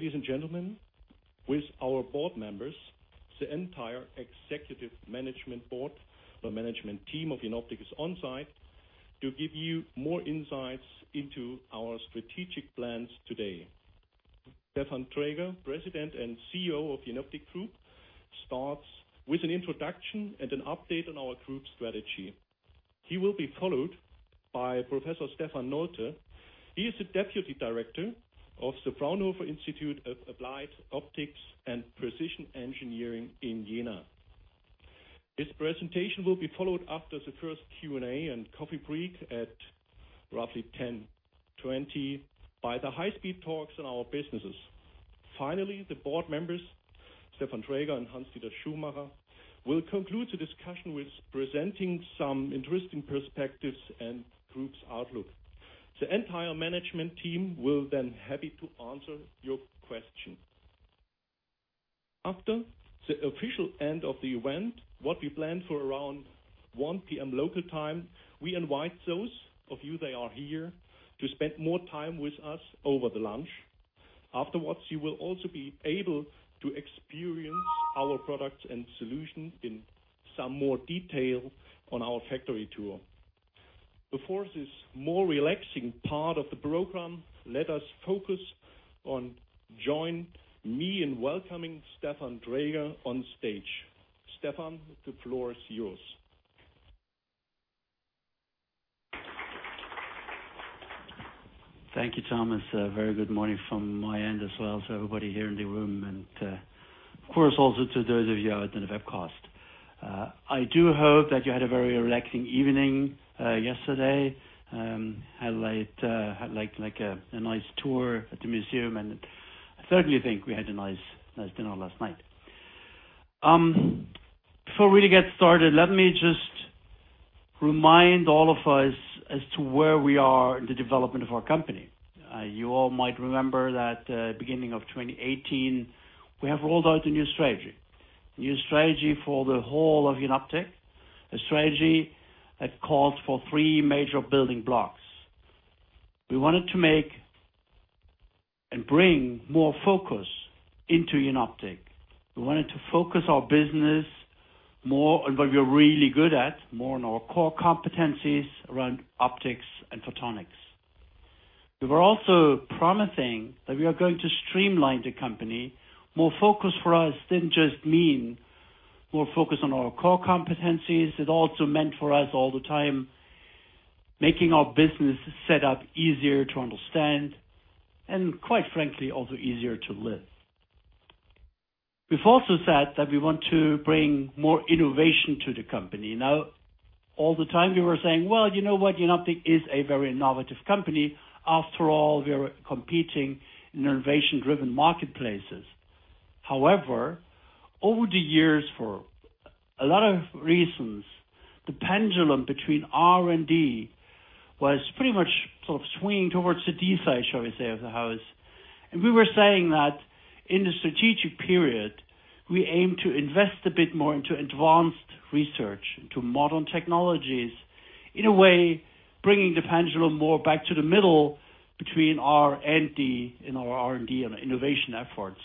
Ladies and gentlemen, with our board members, the entire executive management board, the management team of Jenoptik is on-site to give you more insights into our strategic plans today. Stefan Traeger, President and CEO of Jenoptik Group, starts with an introduction and an update on our group strategy. He will be followed by Professor Stefan Nolte. He is the deputy director of the Fraunhofer Institute for Applied Optics and Precision Engineering in Jena. His presentation will be followed after the first Q&A and coffee break at roughly 10:20 A.M. by the high-speed talks on our businesses. The board members, Stefan Traeger and Hans-Dieter Schumacher, will conclude the discussion with presenting some interesting perspectives and group's outlook. The entire management team will then happy to answer your question. After the official end of the event, what we plan for around 1:00 P.M. local time, we invite those of you that are here to spend more time with us over the lunch. Afterwards, you will also be able to experience our products and solutions in some more detail on our factory tour. Before this more relaxing part of the program, let us focus on join me in welcoming Stefan Traeger on stage. Stefan, the floor is yours. Thank you, Thomas. A very good morning from my end as well to everybody here in the room, and, of course, also to those of you out in the webcast. I do hope that you had a very relaxing evening yesterday. Highlight like a nice tour at the museum, and I certainly think we had a nice dinner last night. Before we get started, let me just remind all of us as to where we are in the development of our company. You all might remember that beginning of 2018, we have rolled out a new strategy. A new strategy for the whole of Jenoptik, a strategy that calls for three major building blocks. We wanted to make and bring more focus into Jenoptik. We wanted to focus our business more on what we are really good at, more on our core competencies around optics and photonics. We were also promising that we are going to streamline the company. More focus for us didn't just mean more focus on our core competencies. It also meant for us all the time making our business set up easier to understand and quite frankly, also easier to live. We've also said that we want to bring more innovation to the company. All the time we were saying, well, you know what? Jenoptik is a very innovative company. After all, we are competing in innovation-driven marketplaces. Over the years, for a lot of reasons, the pendulum between R&D was pretty much sort of swinging towards the D side, shall we say, of the house. We were saying that in the strategic period, we aim to invest a bit more into advanced research, into modern technologies, in a way bringing the pendulum more back to the middle between R and D in our R&D and innovation efforts.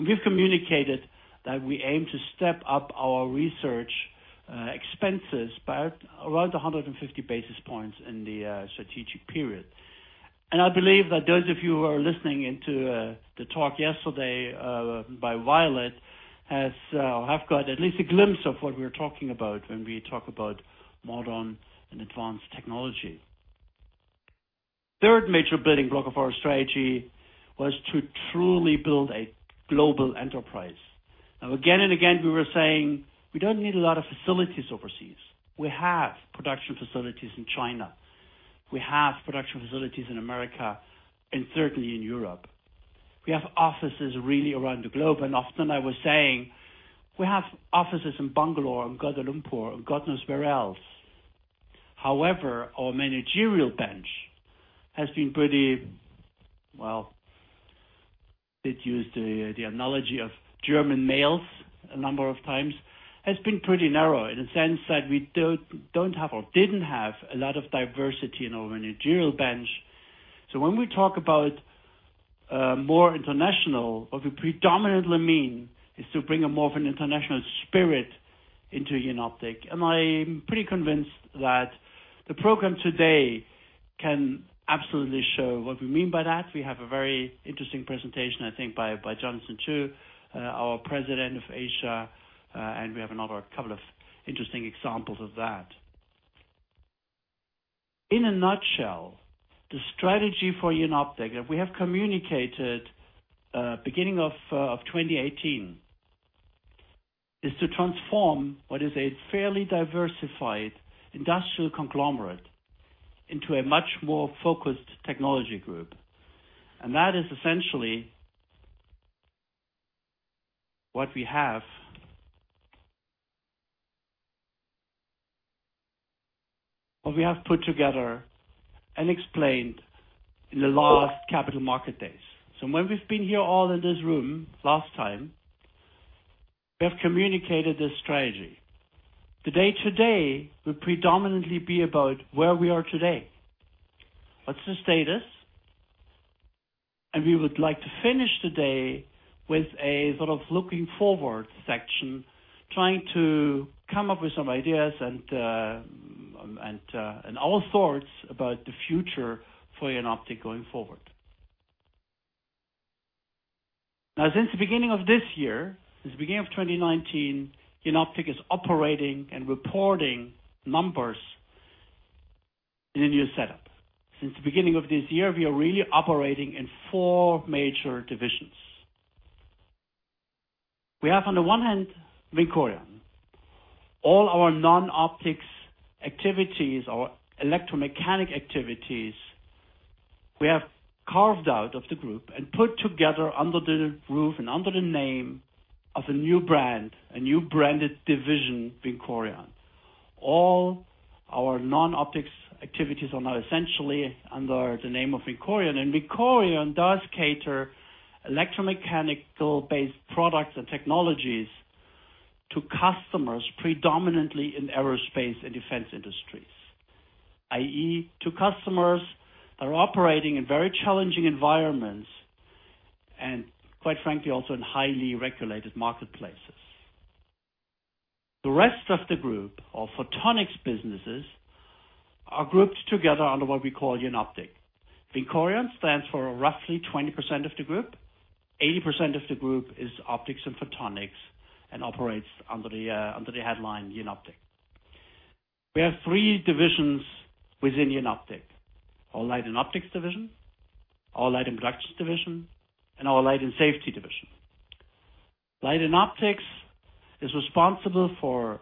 We've communicated that we aim to step up our research expenses by around 150 basis points in the strategic period. I believe that those of you who are listening into the talk yesterday by Violette has got at least a glimpse of what we're talking about when we talk about modern and advanced technology. Third major building block of our strategy was to truly build a global enterprise. Again and again, we were saying we don't need a lot of facilities overseas. We have production facilities in China. We have production facilities in America and certainly in Europe. We have offices really around the globe. Often I was saying we have offices in Bangalore and Kuala Lumpur, and God knows where else. However, our managerial bench has been pretty, did use the analogy of German males a number of times, has been pretty narrow in the sense that we don't have or didn't have a lot of diversity in our managerial bench. When we talk about more international, what we predominantly mean is to bring a more of an international spirit into Jenoptik. I'm pretty convinced that the program today can absolutely show what we mean by that. We have a very interesting presentation, I think by Jonathan Qu, our president of Asia. We have another couple of interesting examples of that. In a nutshell, the strategy for Jenoptik that we have communicated beginning of 2018 is to transform what is a fairly diversified industrial conglomerate into a much more focused technology group. That is essentially what we have put together and explained in the last capital market days. When we've been here all in this room last time. We have communicated this strategy. The day today will predominantly be about where we are today. What's the status? We would like to finish today with a sort of looking forward section, trying to come up with some ideas and our thoughts about the future for Jenoptik going forward. Since the beginning of this year, since the beginning of 2019, Jenoptik is operating and reporting numbers in a new setup. Since the beginning of this year, we are really operating in four major divisions. We have, on the one hand, VINCORION. All our non-optics activities, our electromechanical activities, we have carved out of the group and put together under the roof and under the name of a new brand, a new branded division, VINCORION. All our non-optics activities are now essentially under the name of VINCORION. VINCORION does cater electromechanical based products and technologies to customers predominantly in aerospace and defense industries, i.e., to customers that are operating in very challenging environments, and quite frankly, also in highly regulated marketplaces. The rest of the group, our photonics businesses, are grouped together under what we call Jenoptik. VINCORION stands for roughly 20% of the group. 80% of the group is optics and photonics and operates under the headline Jenoptik. We have three divisions within Jenoptik, our Light & Optics division, our Light & Production division, and our Light & Safety division. Light & Optics is responsible for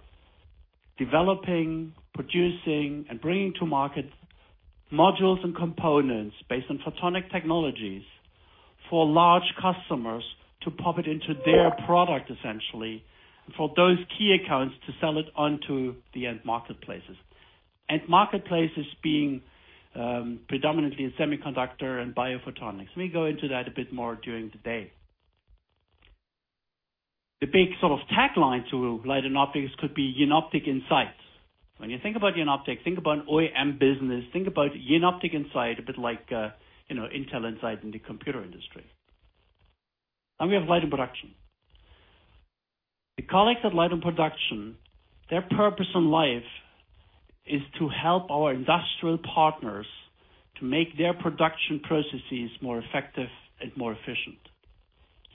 developing, producing, and bringing to market modules and components based on photonic technologies for large customers to pop it into their product, essentially, for those key accounts to sell it onto the end marketplaces. End marketplaces being predominantly in semiconductor and biophotonics. We go into that a bit more during the day. The big sort of tagline to Light & Optics could be Jenoptik Inside. When you think about Jenoptik, think about an OEM business. Think about Jenoptik Inside a bit like Intel Inside in the computer industry. We have Light & Production. The colleagues at Light & Production, their purpose in life is to help our industrial partners to make their production processes more effective and more efficient.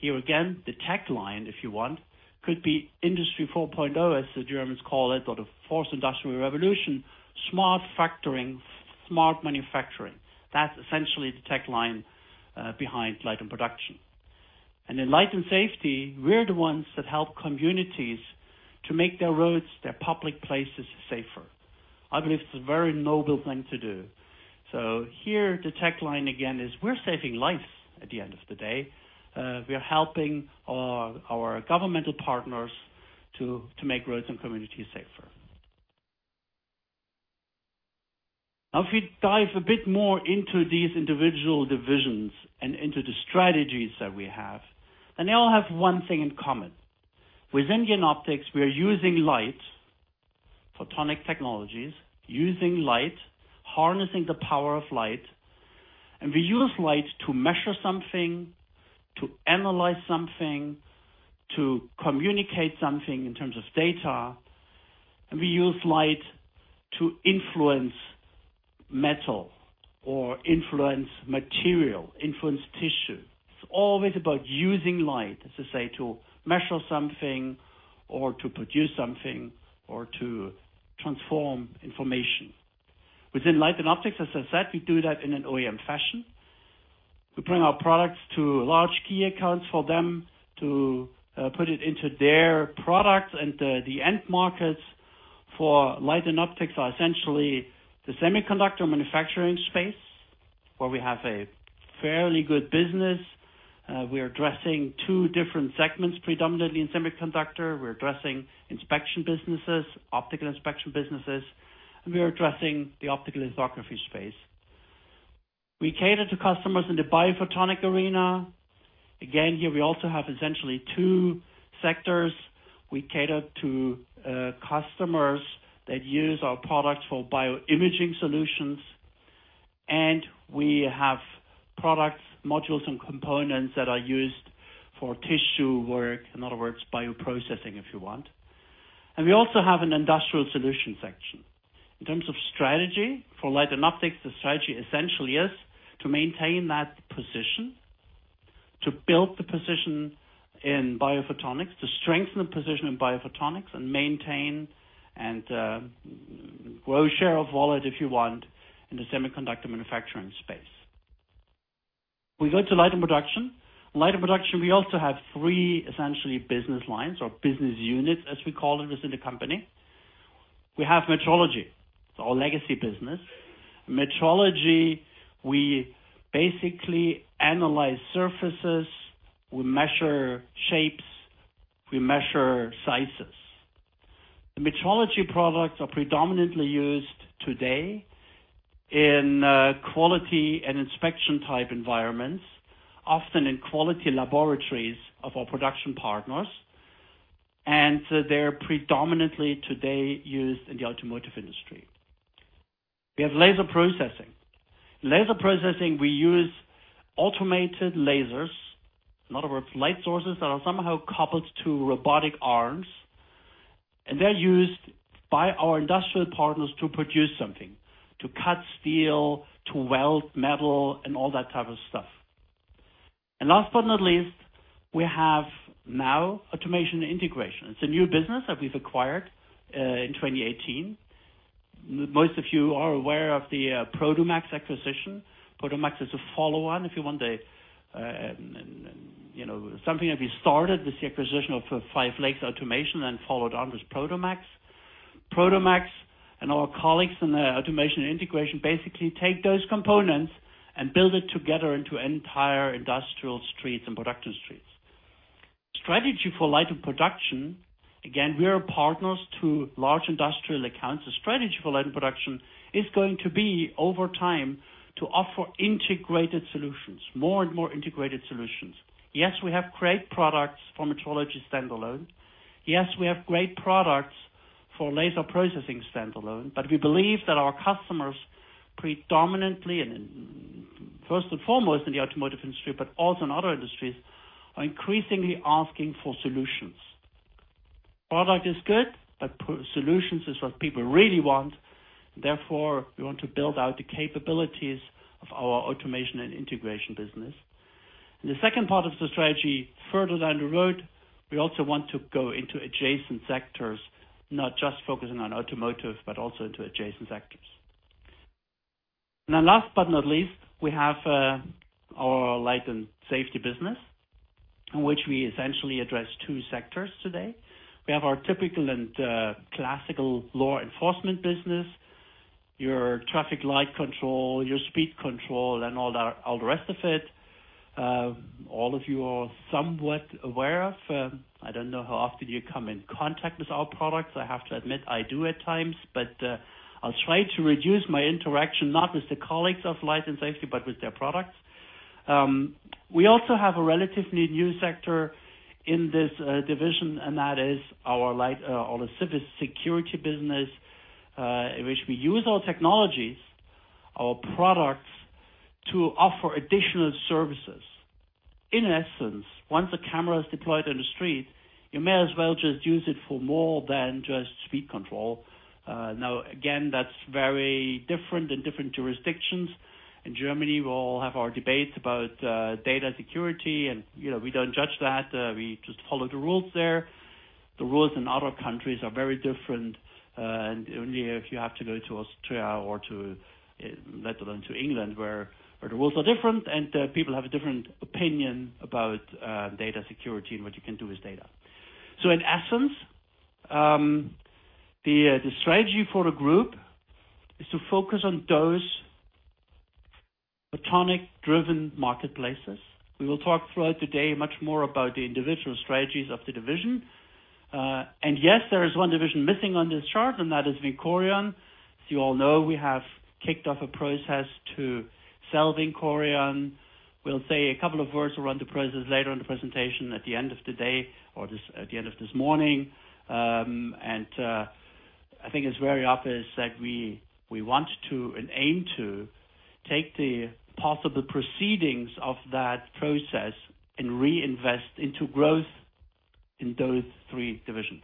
Here again, the tagline, if you want, could be Industry 4.0, as the Germans call it, or the Fourth Industrial Revolution, smart factory, smart manufacturing. That's essentially the tagline behind Light & Production. In Light & Safety, we're the ones that help communities to make their roads, their public places safer. I believe it's a very noble thing to do. Here the tagline again is, we're saving lives at the end of the day. We are helping our governmental partners to make roads and communities safer. If we dive a bit more into these individual divisions and into the strategies that we have, they all have one thing in common. Within Jenoptik, we are using light, photonic technologies. Using light, harnessing the power of light, we use light to measure something, to analyze something, to communicate something in terms of data. We use light to influence metal or influence material, influence tissue. It is always about using light, as I say, to measure something or to produce something or to transform information. Within Light & Optics, as I said, we do that in an OEM fashion. We bring our products to large key accounts for them to put it into their products. The end markets for Light & Optics are essentially the semiconductor manufacturing space, where we have a fairly good business. We are addressing two different segments predominantly in semiconductor. We are addressing inspection businesses, optical inspection businesses, and we are addressing the optical lithography space. We cater to customers in the biophotonic arena. Again, here we also have essentially two sectors. We cater to customers that use our products for bioimaging solutions. We have products, modules, and components that are used for tissue work. In other words, bioprocessing, if you want. We also have an industrial solution section. In terms of strategy for Light & Optics, the strategy essentially is to maintain that position, to build the position in biophotonics, to strengthen the position in biophotonics and maintain and grow share of wallet, if you want, in the semiconductor manufacturing space. We go to Light & Production. Light & Production, we also have three essentially business lines or business units, as we call it within the company. We have metrology. It's our legacy business. Metrology, we basically analyze surfaces, we measure shapes, we measure sizes. The metrology products are predominantly used today in quality and inspection type environments, often in quality laboratories of our production partners. They're predominantly today used in the automotive industry. We have laser processing. In laser processing we use automated lasers, in other words, light sources that are somehow coupled to robotic arms, they're used by our industrial partners to produce something, to cut steel, to weld metal, and all that type of stuff. Last but not least, we have now automation integration. It's a new business that we've acquired, in 2018. Most of you are aware of the Prodomax acquisition. Prodomax is a follow-on, something that we started with the acquisition of Five Lakes Automation, followed on with Prodomax. Prodomax and our colleagues in the automation integration basically take those components and build it together into entire industrial streets and production streets. Strategy for Light & Production, again, we are partners to large industrial accounts. The strategy for Light & Production is going to be, over time, to offer integrated solutions, more and more integrated solutions. Yes, we have great products for metrology standalone. Yes, we have great products for laser processing standalone. We believe that our customers predominantly, and first and foremost in the automotive industry, but also in other industries, are increasingly asking for solutions. Product is good, but solutions is what people really want. Therefore, we want to build out the capabilities of our automation and integration business. The second part of the strategy, further down the road, we also want to go into adjacent sectors, not just focusing on automotive, but also into adjacent sectors. Last but not least, we have our Light & Safety business, in which we essentially address two sectors today. We have our typical and classical law enforcement business, your traffic light control, your speed control and all the rest of it. All of you are somewhat aware of, I don't know how often you come in contact with our products. I have to admit, I do at times. I'll try to reduce my interaction, not with the colleagues of Light & Safety, but with their products. We also have a relatively new sector in this division, that is our civil security business, in which we use our technologies, our products, to offer additional services. In essence, once a camera is deployed on the street, you may as well just use it for more than just speed control. Again, that's very different in different jurisdictions. In Germany, we all have our debates about data security, we don't judge that. We just follow the rules there. The rules in other countries are very different. Only if you have to go to Austria or to, let alone, to England, where the rules are different and people have a different opinion about data security and what you can do with data. In essence, the strategy for the group is to focus on those photonic-driven marketplaces. We will talk throughout today much more about the individual strategies of the division. Yes, there is one division missing on this chart, and that is VINCORION. As you all know, we have kicked off a process to sell VINCORION. We'll say a couple of words around the process later in the presentation, at the end of the day or at the end of this morning. I think it's very obvious that we want to, and aim to, take the possible proceedings of that process and reinvest into growth in those three divisions.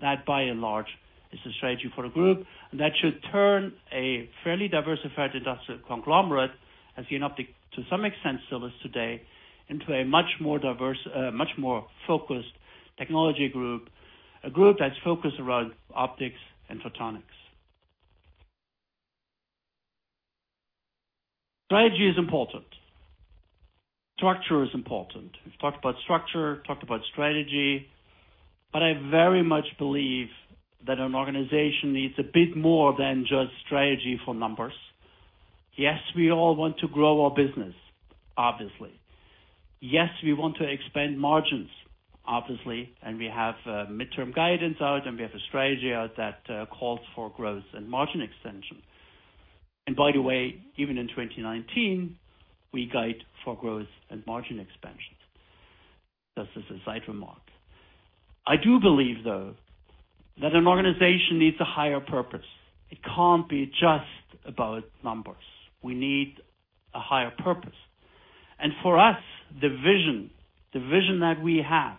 That, by and large, is the strategy for the group, and that should turn a fairly diversified industrial conglomerate as Jenoptik to some extent still is today, into a much more focused technology group, a group that's focused around optics and photonics. Strategy is important. Structure is important. We've talked about structure, talked about strategy. I very much believe that an organization needs a bit more than just strategy for numbers. Yes, we all want to grow our business, obviously. Yes, we want to expand margins, obviously, and we have midterm guidance out, and we have a strategy out that calls for growth and margin expansion. By the way, even in 2019, we guide for growth and margin expansion. That's just a side remark. I do believe, though, that an organization needs a higher purpose. It can't be just about numbers. We need a higher purpose. For us, the vision that we have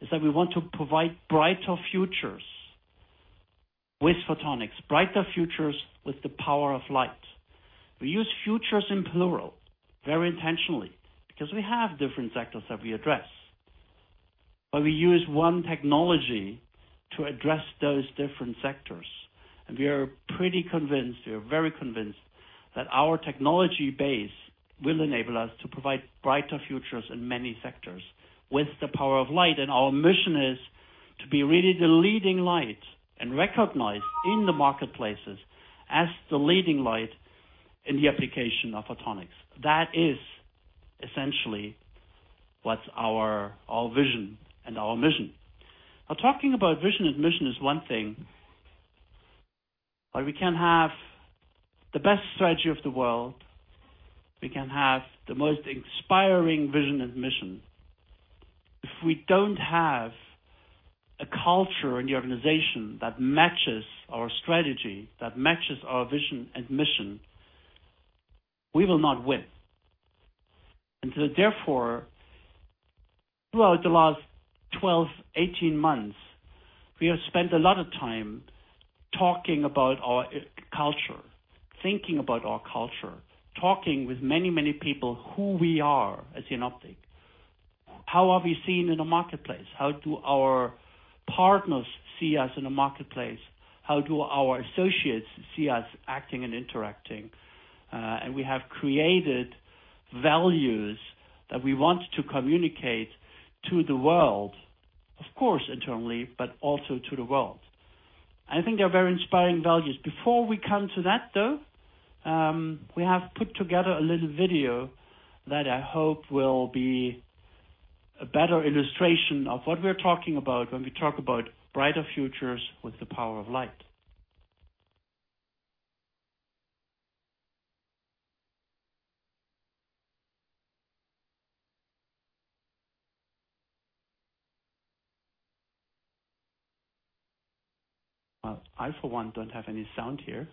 is that we want to provide brighter futures with photonics, brighter futures with the power of light. We use futures in plural very intentionally because we have different sectors that we address. We use one technology to address those different sectors. We are pretty convinced, we are very convinced that our technology base will enable us to provide brighter futures in many sectors with the power of light. Our mission is to be really the leading light and recognized in the marketplaces as the leading light in the application of photonics. That is essentially what's our vision and our mission? Talking about vision and mission is one thing, but we can have the best strategy of the world, we can have the most inspiring vision and mission. If we don't have a culture in the organization that matches our strategy, that matches our vision and mission, we will not win. Therefore, throughout the last 12, 18 months, we have spent a lot of time talking about our culture, thinking about our culture, talking with many people who we are as Jenoptik. How are we seen in the marketplace? How do our partners see us in the marketplace? How do our associates see us acting and interacting? We have created values that we want to communicate to the world, of course, internally, but also to the world. I think they're very inspiring values. Before we come to that, though, we have put together a little video that I hope will be a better illustration of what we're talking about when we talk about brighter futures with the power of light. I, for one, don't have any sound here.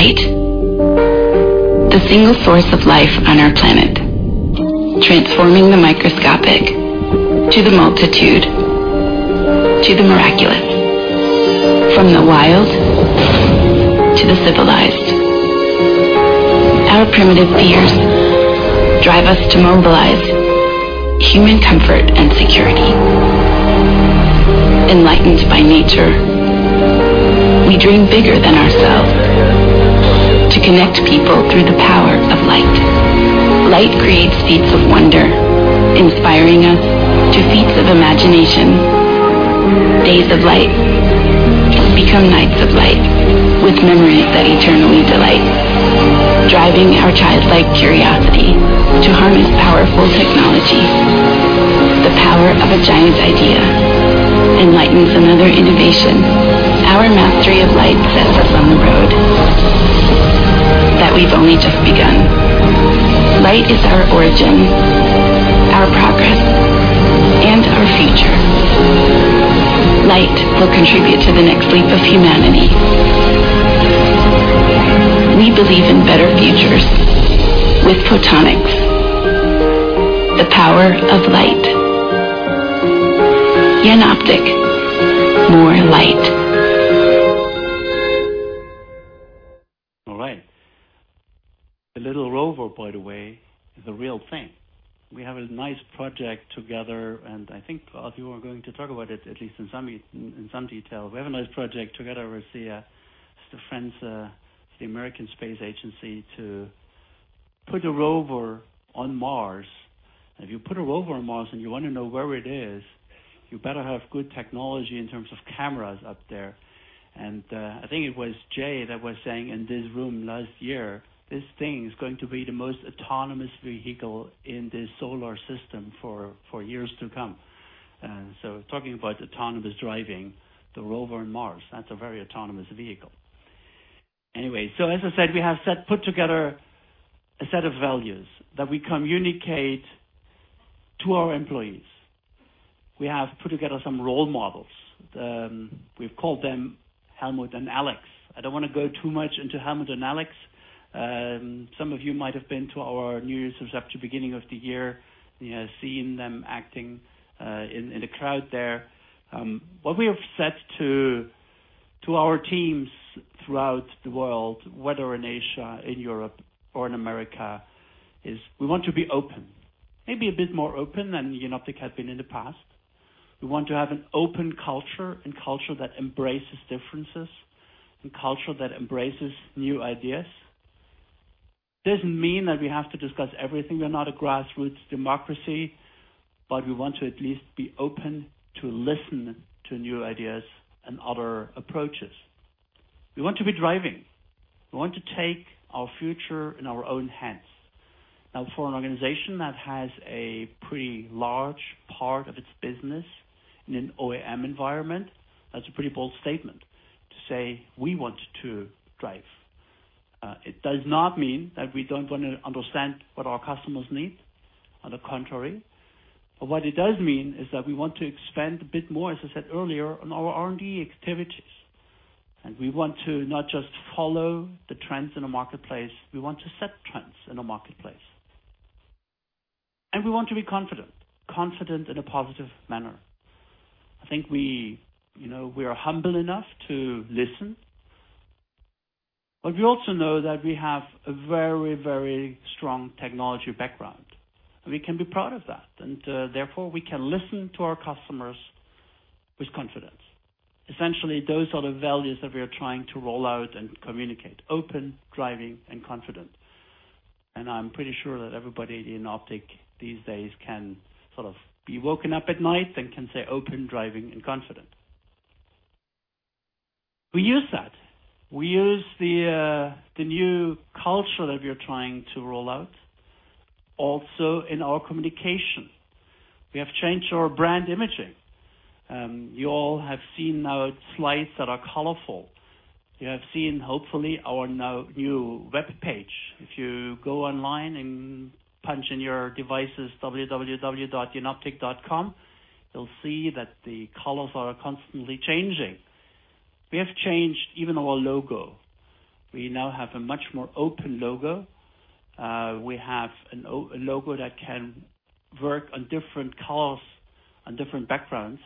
Light, the single source of life on our planet. Transforming the microscopic, to the multitude, to the miraculous. From the wild to the civilized. Our primitive fears drive us to mobilize human comfort and security. Enlightened by nature, we dream bigger than ourselves to connect people through the power of light. Light creates feats of wonder, inspiring us to feats of imagination. Days of light become nights of light, with memories that eternally delight. Driving our childlike curiosity to harness powerful technology. The power of a giant idea enlightens another innovation. Our mastery of light sets us on the road that we've only just begun. Light is our origin, our progress, and our future. Light will contribute to the next leap of humanity. We believe in better futures with photonics. The power of light. Jenoptik. More light. All right. The little rover, by the way, is a real thing. We have a nice project together, and I think a few are going to talk about it, at least in some detail. We have a nice project together with the friends, the American Space Agency, to put a rover on Mars. If you put a rover on Mars and you want to know where it is, you better have good technology in terms of cameras up there. I think it was Jay that was saying in this room last year, this thing is going to be the most autonomous vehicle in the solar system for years to come. Talking about autonomous driving, the rover on Mars, that's a very autonomous vehicle. Anyway, as I said, we have put together a set of values that we communicate to our employees. We have put together some role models. We've called them Helmut and Alex. I don't want to go too much into Helmut and Alex. Some of you might have been to our news since up to beginning of the year, seen them acting in the crowd there. What we have said to our teams throughout the world, whether in Asia, in Europe, or in America, is we want to be open. Maybe a bit more open than Jenoptik had been in the past. We want to have an open culture and culture that embraces differences and culture that embraces new ideas. Doesn't mean that we have to discuss everything. We're not a grassroots democracy, but we want to at least be open to listen to new ideas and other approaches. We want to be driving. We want to take our future in our own hands. For an organization that has a pretty large part of its business in an OEM environment, that's a pretty bold statement to say we want to drive. It does not mean that we don't want to understand what our customers need. On the contrary. What it does mean is that we want to expand a bit more, as I said earlier, on our R&D activities. We want to not just follow the trends in the marketplace, we want to set trends in the marketplace. We want to be confident. Confident in a positive manner. I think we are humble enough to listen, but we also know that we have a very strong technology background, and we can be proud of that. Therefore, we can listen to our customers with confidence. Essentially, those are the values that we are trying to roll out and communicate: open, driving, and confident. I'm pretty sure that everybody in Jenoptik these days can sort of be woken up at night and can say open, driving, and confident. We use that. We use the new culture that we are trying to roll out also in our communication. We have changed our brand imaging. You all have seen now slides that are colorful. You have seen, hopefully, our new webpage. If you go online and punch in your devices www.jenoptik.com, you'll see that the colors are constantly changing. We have changed even our logo. We now have a much more open logo. We have a logo that can work on different colors, on different backgrounds.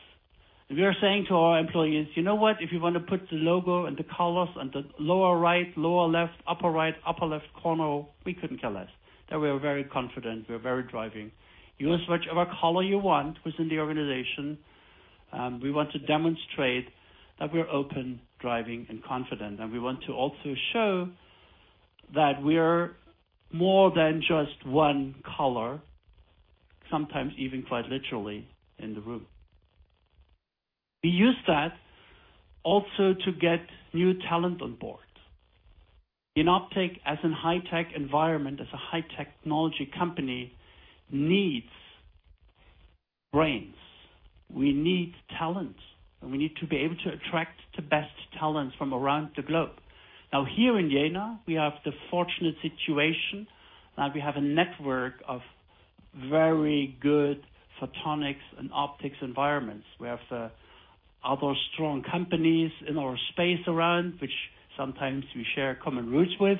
We are saying to our employees, "You know what? If you want to put the logo and the colors on the lower right, lower left, upper right, upper left corner, we couldn't care less. That we are very confident, we are very driving. Use whichever color you want within the organization. We want to demonstrate that we're open, driving, and confident, and we want to also show that we are more than just one color, sometimes even quite literally in the room. We use that also to get new talent on board. Jenoptik, as a high-tech environment, as a high-technology company, needs brains. We need talent, and we need to be able to attract the best talent from around the globe. Now, here in Jena, we have the fortunate situation that we have a network of very good photonics and optics environments. We have other strong companies in our space around, which sometimes we share common roots with.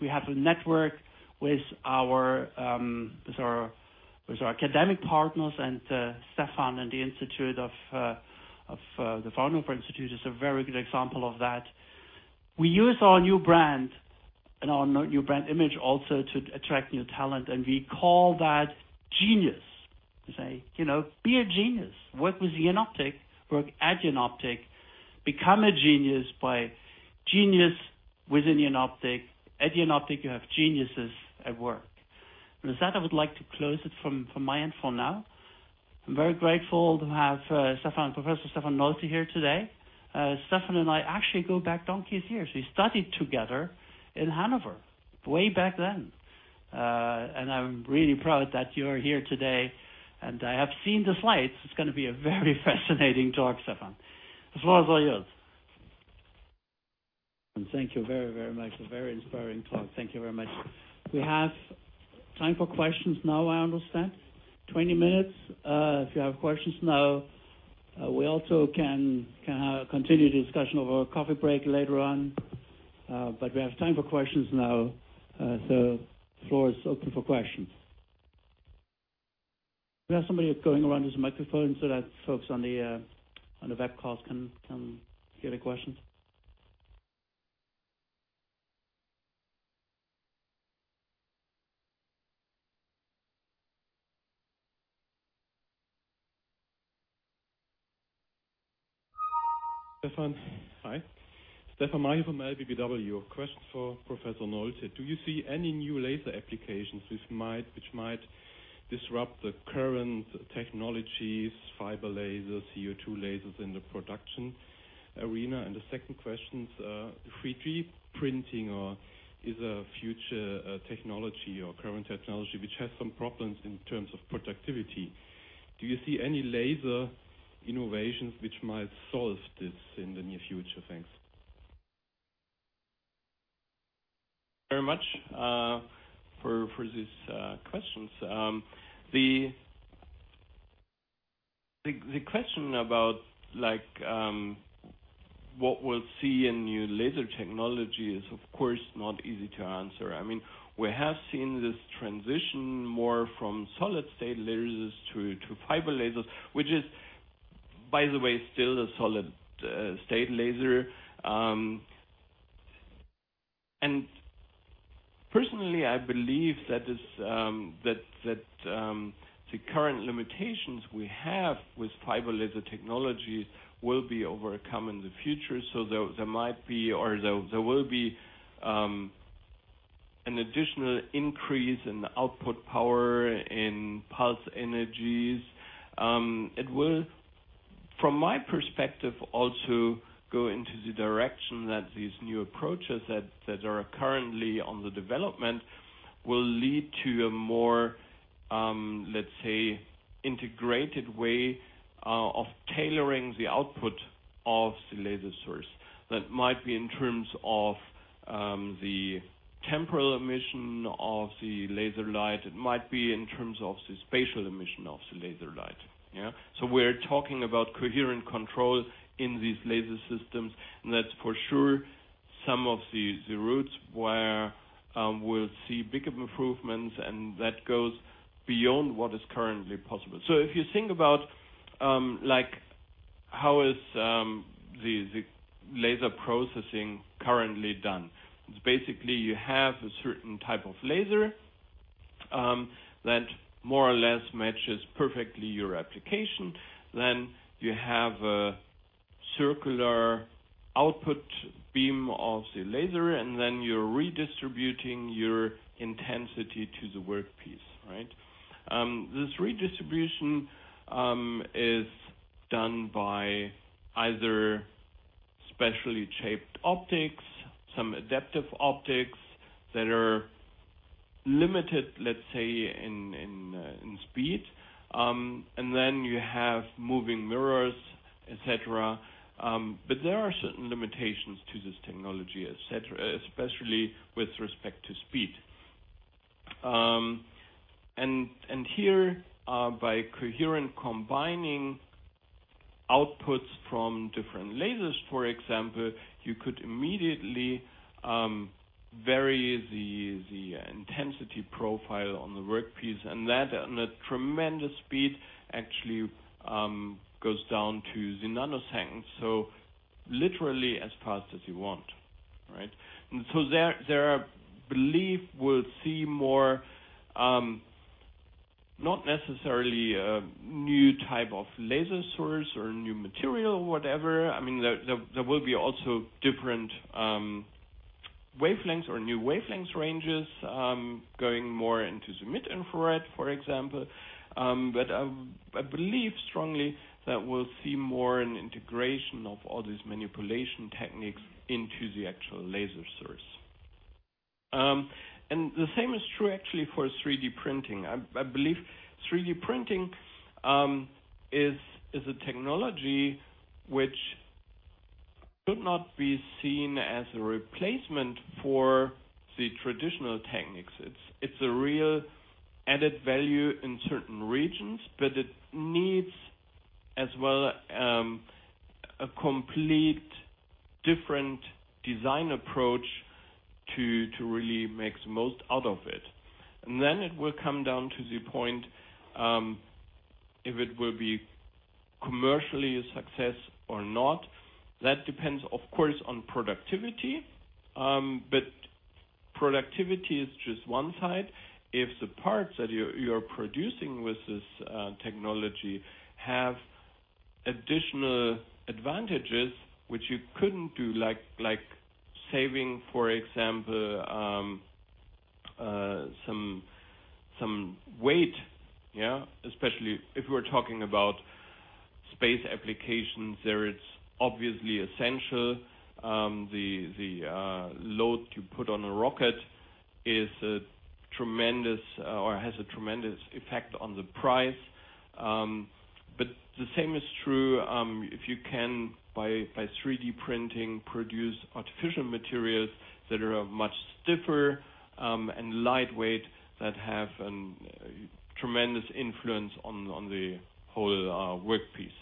We have a network with our academic partners. Stefan and the Fraunhofer Institute is a very good example of that. We use our new brand and our new brand image also to attract new talent. We call that genius. We say, "Be a genius. Work with Jenoptik. Work at Jenoptik. Become a genius by genius with Jenoptik. At Jenoptik, you have geniuses at work." With that, I would like to close it from my end for now. I'm very grateful to have Professor Stefan Nolte here today. Stefan and I actually go back donkey's years. We studied together in Hanover way back then. I'm really proud that you're here today. I have seen the slides. It's going to be a very fascinating talk, Stefan. The floor is all yours. Thank you very much. A very inspiring talk. Thank you very much. We have time for questions now, I understand. 20 minutes, if you have questions now. We also can have a continued discussion over our coffee break later on. We have time for questions now, so floor is open for questions. We have somebody going around with a microphone so that folks on the web calls can give their questions. Stefan. Hi. Stefan Meyer from LBBW. A question for Professor Nolte. Do you see any new laser applications which might disrupt the current technologies, fiber lasers, CO2 lasers in the production arena? The second question, 3D printing is a future technology or current technology which has some problems in terms of productivity. Do you see any laser innovations which might solve this in the near future? Thanks. Very much, for these questions. The question about what we'll see in new laser technology is, of course, not easy to answer. We have seen this transition more from solid state lasers to fiber lasers, which is, by the way, still a solid state laser. Personally, I believe that the current limitations we have with fiber laser technology will be overcome in the future, so there will be an additional increase in output power, in pulse energies. It will, from my perspective, also go into the direction that these new approaches that are currently under development will lead to a more, let's say, integrated way of tailoring the output of the laser source. That might be in terms of the temporal emission of the laser light. It might be in terms of the spatial emission of the laser light. Yeah? We're talking about coherent control in these laser systems. That's for sure some of the routes where we'll see bigger improvements. That goes beyond what is currently possible. If you think about how is the laser processing currently done, it's basically you have a certain type of laser that more or less matches perfectly your application. You have a circular output beam of the laser, and then you're redistributing your intensity to the workpiece. This redistribution is done by either specially shaped optics, some adaptive optics that are limited, let's say, in speed. You have moving mirrors, et cetera. There are certain limitations to this technology, et cetera, especially with respect to speed. Here, by coherent combining outputs from different lasers, for example, you could immediately vary the intensity profile on the workpiece, and that, at a tremendous speed, actually goes down to the nanosecond, so literally as fast as you want. There I believe we'll see more, not necessarily a new type of laser source or new material, whatever. There will be also different wavelengths or new wavelengths ranges, going more into the mid-infrared, for example. I believe strongly that we'll see more an integration of all these manipulation techniques into the actual laser source. The same is true actually for 3D printing. I believe 3D printing is a technology which should not be seen as a replacement for the traditional techniques. It's a real added value in certain regions, but it needs, as well, a complete different design approach to really make the most out of it. It will come down to the point, if it will be commercially a success or not. That depends, of course, on productivity. Productivity is just one side. If the parts that you're producing with this technology have additional advantages which you couldn't do, like saving, for example, some weight. Especially if we're talking about space applications, there it's obviously essential. The load you put on a rocket has a tremendous effect on the price. The same is true if you can, by 3D printing, produce artificial materials that are much stiffer and lightweight that have a tremendous influence on the whole workpiece.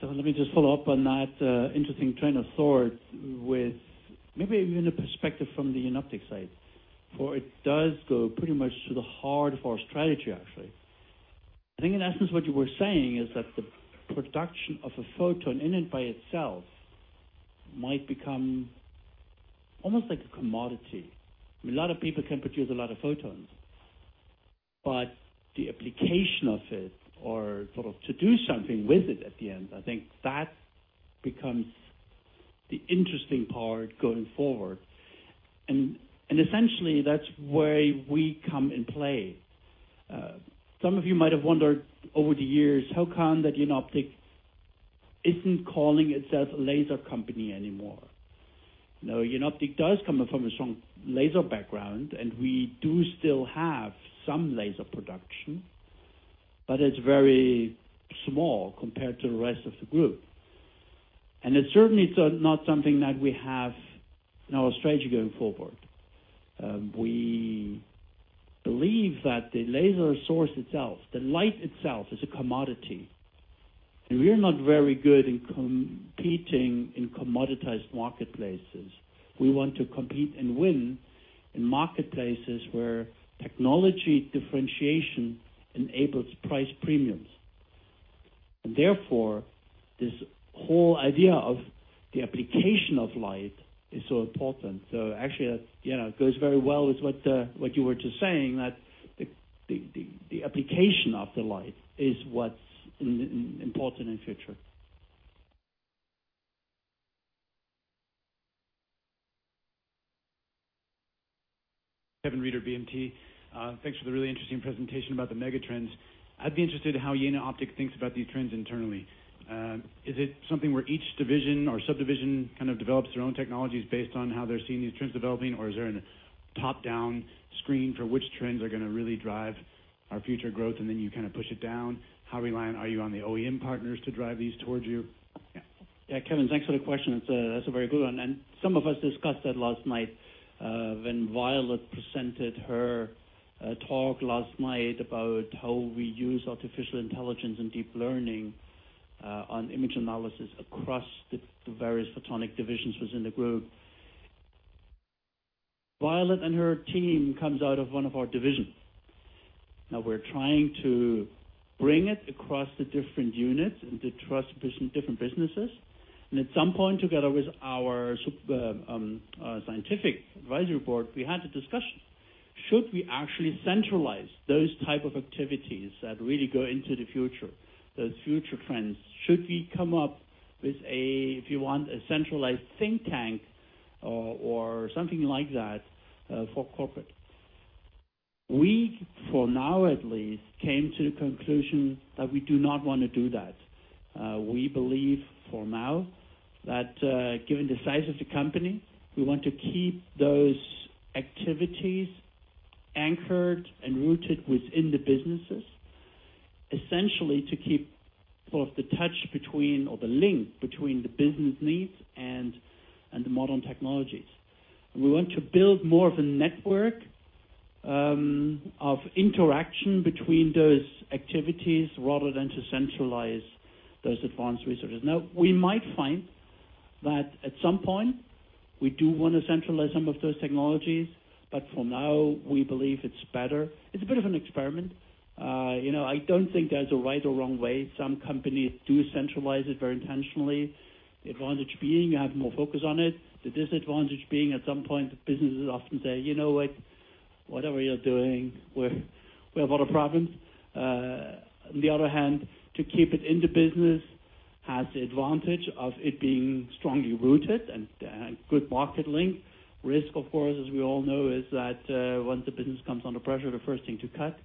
Let me just follow up on that interesting train of thought with maybe even a perspective from the Jenoptik side, for it does go pretty much to the heart of our strategy, actually. I think in essence, what you were saying is that the production of a photon in and by itself might become almost like a commodity. A lot of people can produce a lot of photons. The application of it or sort of to do something with it at the end, I think that becomes the interesting part going forward. Essentially, that's where we come in play. Some of you might have wondered over the years, how come that Jenoptik isn't calling itself a laser company anymore? Jenoptik does come from a strong laser background, and we do still have some laser production, but it's very small compared to the rest of the group. It's certainly not something that we have in our strategy going forward. We believe that the laser source itself, the light itself, is a commodity. We're not very good in competing in commoditized marketplaces. We want to compete and win in marketplaces where technology differentiation enables price premiums. Therefore, this whole idea of the application of light is so important. Actually that goes very well with what you were just saying, that the application of the light is what's important in future. Kevin Reeder, BMT. Thanks for the really interesting presentation about the mega trends. I'd be interested how Jenoptik thinks about these trends internally. Is it something where each division or subdivision kind of develops their own technologies based on how they're seeing these trends developing? Or is there a top-down screen for which trends are going to really drive our future growth, and then you kind of push it down? How reliant are you on the OEM partners to drive these towards you? Yeah. Yeah, Kevin, thanks for the question. That's a very good one. Some of us discussed that last night, when Violette presented her talk last night about how we use artificial intelligence and deep learning on image analysis across the various photonic divisions within the group. Violet and her team comes out of one of our divisions. Now we're trying to bring it across the different units and the different businesses. At some point, together with our scientific advisory board, we had a discussion. Should we actually centralize those type of activities that really go into the future, those future trends? Should we come up with a, if you want, a centralized think tank or something like that, for corporate? We, for now at least, came to the conclusion that we do not want to do that. We believe for now that, given the size of the company, we want to keep those activities anchored and rooted within the businesses. Essentially to keep sort of the touch between, or the link between the business needs and the modern technologies. We want to build more of a network of interaction between those activities rather than to centralize those advanced resources. We might find that at some point we do want to centralize some of those technologies, but for now, we believe it's better. It's a bit of an experiment. I don't think there's a right or wrong way. Some companies do centralize it very intentionally. The advantage being you have more focus on it. The disadvantage being at some point, the businesses often say, "You know what? Whatever you're doing, we have a lot of problems. To keep it in the business has the advantage of it being strongly rooted and good market link. Risk, of course, as we all know, is that, once the business comes under pressure, the first thing to cut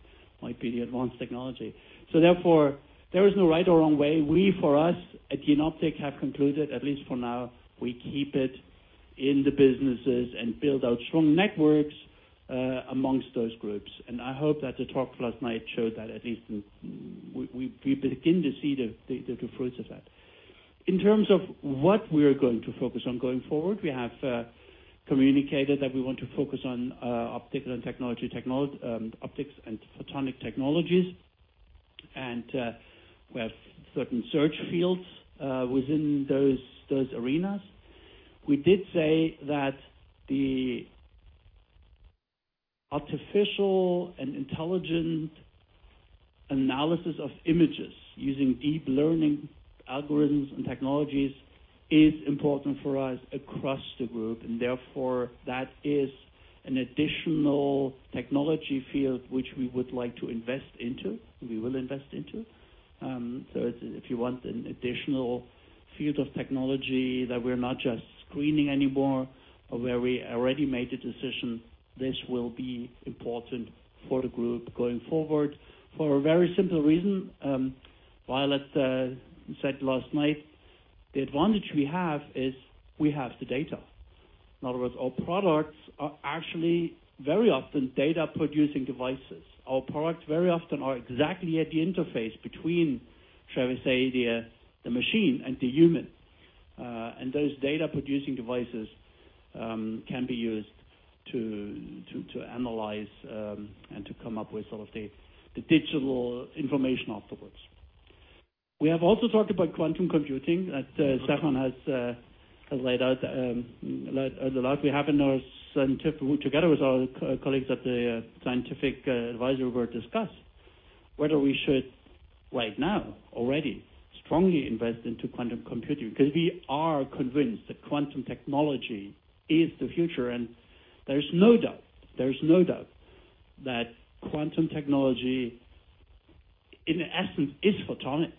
might be the advanced technology. There is no right or wrong way. We, for us, at Jenoptik have concluded, at least for now, we keep it in the businesses and build out strong networks amongst those groups. I hope that the talk last night showed that at least we begin to see the fruits of that. In terms of what we are going to focus on going forward, we have communicated that we want to focus on optics and photonic technologies, and we have certain search fields within those arenas. We did say that the artificial and intelligent analysis of images using deep learning algorithms and technologies is important for us across the group, therefore, that is an additional technology field which we would like to invest into, and we will invest into. If you want an additional field of technology that we're not just screening anymore, or where we already made a decision, this will be important for the group going forward. For a very simple reason, Violet said last night, the advantage we have is we have the data. In other words, our products are actually very often data-producing devices. Our products very often are exactly at the interface between, shall we say, the machine and the human. Those data-producing devices can be used to analyze, and to come up with some of the digital information afterwards. We have also talked about quantum computing that Stefan has laid out a lot. We have together with our colleagues at the scientific advisory board, discussed whether we should right now already strongly invest into quantum computing. We are convinced that quantum technology is the future. There's no doubt that quantum technology in essence is photonics,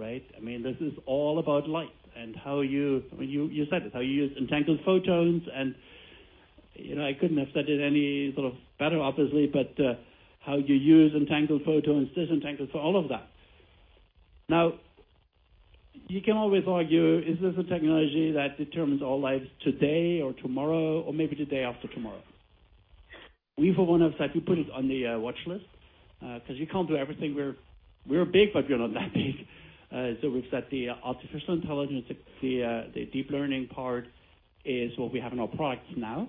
right? This is all about light and how you said this, how you use entangled photons and I couldn't have said it any sort of better, obviously, but how you use entangled photons, disentangled, for all of that. You can always argue, is this a technology that determines our lives today or tomorrow or maybe the day after tomorrow? We for one have said we put it on the watchlist, because you can't do everything. We're big, but we're not that big. We've said the artificial intelligence, the deep learning part is what we have in our products now.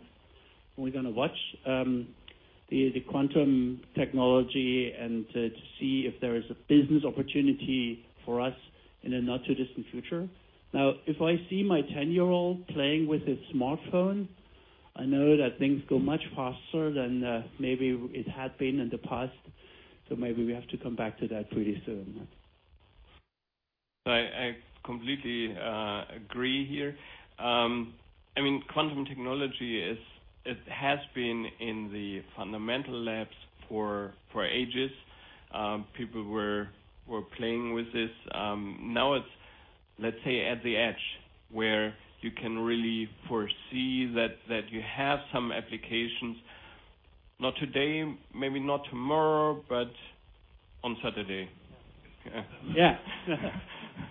We're going to watch the quantum technology and to see if there is a business opportunity for us in a not too distant future. Now, if I see my 10-year-old playing with his smartphone, I know that things go much faster than maybe it had been in the past. Maybe we have to come back to that pretty soon. I completely agree here. Quantum technology, it has been in the fundamental labs for ages. People were playing with this. Now it's, let's say at the edge where you can really foresee that you have some applications, not today, maybe not tomorrow, but on Saturday.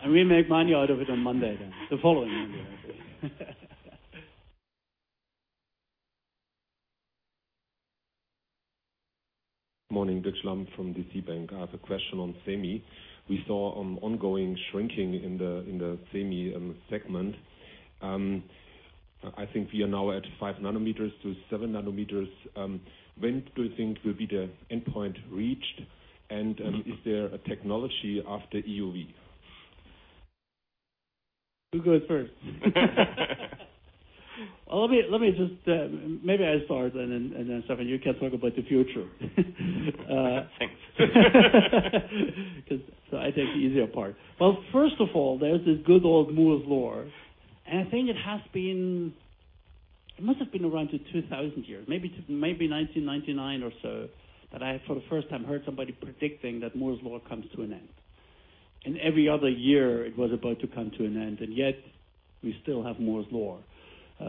Yeah. We make money out of it on Monday then. The following Monday, I believe. Morning, Dirk Schlamp from DZ Bank. I have a question on semi. We saw ongoing shrinking in the semi segment. I think we are now at five nanometers to seven nanometers. When do you think will be the endpoint reached? Is there a technology after EUV? Who goes first? Let me just, maybe I start and then Stefan, you can talk about the future. Thanks. I take the easier part. Well, first of all, there's this good old Moore's law, I think it must've been around the 2000 year, maybe 1999 or so, that I, for the first time, heard somebody predicting that Moore's law comes to an end. Every other year it was about to come to an end, yet we still have Moore's law.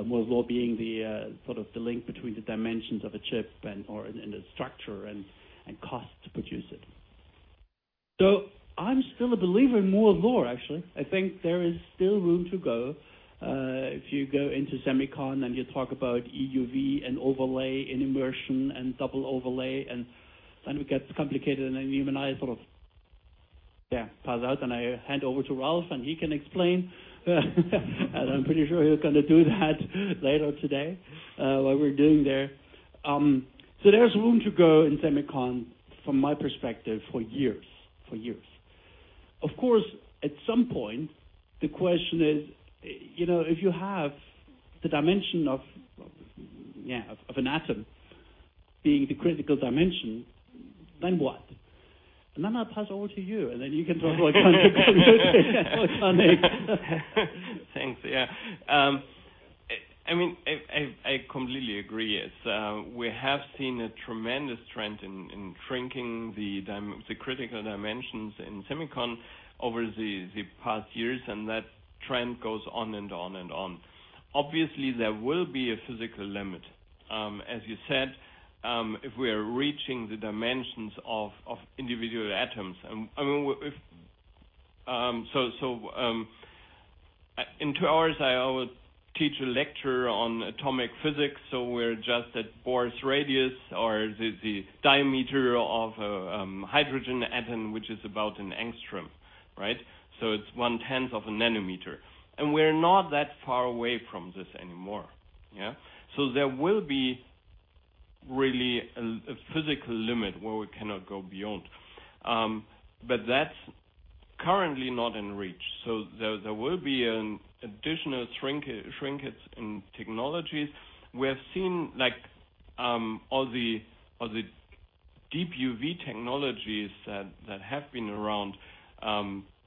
Moore's law being the link between the dimensions of a chip and/or in the structure and cost to produce it. I'm still a believer in Moore's law, actually. I think there is still room to go. If you go into SEMICON and you talk about EUV and overlay and immersion and double overlay and then it gets complicated, and then even I sort of pass out and I hand over to Ralf and he can explain. I'm pretty sure he'll kind of do that later today, what we're doing there. There's room to go in SEMICON from my perspective for years. Of course, at some point, the question is, if you have the dimension of an atom being the critical dimension, then what? I pass over to you, and then you can talk about quantum computers. Thanks. Yeah. I completely agree. We have seen a tremendous trend in shrinking the critical dimensions in SEMICON over the past years. That trend goes on and on. Obviously, there will be a physical limit. As you said, if we are reaching the dimensions of individual atoms. In two hours, I will teach a lecture on atomic physics. We're just at Bohr radius or the diameter of a hydrogen atom, which is about an angstrom. It's one tenth of a nanometer. We're not that far away from this anymore. There will be really a physical limit where we cannot go beyond. That's currently not in reach. There will be an additional shrinkage in technologies. We have seen all the deep UV technologies that have been around.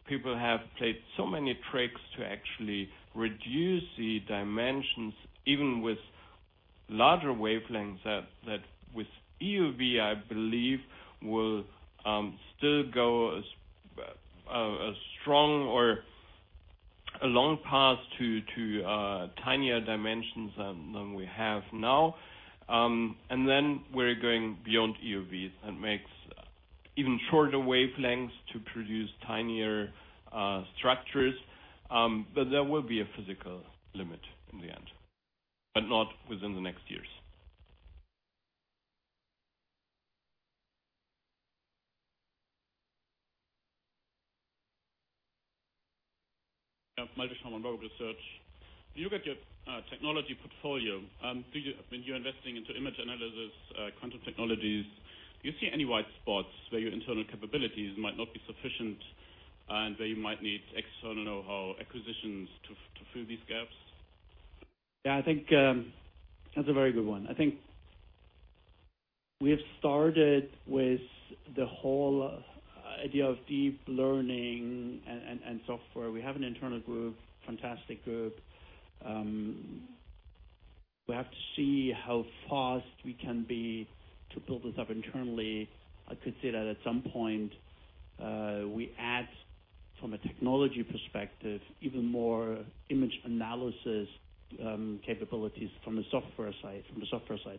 People have played so many tricks to actually reduce the dimensions, even with larger wavelengths that with EUV, I believe, will still go a strong or a long path to tinier dimensions than we have now. We're going beyond EUVs. That makes even shorter wavelengths to produce tinier structures. There will be a physical limit in the end, but not within the next years. Malte Schmidt from Robert Bosch Research. When you look at your technology portfolio, when you are investing into image analysis, quantum technologies, do you see any white spots where your internal capabilities might not be sufficient and where you might need external know-how acquisitions to fill these gaps? Yeah, I think that's a very good one. I think we have started with the whole idea of deep learning and software. We have an internal group, fantastic group. We have to see how fast we can be to build this up internally. I could see that at some point, we add from a technology perspective, even more image analysis capabilities from the software side.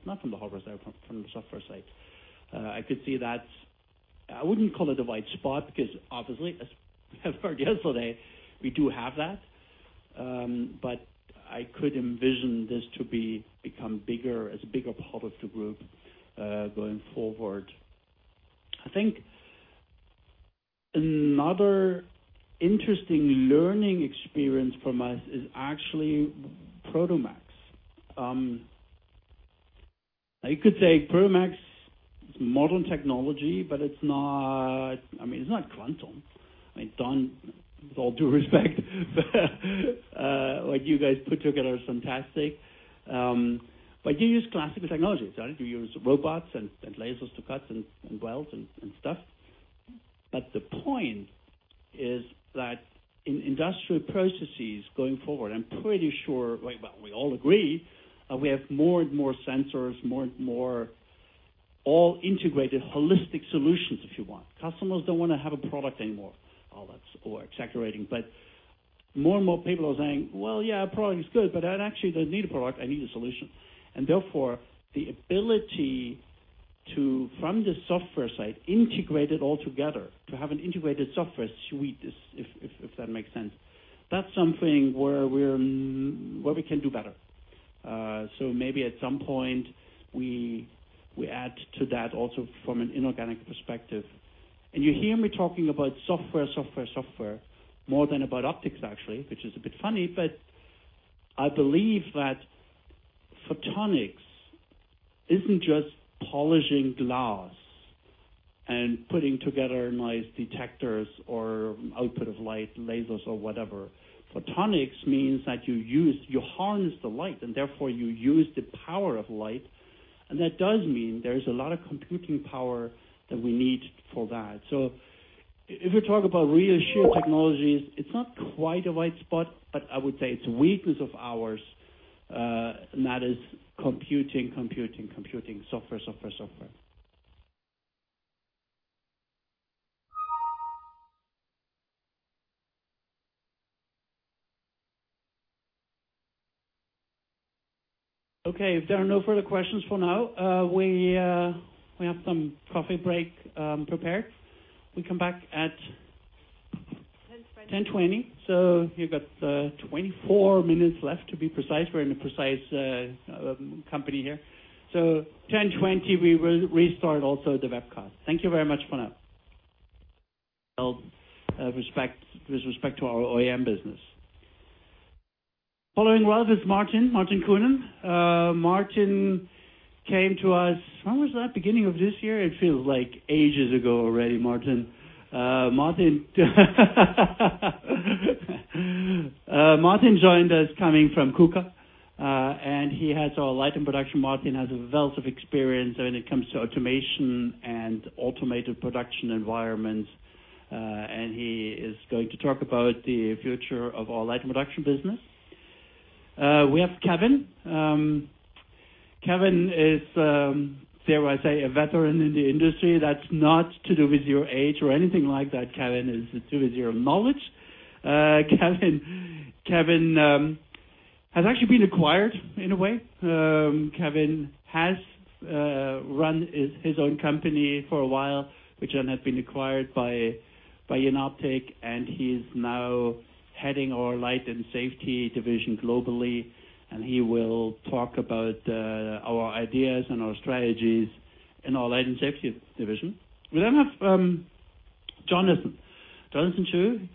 Not from the hardware side, from the software side. I wouldn't call it a white spot because obviously, as per yesterday, we do have that. I could envision this to become bigger, as a bigger part of the group, going forward. I think another interesting learning experience from us is actually Prodomax. You could say Prodomax is modern technology, but it's not quantum. With all due respect. What you guys put together is fantastic. You use classical technologies. You use robots and lasers to cut and weld and stuff. The point is that in industrial processes going forward, I'm pretty sure, well, we all agree, we have more and more sensors, more and more all integrated holistic solutions if you want. Customers don't want to have a product anymore. All that's over-exaggerating, but more and more people are saying, "Well, yeah, a product is good, but I actually don't need a product, I need a solution." Therefore, the ability to, from the software side, integrate it all together, to have an integrated software suite, if that makes sense. That's something where we can do better. Maybe at some point we add to that also from an inorganic perspective. You hear me talking about software more than about optics, actually, which is a bit funny, but I believe that photonics isn't just polishing glass and putting together nice detectors or output of light, lasers or whatever. Photonics means that you harness the light, and therefore you use the power of light, and that does mean there's a lot of computing power that we need for that. If you talk about real sheer technologies, it's not quite a white spot, but I would say it's a weakness of ours, and that is computing, computing, software, software. If there are no further questions for now, we have some coffee break prepared. 10:20 A.M. You've got 24 minutes left to be precise. We're in a precise company here. At 10:20 A.M., we will restart also the webcast. Thank you very much for now. With respect to our OEM business. Following Ralf is Martin Kuhnen. Martin came to us, when was that? Beginning of this year? It feels like ages ago already, Martin. Martin joined us coming from KUKA, and he has our Light & Production. Martin has a wealth of experience when it comes to automation and automated production environments. He is going to talk about the future of our Light & Production business. We have Kevin. Kevin is, dare I say, a veteran in the industry. That's not to do with your age or anything like that, Kevin, it's to do with your knowledge. Kevin has actually been acquired in a way. Kevin has run his own company for a while, which then has been acquired by Jenoptik, he's now heading our Light & Safety division globally, he will talk about our ideas and our strategies in our Light & Safety division. We have Jonathan. Jonathan Qu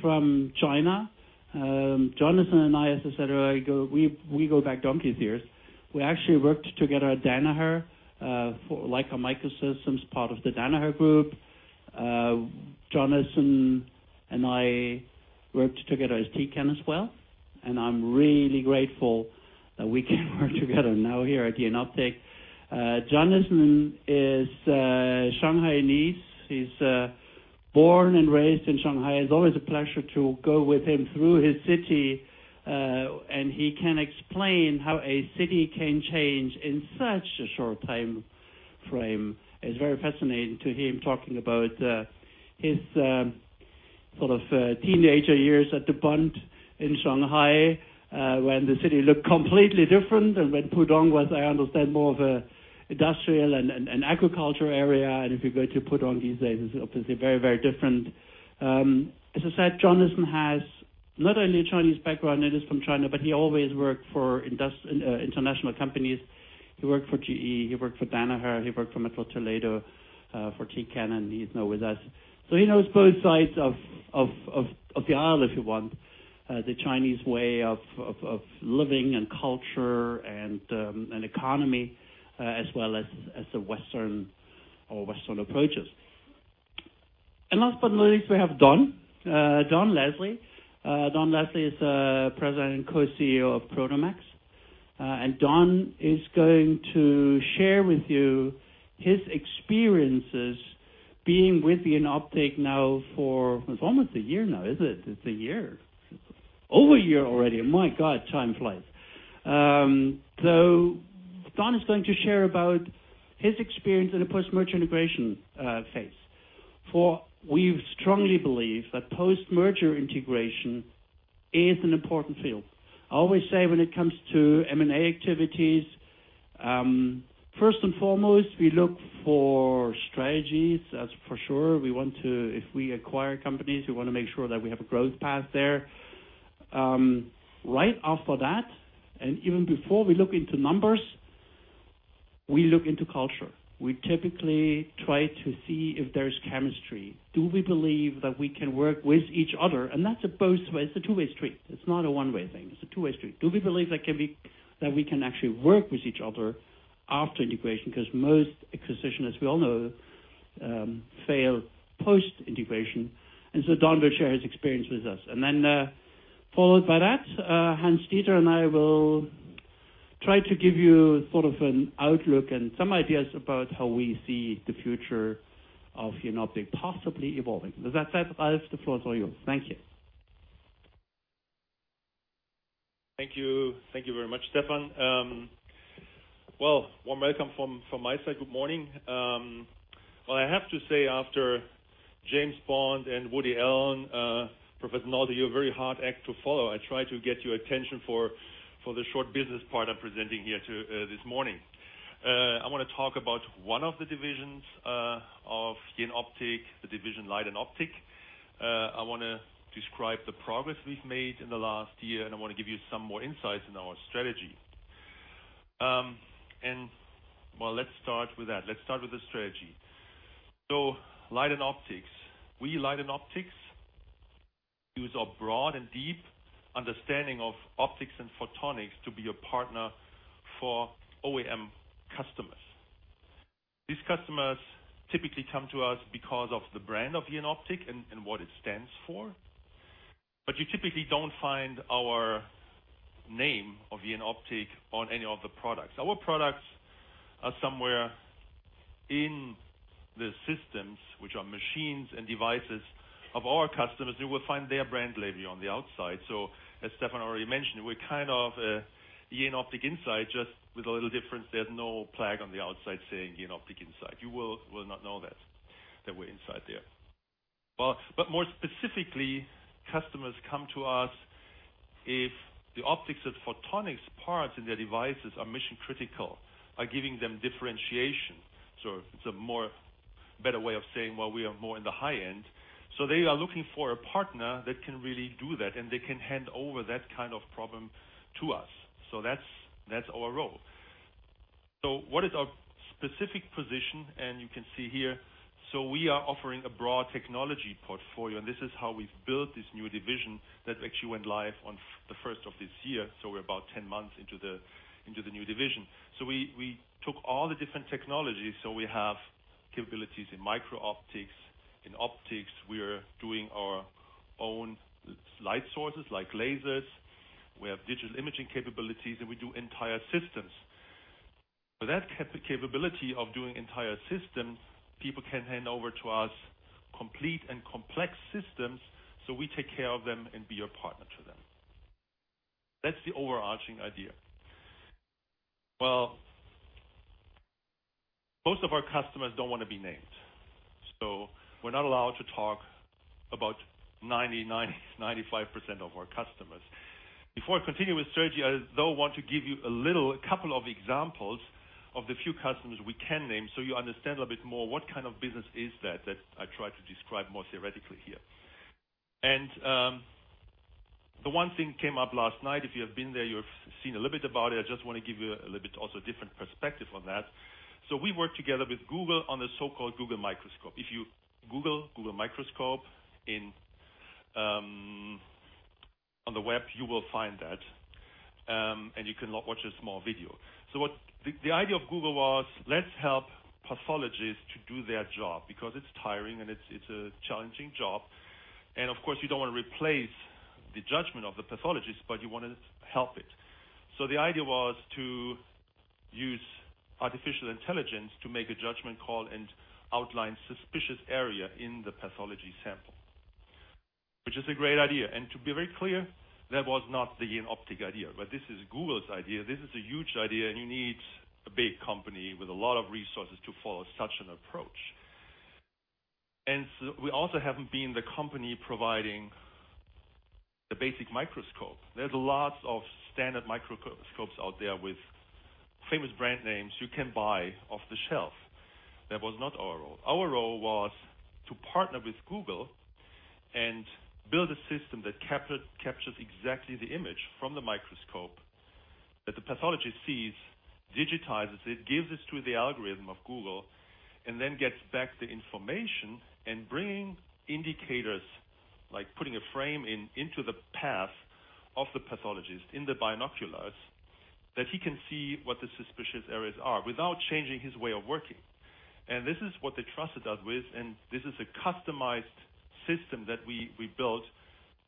from China. Jonathan and I, as I said earlier, we go back donkey's years. We actually worked together at Danaher, for Leica Microsystems, part of the Danaher group. Jonathan and I worked together at Tecan as well, I'm really grateful that we can work together now here at Jenoptik. Jonathan is Shanghainese. He's born and raised in Shanghai. It's always a pleasure to go with him through his city, he can explain how a city can change in such a short time frame. It's very fascinating to hear him talking about his sort of teenager years at the Bund in Shanghai, when the city looked completely different and when Pudong was, I understand, more of a industrial and agriculture area. If you go to Pudong these days, it's obviously very, very different. As I said, Jonathan has not only a Chinese background and is from China, but he always worked for international companies. He worked for GE, he worked for Danaher, he worked for METTLER TOLEDO, for Tecan, and he's now with us. He knows both sides of the aisle, if you want. The Chinese way of living and culture and economy, as well as the Western or Western approaches. Last but not least, we have Don. Don Leslie. Don Leslie is president and co-CEO of Prodomax. Don is going to share with you his experiences being with Jenoptik now for, it's almost a year now, is it? It's a year. Over a year already. My God, time flies. Don is going to share about his experience in a post-merger integration phase, for we've strongly believe that post-merger integration is an important field. I always say when it comes to M&A activities, first and foremost, we look for strategies, as for sure. If we acquire companies, we want to make sure that we have a growth path there. Right after that, and even before we look into numbers, we look into culture. We typically try to see if there's chemistry. Do we believe that we can work with each other? That's a both way. It's a two-way street. It's not a one-way thing. It's a two-way street. Do we believe that we can actually work with each other after integration? Most acquisitions, as we all know, fail post-integration. Don will share his experience with us. Followed by that, Hans-Dieter and I will try to give you sort of an outlook and some ideas about how we see the future of Jenoptik possibly evolving. With that said, Ralf, the floor is all yours. Thank you. Thank you. Thank you very much, Stefan. Warm welcome from my side. Good morning. I have to say after James Bond and Woody Allen, Professor Nolte, you're a very hard act to follow. I try to get your attention for the short business part I'm presenting here this morning. I want to talk about one of the divisions of Jenoptik, the division Light & Optics. I want to describe the progress we've made in the last year. I want to give you some more insights in our strategy. Let's start with that. Let's start with the strategy. Light & Optics. We, Light & Optics, use our broad and deep understanding of optics and photonics to be a partner for OEM customers. These customers typically come to us because of the brand of Jenoptik and what it stands for. You typically don't find our name of Jenoptik on any of the products. Our products are somewhere in the systems, which are machines and devices of our customers. You will find their brand label on the outside. As Stefan already mentioned, we're kind of a Jenoptik Inside, just with a little difference. There's no plaque on the outside saying Jenoptik Inside. You will not know that we're inside there. More specifically, customers come to us if the optics and photonics parts in their devices are mission-critical, are giving them differentiation. It's a better way of saying, well, we are more in the high end. They are looking for a partner that can really do that, and they can hand over that kind of problem to us. That's our role. What is our specific position? You can see here, we are offering a broad technology portfolio, and this is how we've built this new division that actually went live on the first of this year. We're about 10 months into the new division. We took all the different technologies. We have capabilities in micro-optics, in optics. We are doing our own light sources, like lasers. We have digital imaging capabilities, and we do entire systems. For that capability of doing entire systems, people can hand over to us complete and complex systems, so we take care of them and be a partner to them. That's the overarching idea. Well, most of our customers don't want to be named, so we're not allowed to talk about 90%, 95% of our customers. Before I continue with Sergey, I, though, want to give you a couple of examples of the few customers we can name so you understand a little bit more what kind of business is that I try to describe more theoretically here. The one thing came up last night, if you have been there, you have seen a little bit about it. I just want to give you a little bit also different perspective on that. We work together with Google on the so-called Google Microscope. If you Google Google Microscope on the web, you will find that, and you can watch a small video. The idea of Google was, let's help pathologists to do their job because it's tiring and it's a challenging job. Of course, you don't want to replace the judgment of the pathologist, but you want to help it. The idea was to use artificial intelligence to make a judgment call and outline suspicious area in the pathology sample, which is a great idea. To be very clear, that was not the Jenoptik idea, but this is Google's idea. This is a huge idea, and you need a big company with a lot of resources to follow such an approach. We also haven't been the company providing the basic microscope. There's lots of standard microscopes out there with famous brand names you can buy off the shelf. That was not our role. Our role was to partner with Google and build a system that captures exactly the image from the microscope that the pathologist sees, digitizes it, gives it to the algorithm of Google, gets back the information and bringing indicators, like putting a frame into the path of the pathologist in the binoculars that he can see what the suspicious areas are without changing his way of working. This is what they trusted us with, this is a customized system that we built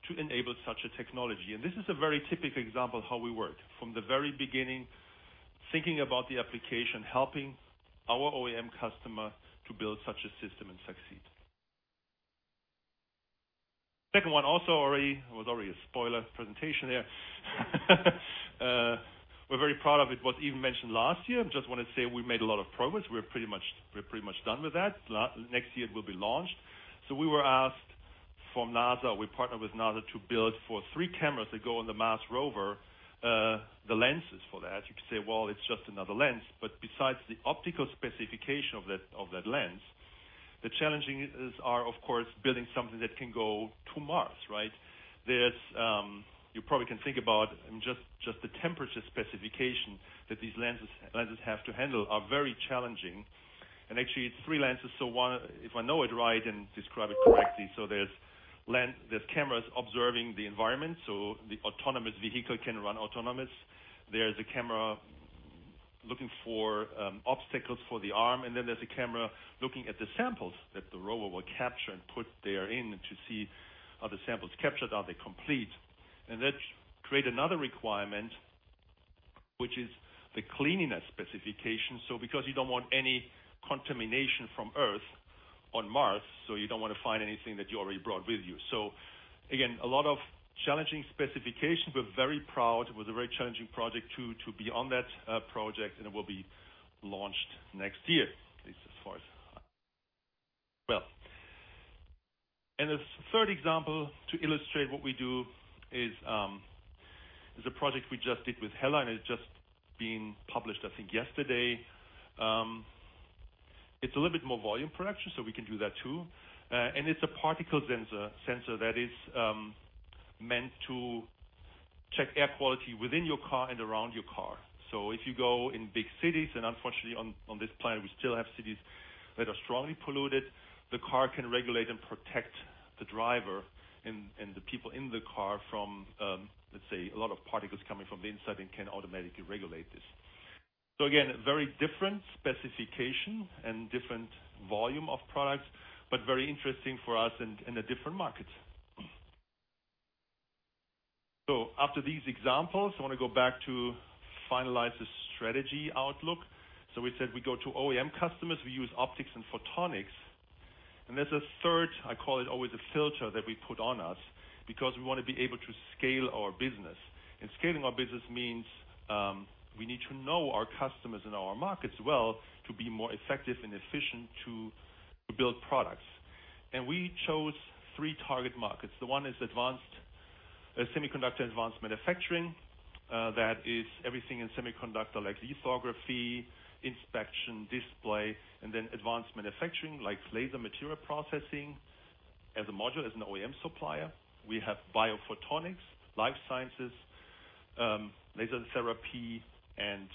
to enable such a technology. This is a very typical example of how we work. From the very beginning, thinking about the application, helping our OEM customer to build such a system and succeed. Second one also, it was already a spoiler presentation there. We're very proud of it. It was even mentioned last year. I just want to say we made a lot of progress. We're pretty much done with that. Next year, it will be launched. We were asked from NASA, we partnered with NASA to build for three cameras that go on the Mars rover, the lenses for that. You could say, well, it's just another lens, but besides the optical specification of that lens, the challenges are, of course, building something that can go to Mars, right? You probably can think about just the temperature specification that these lenses have to handle are very challenging. Actually, it's three lenses. If I know it right and describe it correctly, so there's cameras observing the environment, so the autonomous vehicle can run autonomous. There's a camera looking for obstacles for the arm, and then there's a camera looking at the samples that the rover will capture and put there in to see are the samples captured, are they complete? That create another requirement, which is the cleanliness specification. Because you don't want any contamination from Earth on Mars, so you don't want to find anything that you already brought with you. Again, a lot of challenging specifications. We're very proud. It was a very challenging project, too, to be on that project, and it will be launched next year, at least as far as I know. Well, the third example to illustrate what we do is a project we just did with HELLA. It's just been published, I think, yesterday. It's a little bit more volume production, so we can do that, too. It's a particle sensor that is meant to check air quality within your car and around your car. If you go in big cities, and unfortunately on this planet, we still have cities that are strongly polluted, the car can regulate and protect the driver and the people in the car from, let's say, a lot of particles coming from the inside and can automatically regulate this. Again, very different specification and different volume of products, but very interesting for us and a different market. After these examples, I want to go back to finalize the strategy outlook. We said we go to OEM customers, we use optics and photonics, and there's a third, I call it always a filter that we put on us because we want to be able to scale our business. Scaling our business means we need to know our customers and our markets well to be more effective and efficient to build products. We chose three target markets. The one is semiconductor advanced manufacturing. That is everything in semiconductor like lithography, inspection, display. Then advanced manufacturing like laser material processing as a module, as an OEM supplier. We have biophotonics, life sciences, laser therapy, and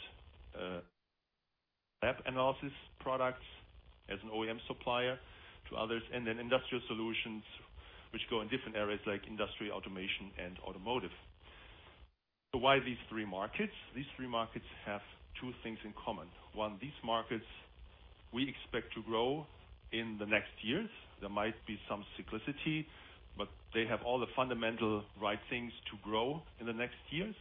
lab analysis products as an OEM supplier to others. Then industrial solutions which go in different areas like industry automation and automotive. Why these three markets? These three markets have two things in common. One, these markets we expect to grow in the next years. There might be some cyclicity, but they have all the fundamental right things to grow in the next years,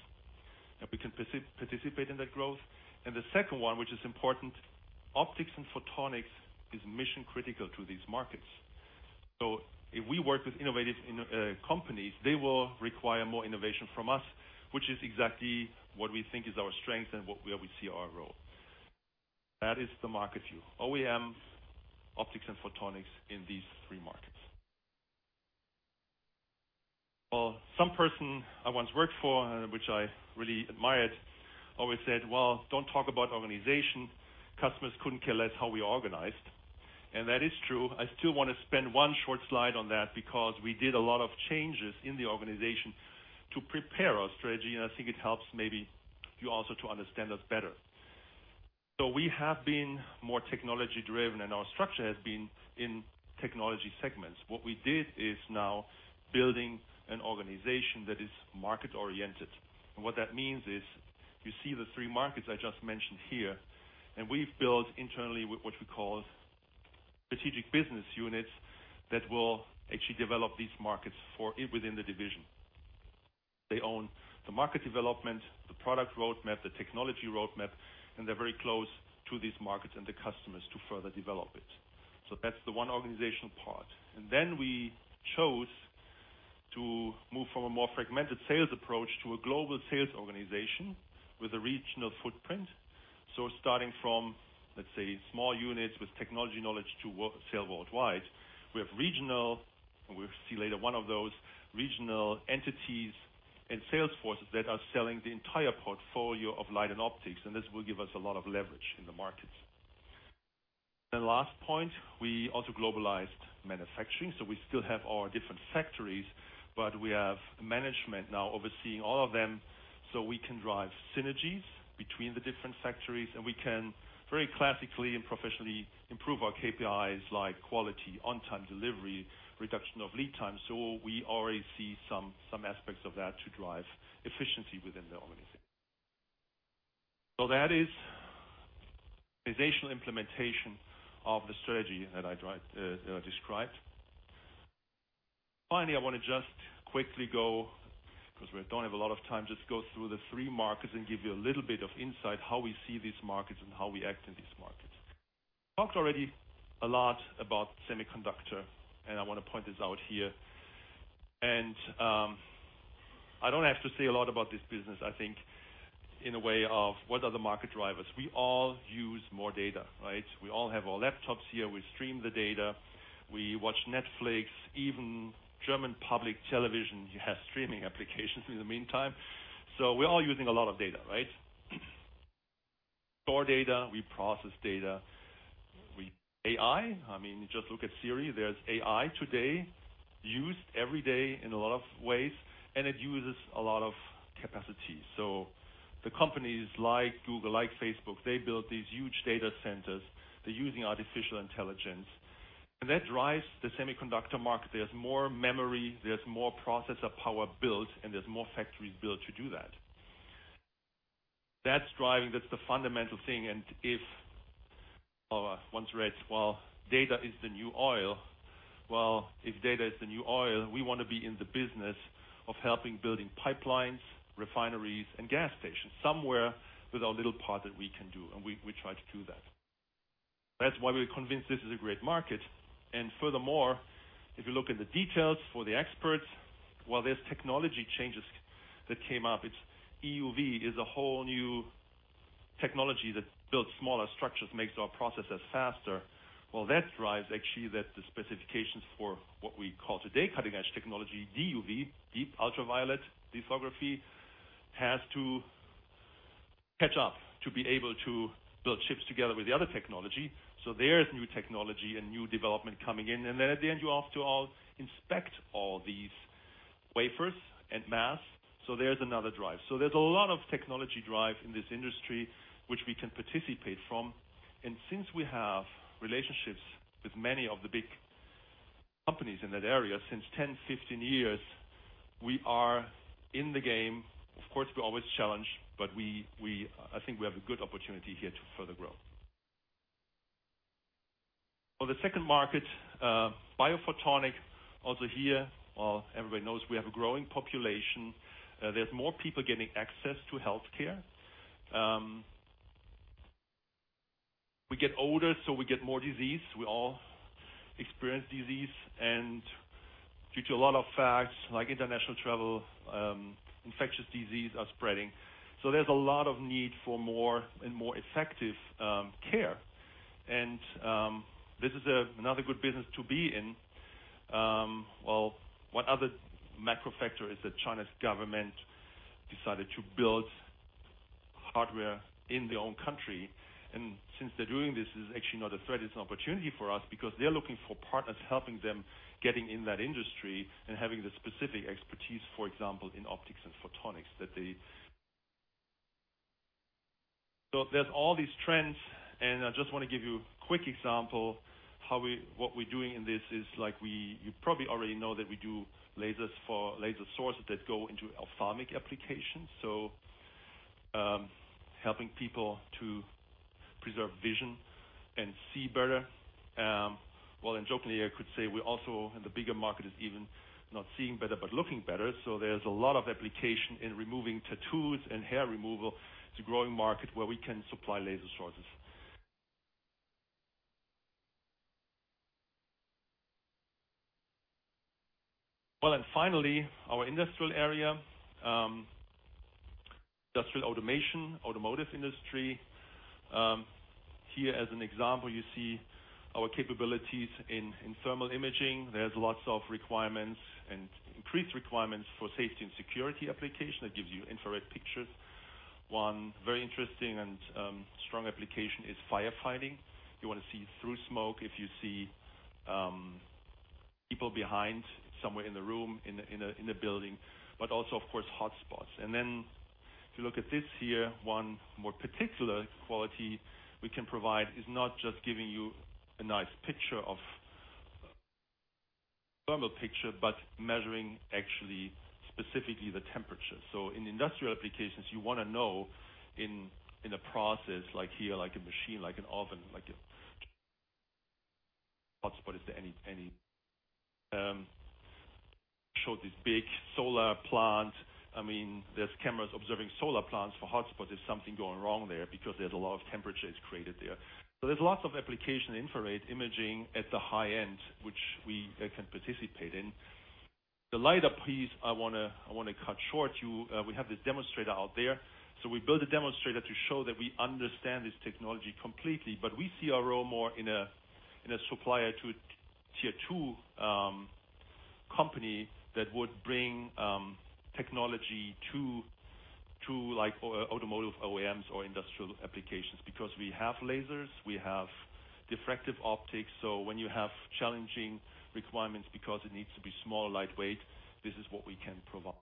and we can participate in that growth. The second one, which is important, optics and photonics is mission-critical to these markets. If we work with innovative companies, they will require more innovation from us, which is exactly what we think is our strength and where we see our role. That is the market view. OEM, optics and photonics in these three markets. Some person I once worked for, and which I really admired, always said, "Well, don't talk about organization. Customers couldn't care less how we organized." That is true. I still want to spend one short slide on that because we did a lot of changes in the organization to prepare our strategy, and I think it helps maybe you also to understand us better. We have been more technology-driven, and our structure has been in technology segments. What we did is now building an organization that is market-oriented. What that means is you see the three markets I just mentioned here, and we've built internally what we call strategic business units that will actually develop these markets within the division. They own the market development, the product roadmap, the technology roadmap, and they're very close to these markets and the customers to further develop it. That's the one organizational part. Then we chose to move from a more fragmented sales approach to a global sales organization with a regional footprint. Starting from, let's say, small units with technology knowledge to sell worldwide. We have regional, and we'll see later one of those regional entities and sales forces that are selling the entire portfolio of Light & Optics, and this will give us a lot of leverage in the markets. The last point, we also globalized manufacturing. We still have our different factories, but we have management now overseeing all of them so we can drive synergies between the different factories, and we can very classically and professionally improve our KPIs like quality, on-time delivery, reduction of lead time. We already see some aspects of that to drive efficiency within the organization. That is organizational implementation of the strategy that I described. Finally, I want to just quickly go, because we don't have a lot of time, just go through the three markets and give you a little bit of insight how we see these markets and how we act in these markets. Talked already a lot about semiconductor, and I want to point this out here. I don't have to say a lot about this business, I think, in a way of what are the market drivers. We all use more data, right? We all have our laptops here. We stream the data. We watch Netflix. Even German public television has streaming applications in the meantime. We're all using a lot of data, right? We store data, we process data. We use AI. I mean, just look at Siri. There's AI today used every day in a lot of ways, and it uses a lot of capacity. The companies like Google, like Facebook, they build these huge data centers. They're using artificial intelligence. That drives the semiconductor market. There's more memory, there's more processor power built, and there's more factories built to do that. That's the fundamental thing, and if one reads, well, data is the new oil. Well, if data is the new oil, we want to be in the business of helping building pipelines, refineries, and gas stations. Somewhere with our little part that we can do, we try to do that. That's why we're convinced this is a great market. Furthermore, if you look in the details for the experts, while there's technology changes that came up, EUV is a whole new technology that builds smaller structures, makes our processes faster. Well, that drives actually that the specifications for what we call today cutting-edge technology, DUV, deep ultraviolet lithography, has to catch up to be able to build chips together with the other technology. There is new technology and new development coming in. Then at the end, you have to inspect all these wafers en masse. There's another drive. There's a lot of technology drive in this industry, which we can participate from. Since we have relationships with many of the big companies in that area since 10, 15 years, we are in the game. Of course, we always challenge, but I think we have a good opportunity here to further grow. On the second market, biophotonics. Here, everybody knows we have a growing population. There's more people getting access to healthcare. We get older, so we get more disease. We all experience disease. Due to a lot of facts, like international travel, infectious diseases are spreading. There's a lot of need for more and more effective care. This is another good business to be in. Well, one other macro factor is that China's government decided to build hardware in their own country. Since they're doing this, it's actually not a threat, it's an opportunity for us because they're looking for partners helping them getting in that industry and having the specific expertise, for example, in optics and photonics that they. There's all these trends, and I just want to give you a quick example. What we're doing in this is, you probably already know that we do lasers for laser sources that go into ophthalmic applications. Helping people to preserve vision and see better. Well, in jokingly, I could say we also, in the bigger market, is even not seeing better, but looking better. There's a lot of application in removing tattoos and hair removal. It's a growing market where we can supply laser sources. Well, finally, our industrial area. Industrial automation, automotive industry. Here, as an example, you see our capabilities in thermal imaging. There's lots of requirements and increased requirements for safety and security application that gives you infrared pictures. One very interesting and strong application is firefighting. You want to see through smoke, if you see people behind somewhere in the room, in a building, but also, of course, hotspots. If you look at this here, one more particular quality we can provide is not just giving you a nice thermal picture, but measuring actually specifically the temperature. In industrial applications, you want to know in a process like here, like a machine, like an oven, like a hotspot. Show this big solar plant. There's cameras observing solar plants for hotspots. There's something going wrong there because there's a lot of temperatures created there. There's lots of application infrared imaging at the high end, which we can participate in. The LiDAR piece I want to cut short you. We have this demonstrator out there. We built a demonstrator to show that we understand this technology completely, but we see our role more in a supplier to tier 2 company that would bring technology to automotive OEMs or industrial applications. We have lasers, we have diffractive optics. When you have challenging requirements because it needs to be small, lightweight, this is what we can provide.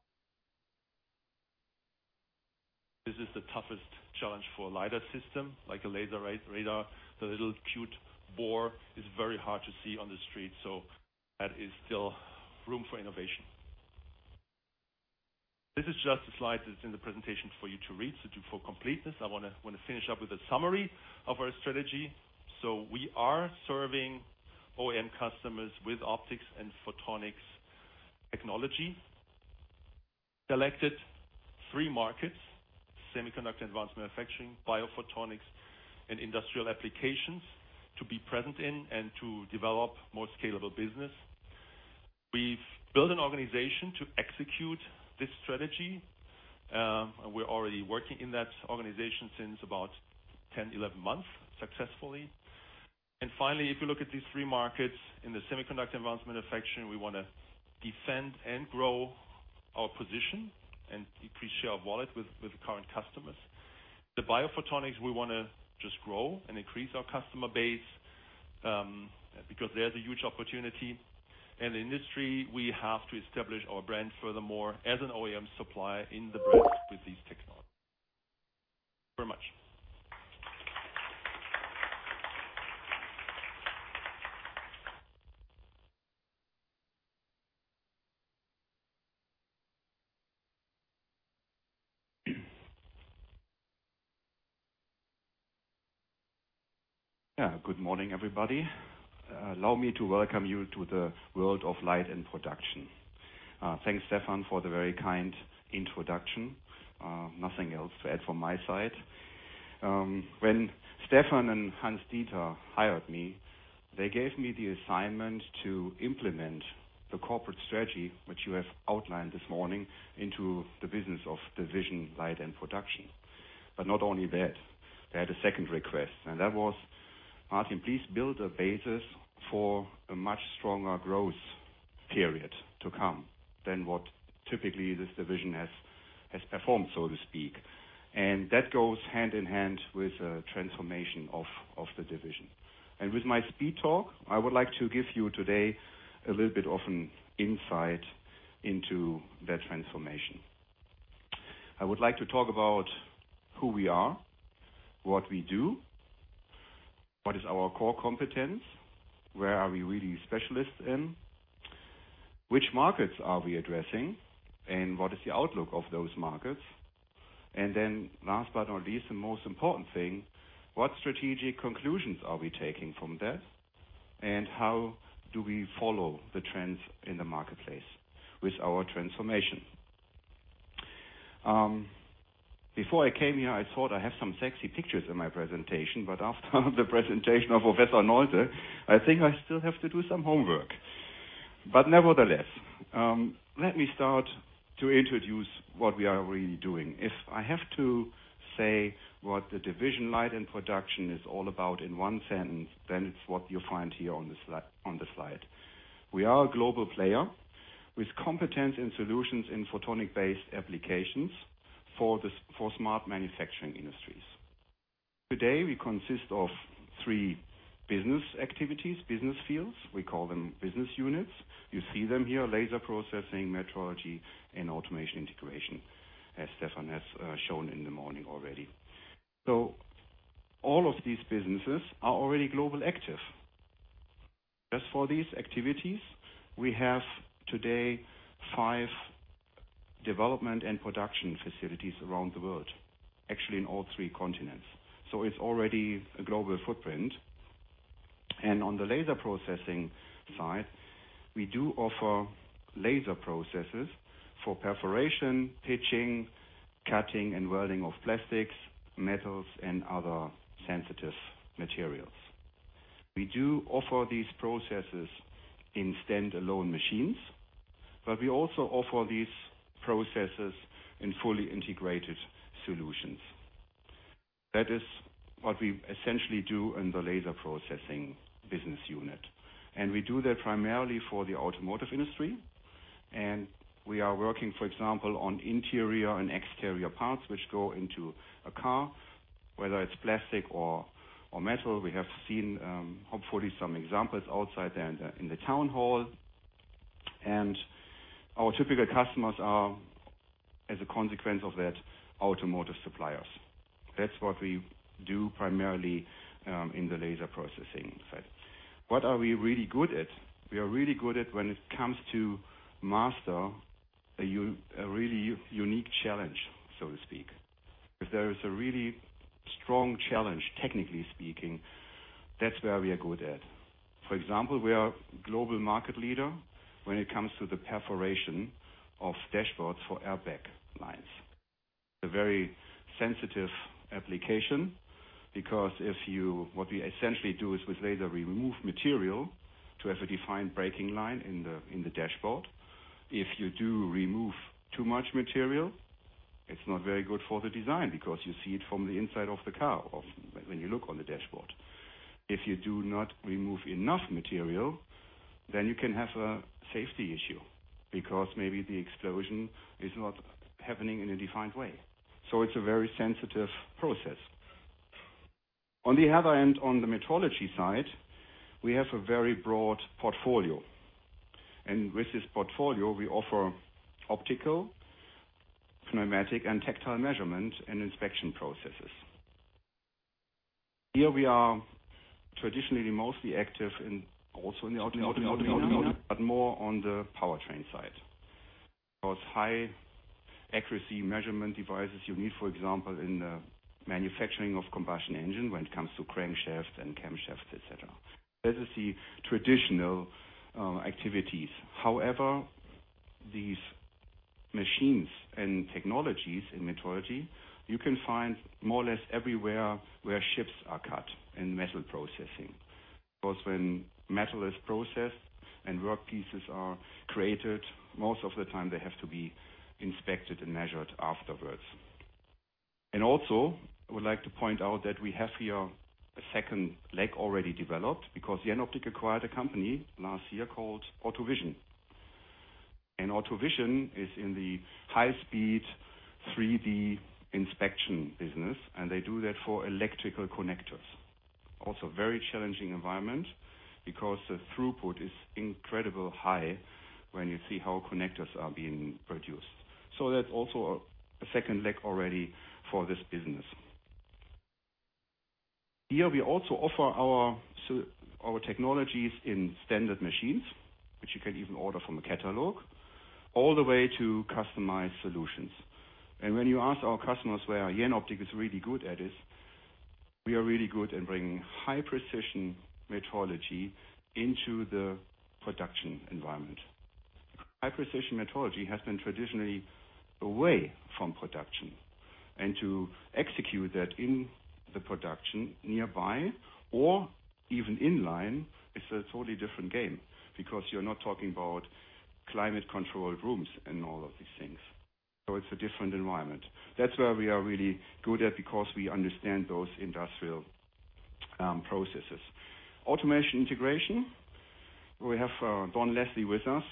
This is the toughest challenge for a LiDAR system, like a laser radar. The little cute Bohr is very hard to see on the street. That is still room for innovation. This is just a slide that's in the presentation for you to read. For completeness, I want to finish up with a summary of our strategy. We are serving OEM customers with optics and photonics technology. Selected three markets, semiconductor advanced manufacturing, biophotonics, and industrial applications to be present in and to develop more scalable business. We've built an organization to execute this strategy, and we're already working in that organization since about 10, 11 months successfully. Finally, if you look at these three markets, in the semiconductor advanced manufacturing, we want to defend and grow our position and increase share of wallet with the current customers. The biophotonics, we want to just grow and increase our customer base, because there's a huge opportunity. The industry, we have to establish our brand furthermore as an OEM supplier in the box with these technologies. Thank you very much. Good morning, everybody. Allow me to welcome you to the world of Light & Production. Thanks, Stefan, for the very kind introduction. Nothing else to add from my side. When Stefan and Hans-Dieter hired me, they gave me the assignment to implement the corporate strategy, which you have outlined this morning, into the business of division Light & Production. Not only that, they had a second request, and that was, "Martin, please build a basis for a much stronger growth period to come than what typically this division has performed, so to speak." That goes hand in hand with the transformation of the division. With my speed talk, I would like to give you today a little bit of an insight into that transformation. I would like to talk about who we are, what we do, what is our core competence, where are we really specialists in, which markets are we addressing, and what is the outlook of those markets. Last but not least, the most important thing, what strategic conclusions are we taking from this, and how do we follow the trends in the marketplace with our transformation? Before I came here, I thought I have some sexy pictures in my presentation, but after the presentation of Professor Nolte, I think I still have to do some homework. Nevertheless, let me start to introduce what we are really doing. If I have to say what the division Light & Production is all about in one sentence, then it's what you'll find here on the slide. We are a global player with competence and solutions in photonic-based applications for smart manufacturing industries. Today, we consist of three business activities, business fields, we call them business units. You see them here, laser processing, metrology, and automation integration, as Stefan has shown in the morning already. All of these businesses are already global active. Just for these activities, we have today five development and production facilities around the world, actually in all three continents. It's already a global footprint. On the laser processing side, we do offer laser processes for perforation, pitching, cutting, and welding of plastics, metals, and other sensitive materials. We do offer these processes in standalone machines, but we also offer these processes in fully integrated solutions. That is what we essentially do in the laser processing business unit. We do that primarily for the automotive industry, and we are working, for example, on interior and exterior parts which go into a car, whether it's plastic or metal. We have seen, hopefully, some examples outside there in the town hall. Our typical customers are, as a consequence of that, automotive suppliers. That's what we do primarily in the laser processing side. What are we really good at? We are really good at when it comes to master a really unique challenge, so to speak. If there is a really strong challenge, technically speaking, that's where we are good at. For example, we are global market leader when it comes to the perforation of dashboards for airbag lights. A very sensitive application, because what we essentially do is with laser, remove material to have a defined breaking line in the dashboard. If you do remove too much material, it's not very good for the design because you see it from the inside of the car when you look on the dashboard. If you do not remove enough material, then you can have a safety issue, because maybe the explosion is not happening in a defined way. It's a very sensitive process. On the other hand, on the metrology side, we have a very broad portfolio. With this portfolio, we offer optical, pneumatic, and tactile measurement and inspection processes. Here we are traditionally mostly active in more on the powertrain side. Those high accuracy measurement devices you need, for example, in the manufacturing of combustion engine when it comes to crankshaft and camshaft, et cetera. This is the traditional activities. These machines and technologies in metrology, you can find more or less everywhere where ships are cut in metal processing. When metal is processed and workpieces are created, most of the time they have to be inspected and measured afterwards. Also, I would like to point out that we have here a second leg already developed because Jenoptik acquired a company last year called AutoVision. AutoVision is in the high-speed 3D inspection business, and they do that for electrical connectors. Also, very challenging environment because the throughput is incredibly high when you see how connectors are being produced. That's also a second leg already for this business. Here we also offer our technologies in standard machines, which you can even order from a catalog, all the way to customized solutions. When you ask our customers where Jenoptik is really good at is, we are really good at bringing high-precision metrology into the production environment. High-precision metrology has been traditionally away from production, and to execute that in the production nearby or even in-line, it's a totally different game because you're not talking about climate-controlled rooms and all of these things. It's a different environment. That's where we are really good at because we understand those industrial processes. Automation integration, we have Don Leslie with us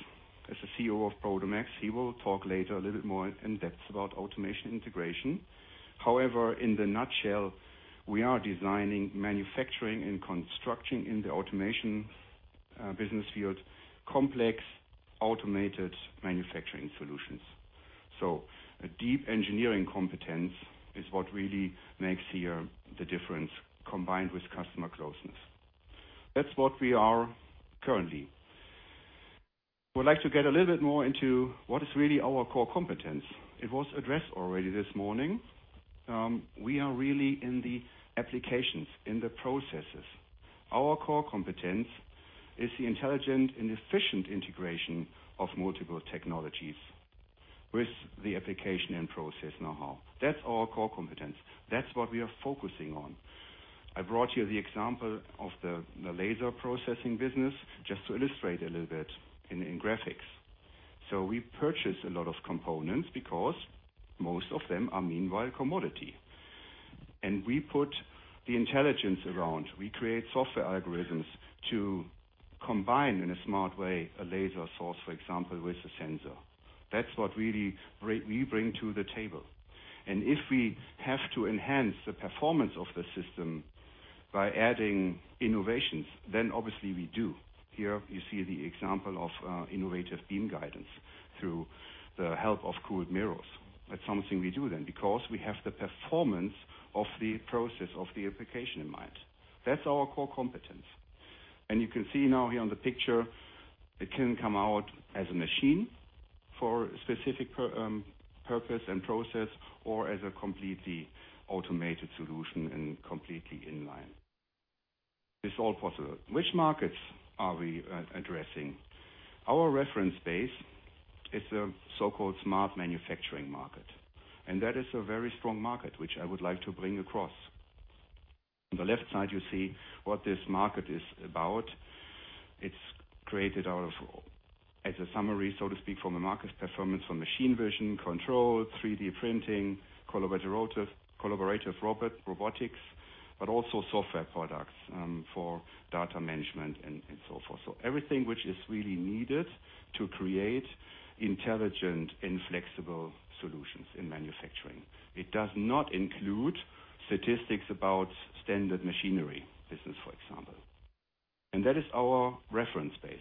as the CEO of Prodomax. He will talk later a little bit more in depth about automation integration. However, in the nutshell, we are designing, manufacturing, and constructing in the automation business field, complex automated manufacturing solutions. A deep engineering competence is what really makes the difference, combined with customer closeness. That's what we are currently. Would like to get a little bit more into what is really our core competence. It was addressed already this morning. We are really in the applications, in the processes. Our core competence is the intelligent and efficient integration of multiple technologies with the application and process know-how. That's our core competence. That's what we are focusing on. I brought you the example of the laser processing business, just to illustrate a little bit in graphics. We purchase a lot of components because most of them are meanwhile commodity. We put the intelligence around, we create software algorithms to combine, in a smart way, a laser source, for example, with a sensor. That's what really we bring to the table. If we have to enhance the performance of the system by adding innovations, then obviously we do. Here you see the example of innovative beam guidance through the help of cooled mirrors. That's something we do then because we have the performance of the process of the application in mind. That's our core competence. You can see now here on the picture, it can come out as a machine for specific purpose and process or as a completely automated solution and completely in line. It's all possible. Which markets are we addressing? Our reference base is a so-called smart manufacturing market, and that is a very strong market, which I would like to bring across. On the left side, you see what this market is about. It's created as a summary, so to speak, from a market performance from machine vision, control, 3D printing, collaborative robotics, but also software products for data management and so forth. Everything which is really needed to create intelligent and flexible solutions in manufacturing. It does not include statistics about standard machinery business, for example. That is our reference base.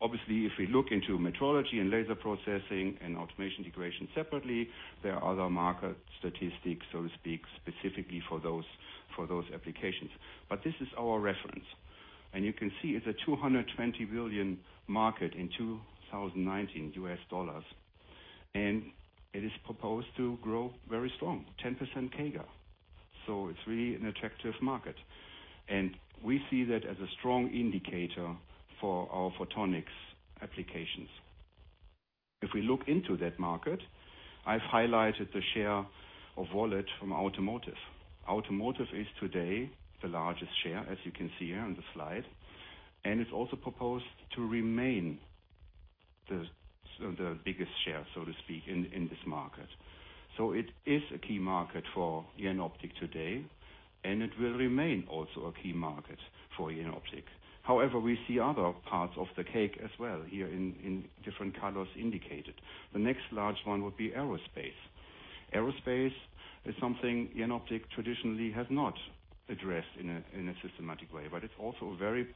Obviously, if we look into metrology and laser processing and automation integration separately, there are other market statistics, so to speak, specifically for those applications. This is our reference. You can see it's a 220 billion market in 2019 U.S. dollars, and it is proposed to grow very strong, 10% CAGR. It's really an attractive market. We see that as a strong indicator for our photonics applications. If we look into that market, I've highlighted the share of wallet from automotive. Automotive is today the largest share, as you can see here on the slide, and it's also proposed to remain the biggest share, so to speak, in this market. It is a key market for Jenoptik today, and it will remain also a key market for Jenoptik. We see other parts of the cake as well here in different colors indicated. The next large one would be aerospace. Aerospace is something Jenoptik traditionally has not addressed in a systematic way, but it's also a very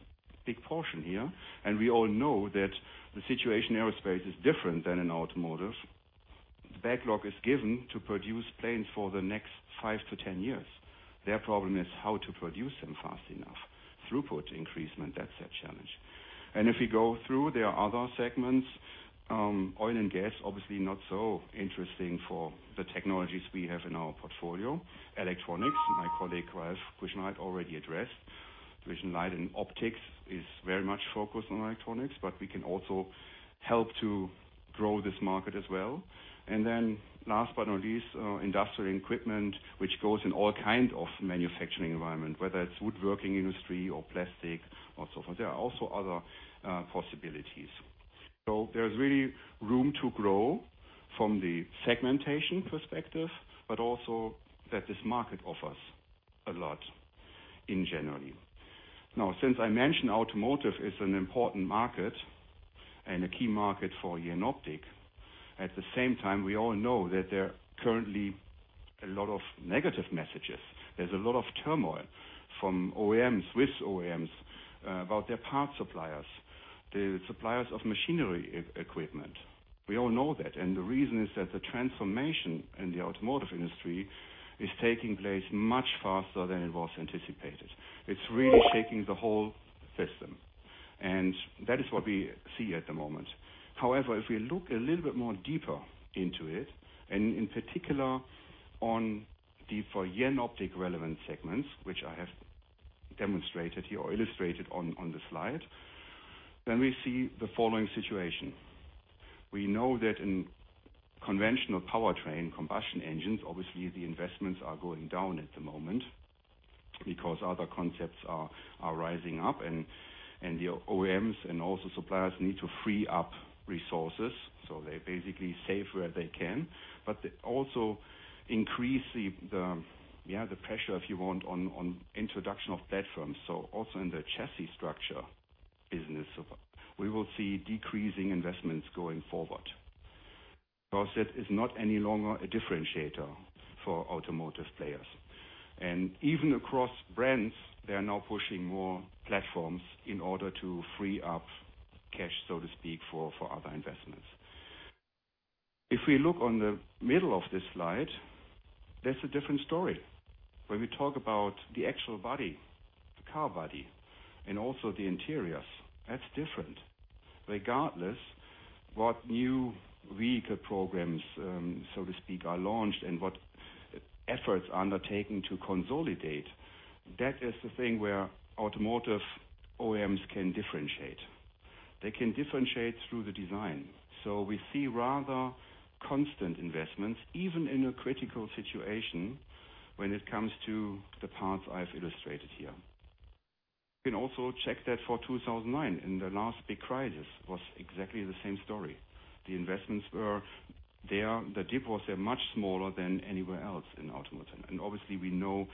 big portion here, and we all know that the situation in aerospace is different than in automotive. The backlog is given to produce planes for the next five to 10 years. Their problem is how to produce them fast enough. Throughput increasement, that's their challenge. If we go through, there are other segments. Oil and gas, obviously not so interesting for the technologies we have in our portfolio. Electronics, my colleague, Ralf Kuschnereit, already addressed. Vision, light, and optics is very much focused on electronics, but we can also help to grow this market as well. Last but not least, industrial equipment, which goes in all kind of manufacturing environment, whether it's woodworking industry or plastic or so forth. There are also other possibilities. There's really room to grow from the segmentation perspective, but also that this market offers a lot in general. Since I mentioned automotive is an important market and a key market for Jenoptik, at the same time, we all know that there are currently a lot of negative messages. There's a lot of turmoil from OEMs, with OEMs, about their parts suppliers, the suppliers of machinery equipment. We all know that, and the reason is that the transformation in the automotive industry is taking place much faster than it was anticipated. It's really shaking the whole system, that is what we see at the moment. If we look a little bit more deeper into it, in particular on the, for Jenoptik relevant segments, which I have demonstrated here or illustrated on the slide, we see the following situation. We know that in conventional powertrain combustion engines, obviously the investments are going down at the moment because other concepts are rising up the OEMs and also suppliers need to free up resources. They basically save where they can, they also increase the pressure, if you want, on introduction of platforms. Also in the chassis structure business. We will see decreasing investments going forward. Process is not any longer a differentiator for automotive players. Even across brands, they are now pushing more platforms in order to free up cash, so to speak, for other investments. If we look on the middle of this slide, that's a different story. When we talk about the actual body, the car body, and also the interiors, that's different. Regardless what new vehicle programs, so to speak, are launched and what efforts are undertaken to consolidate, that is the thing where automotive OEMs can differentiate. They can differentiate through the design. We see rather constant investments, even in a critical situation when it comes to the parts I've illustrated here. You can also check that for 2009, the last big crisis was exactly the same story. The dip was much smaller than anywhere else in automotive. Obviously, we know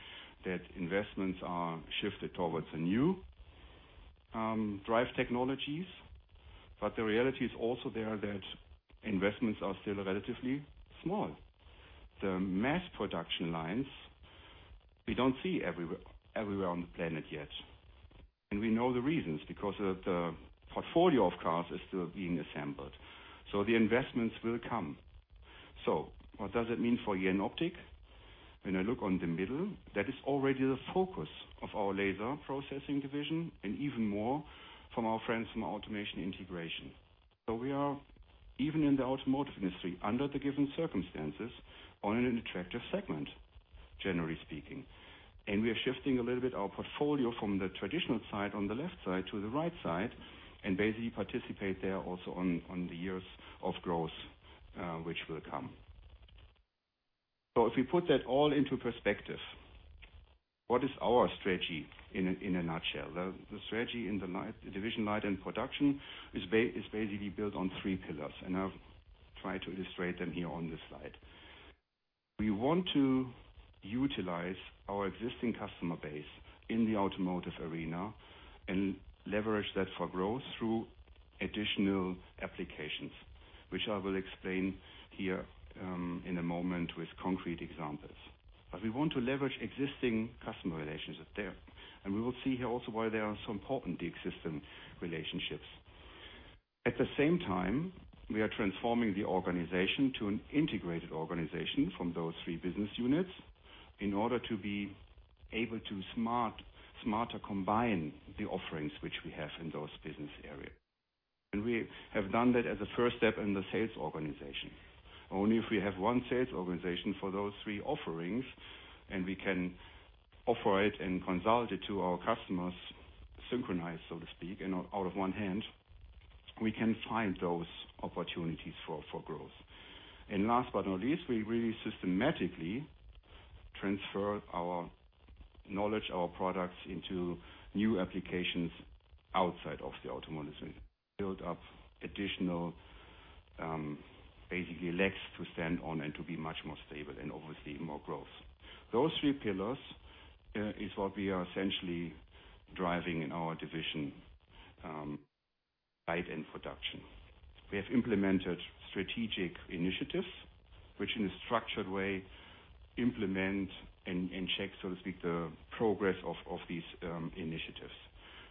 that investments are shifted towards the new drive technologies. The reality is also there that investments are still relatively small. The mass production lines, we don't see everywhere on the planet yet. We know the reasons, because the portfolio of cars is still being assembled. The investments will come. What does it mean for Jenoptik? When I look on the middle, that is already the focus of our laser processing division and even more from our friends from automation integration. We are, even in the automotive industry, under the given circumstances, on an attractive segment, generally speaking. We are shifting a little bit our portfolio from the traditional side, on the left side, to the right side, and basically participate there also on the years of growth which will come. If we put that all into perspective, what is our strategy in a nutshell? The strategy in the division Light & Production is basically built on three pillars, and I'll try to illustrate them here on this slide. We want to utilize our existing customer base in the automotive arena and leverage that for growth through additional applications, which I will explain here in a moment with concrete examples. We want to leverage existing customer relationships there, and we will see here also why they are so important, the existing relationships. At the same time, we are transforming the organization to an integrated organization from those three business units in order to be able to smarter combine the offerings which we have in those business areas. We have done that as a first step in the sales organization. Only if we have one sales organization for those three offerings, and we can offer it and consult it to our customers, synchronized, so to speak, and out of one hand, we can find those opportunities for growth. Last but not least, we really systematically transfer our knowledge, our products into new applications outside of the automotive industry. Build up additional, basically legs to stand on and to be much more stable, and obviously more growth. Those three pillars is what we are essentially driving in our division, Light & Production. We have implemented strategic initiatives, which in a structured way implement and check, so to speak, the progress of these initiatives.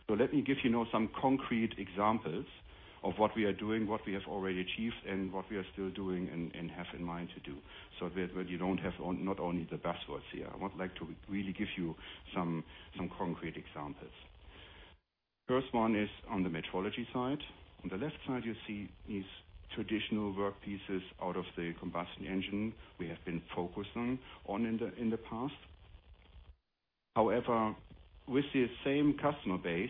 Let me give you now some concrete examples of what we are doing, what we have already achieved, and what we are still doing and have in mind to do, so that you don't have not only the buzzwords here. I would like to really give you some concrete examples. First one is on the metrology side. On the left side, you see these traditional work pieces out of the combustion engine we have been focused on in the past. With the same customer base,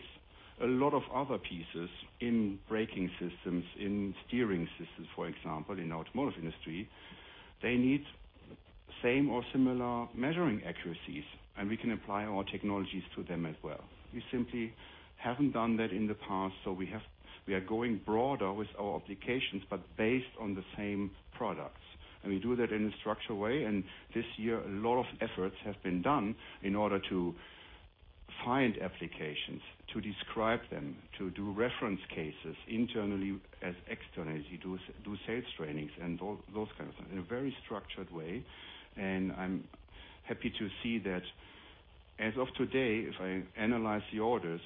a lot of other pieces in braking systems, in steering systems, for example, in automotive industry, they need same or similar measuring accuracies, and we can apply our technologies to them as well. We simply haven't done that in the past, we are going broader with our applications, but based on the same products. We do that in a structured way, this year, a lot of efforts have been done in order to find applications, to describe them, to do reference cases internally as externally, do sales trainings, and those kinds of things in a very structured way. I'm happy to see that as of today, if I analyze the orders,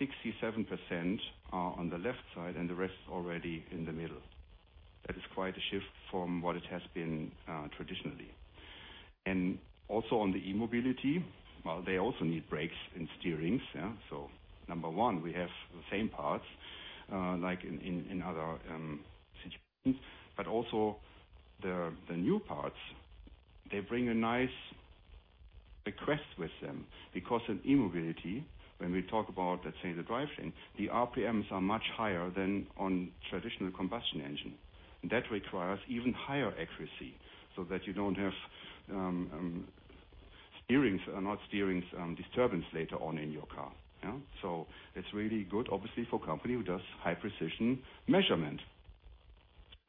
67% are on the left side and the rest already in the middle. That is quite a shift from what it has been traditionally. Also on the e-mobility, while they also need brakes and steerings, yeah, so number one, we have the same parts, like in other situations, but also the new parts, they bring a nice request with them, because in e-mobility, when we talk about, let's say, the drivetrain, the RPMs are much higher than on traditional combustion engine. That requires even higher accuracy, so that you don't have steerings and not steerings disturbance later on in your car. Yeah. It's really good, obviously, for a company who does high-precision measurement.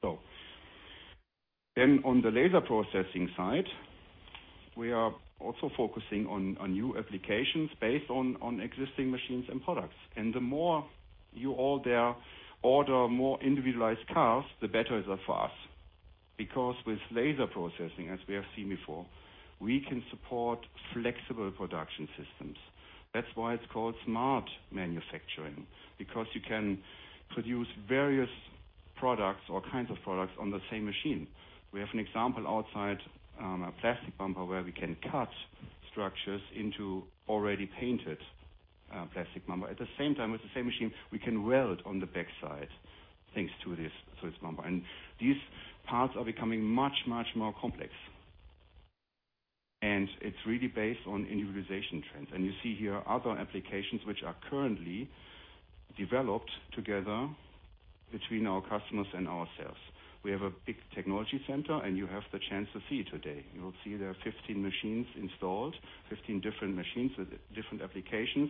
On the laser processing side, we are also focusing on new applications based on existing machines and products. The more you order more individualized cars, the better it is for us. With laser processing, as we have seen before, we can support flexible production systems. That's why it's called smart manufacturing, because you can produce various products or kinds of products on the same machine. We have an example outside, a plastic bumper where we can cut structures into already painted plastic bumper. At the same time, with the same machine, we can weld on the backside, thanks to this bumper. These parts are becoming much, much more complex. It's really based on individualization trends. You see here other applications which are currently developed together between our customers and ourselves. We have a big technology center, and you have the chance to see it today. You will see there are 15 machines installed, 15 different machines with different applications.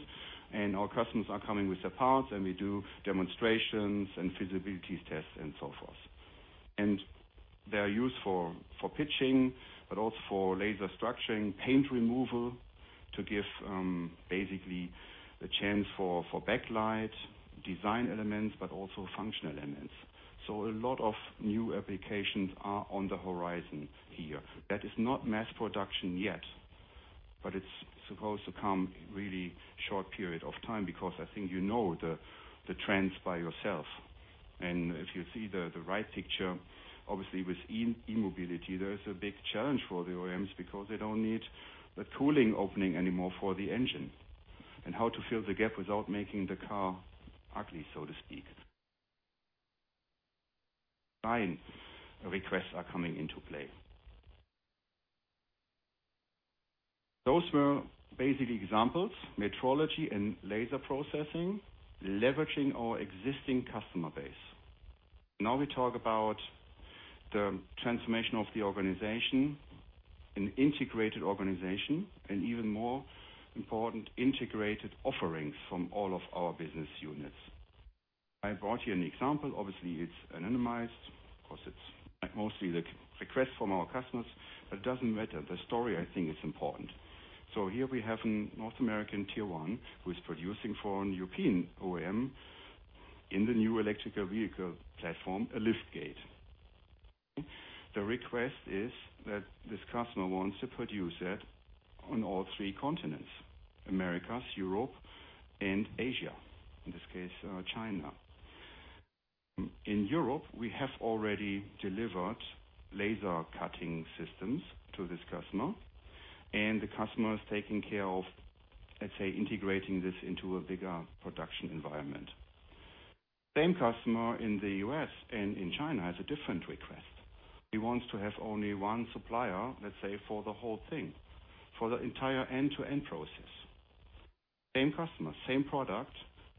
Our customers are coming with their parts and we do demonstrations and feasibility tests and so forth. They are used for pitching, but also for laser structuring, paint removal, to give basically a chance for backlight design elements, but also function elements. A lot of new applications are on the horizon here. That is not mass production yet, but it's supposed to come really short period of time because I think you know the trends by yourself. If you see the right picture, obviously with e-mobility, there is a big challenge for the OEMs because they don't need the cooling opening anymore for the engine, and how to fill the gap without making the car ugly, so to speak. Design requests are coming into play. Those were basic examples, metrology and laser processing, leveraging our existing customer base. We talk about the transformation of the organization, an integrated organization, and even more important, integrated offerings from all of our business units. I brought you an example. It's anonymized because it's mostly the request from our customers, but it doesn't matter. The story, I think, is important. Here we have a North American tier 1 who is producing for a European OEM in the new electrical vehicle platform, a liftgate. The request is that this customer wants to produce that on all three continents, Americas, Europe, and Asia, in this case, China. In Europe, we have already delivered laser cutting systems to this customer, and the customer is taking care of, let's say, integrating this into a bigger production environment. Same customer in the U.S. and in China has a different request. He wants to have only one supplier, let's say, for the whole thing, for the entire end-to-end process. Same customer, same product,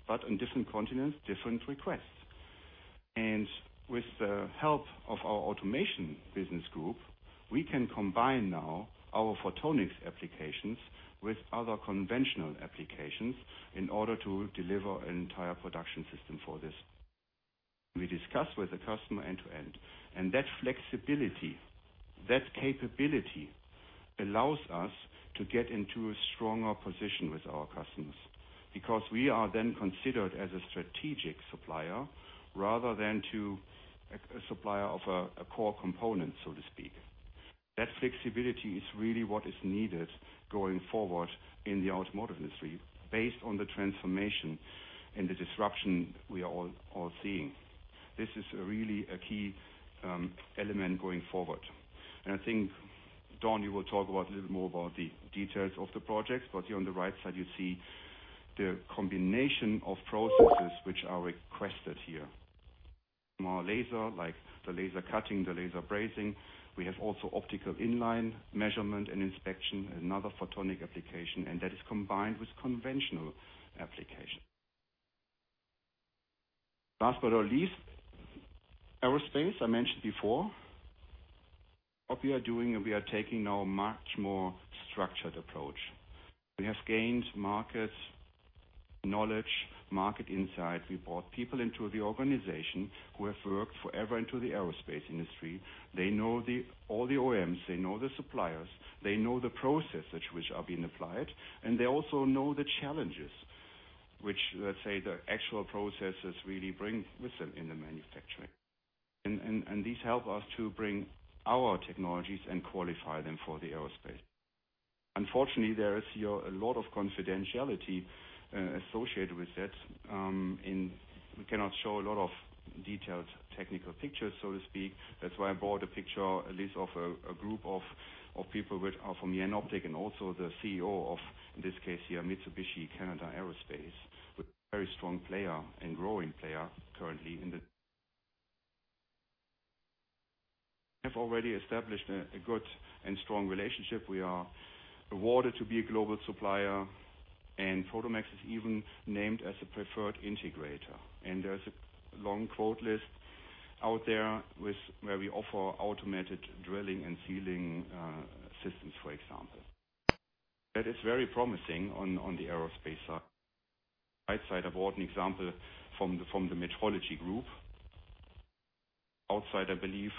but on different continents, different requests. With the help of our automation business group, we can combine now our photonics applications with other conventional applications in order to deliver an entire production system for this. We discuss with the customer end to end, and that flexibility, that capability allows us to get into a stronger position with our customers because we are then considered as a strategic supplier rather than a supplier of a core component, so to speak. That flexibility is really what is needed going forward in the automotive industry based on the transformation and the disruption we are all seeing. This is really a key element going forward. I think, Don, you will talk a little more about the details of the project, here on the right side, you see the combination of processes which are requested here. More laser, like the laser cutting, the laser brazing. We have also optical inline measurement and inspection, another photonic application, and that is combined with conventional application. Last but not least, aerospace, I mentioned before. What we are doing, and we are taking now a much more structured approach. We have gained market knowledge, market insight. We brought people into the organization who have worked forever into the aerospace industry. They know all the OEMs, they know the suppliers, they know the processes which are being applied, and they also know the challenges, which, let's say, the actual processes really bring with them in the manufacturing. These help us to bring our technologies and qualify them for the aerospace. Unfortunately, there is here a lot of confidentiality associated with that, and we cannot show a lot of detailed technical pictures, so to speak. That's why I brought a picture, at least of a group of people which are from Jenoptik and also the CEO of, in this case here, Mitsubishi Canada Aerospace. A very strong player and growing player currently. We have already established a good and strong relationship. We are awarded to be a global supplier, and Prodomax is even named as a preferred integrator. There's a long quote list out there where we offer automated drilling and sealing systems, for example. That is very promising on the aerospace side. Right side, I brought an example from the Metrology group. Outside, I believe,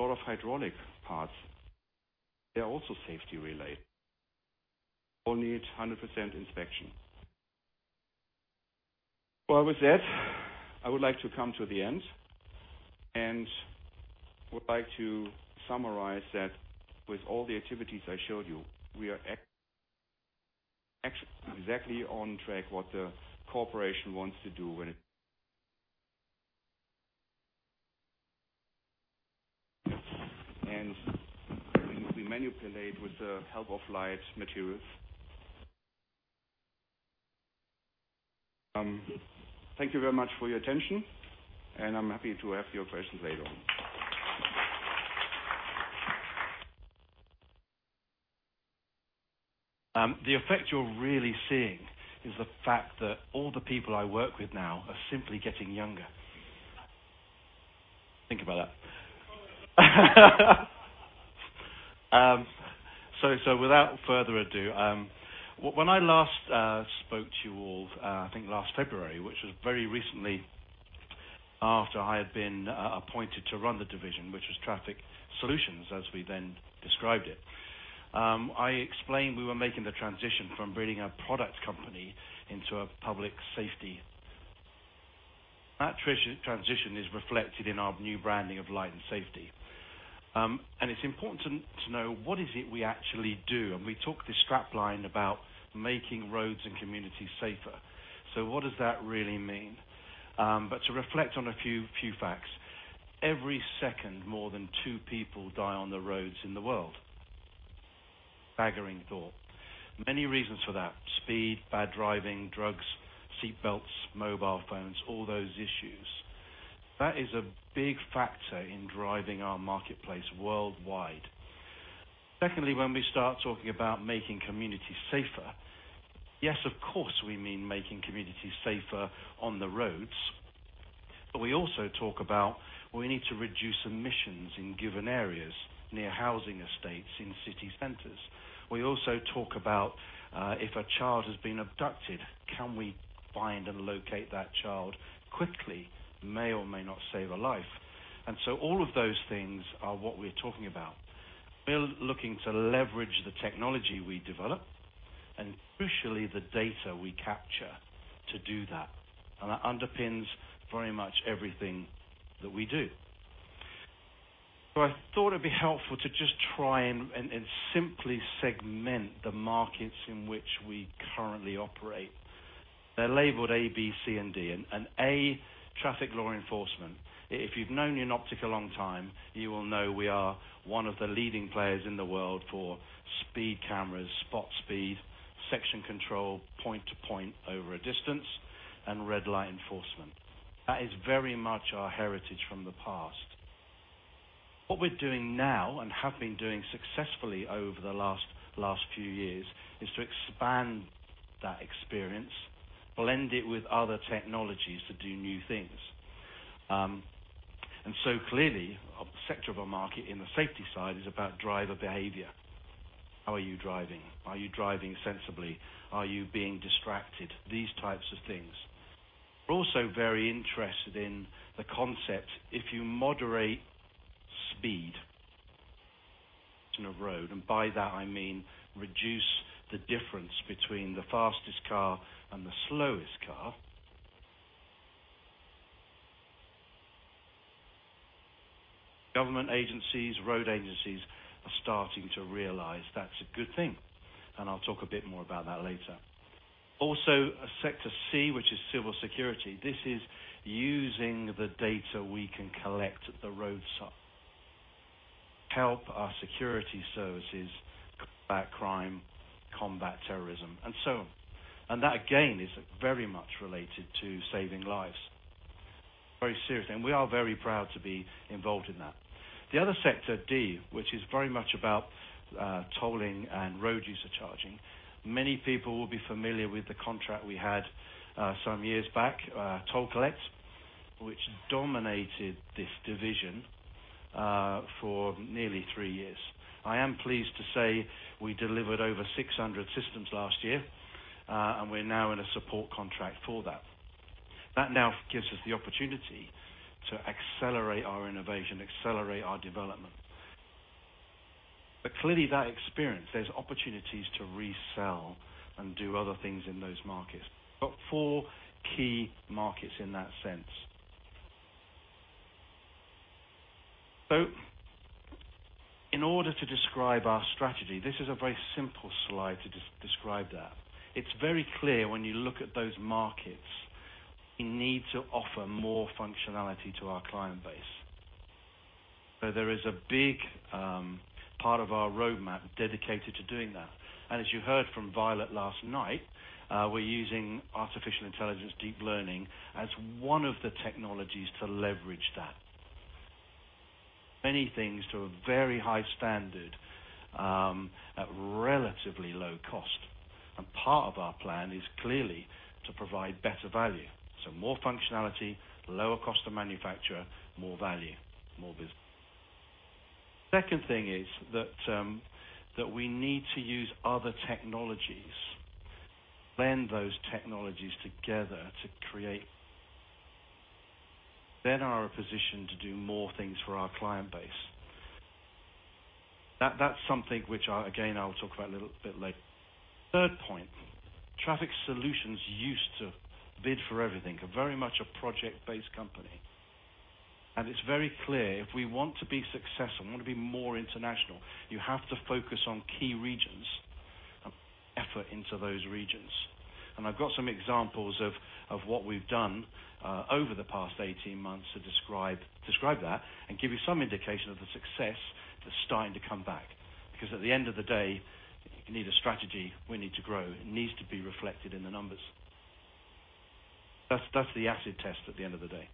a lot of hydraulic parts, they're also safety related. All need 100% inspection. Well, with that, I would like to come to the end and would like to summarize that with all the activities I showed you, we are exactly on track what the corporation wants to do when it. We manipulate, with the help of light, materials. Thank you very much for your attention, and I'm happy to have your questions later on. The effect you're really seeing is the fact that all the people I work with now are simply getting younger. Think about that. Without further ado, when I last spoke to you all, I think last February, which was very recently after I had been appointed to run the division, which was Traffic Solutions as we then described it, I explained we were making the transition from being a product company into a public safety. That transition is reflected in our new branding of Light & Safety. It's important to know what is it we actually do, and we talk this strapline about making roads and communities safer. What does that really mean? To reflect on a few facts. Every second, more than two people die on the roads in the world. Staggering thought. Many reasons for that. Speed, bad driving, drugs, seat belts, mobile phones, all those issues. That is a big factor in driving our marketplace worldwide. Secondly, when we start talking about making communities safer, yes, of course, we mean making communities safer on the roads, but we also talk about we need to reduce emissions in given areas, near housing estates, in city centers. We also talk about if a child has been abducted, can we find and locate that child quickly, may or may not save a life. All of those things are what we're talking about. We're looking to leverage the technology we develop and crucially, the data we capture to do that. That underpins very much everything that we do. I thought it'd be helpful to just try and simply segment the markets in which we currently operate. They're labeled A, B, C, and D. A, traffic law enforcement. If you've known Jenoptik a long time, you will know we are one of the leading players in the world for speed cameras, spot speed, section control, point to point over a distance, and red light enforcement. That is very much our heritage from the past. What we're doing now and have been doing successfully over the last few years is to expand that experience, blend it with other technologies to do new things. Clearly, a sector of our market in the safety side is about driver behavior. How are you driving? Are you driving sensibly? Are you being distracted? These types of things. We're also very interested in the concept, if you moderate speed in a road, and by that I mean reduce the difference between the fastest car and the slowest car. Government agencies, road agencies are starting to realize that's a good thing. I'll talk a bit more about that later. Also, sector C, which is civil security. This is using the data we can collect at the roadside to help our security services combat crime, combat terrorism, and so on. That, again, is very much related to saving lives. Very serious. We are very proud to be involved in that. The other sector, D, which is very much about tolling and road user charging. Many people will be familiar with the contract we had some years back, Toll Collect, which dominated this division for nearly three years. I am pleased to say we delivered over 600 systems last year. We are now in a support contract for that. That now gives us the opportunity to accelerate our innovation, accelerate our development. Clearly that experience, there's opportunities to resell and do other things in those markets. Four key markets in that sense. In order to describe our strategy, this is a very simple slide to describe that. It's very clear when you look at those markets, we need to offer more functionality to our client base. There is a big part of our roadmap dedicated to doing that. As you heard from Violet last night, we're using artificial intelligence deep learning as one of the technologies to leverage that. Many things to a very high standard at relatively low cost. Part of our plan is clearly to provide better value. More functionality, lower cost of manufacture, more value, more business. Second thing is that we need to use other technologies, blend those technologies together to then are a position to do more things for our client base. That's something which, again, I'll talk about a little bit later. Third point, Traffic Solutions used to bid for everything. We're very much a project-based company, and it's very clear if we want to be successful, we want to be more international, you have to focus on key regions and put effort into those regions. I've got some examples of what we've done over the past 18 months to describe that and give you some indication of the success that's starting to come back. At the end of the day, you need a strategy. We need to grow. It needs to be reflected in the numbers. That's the acid test at the end of the day.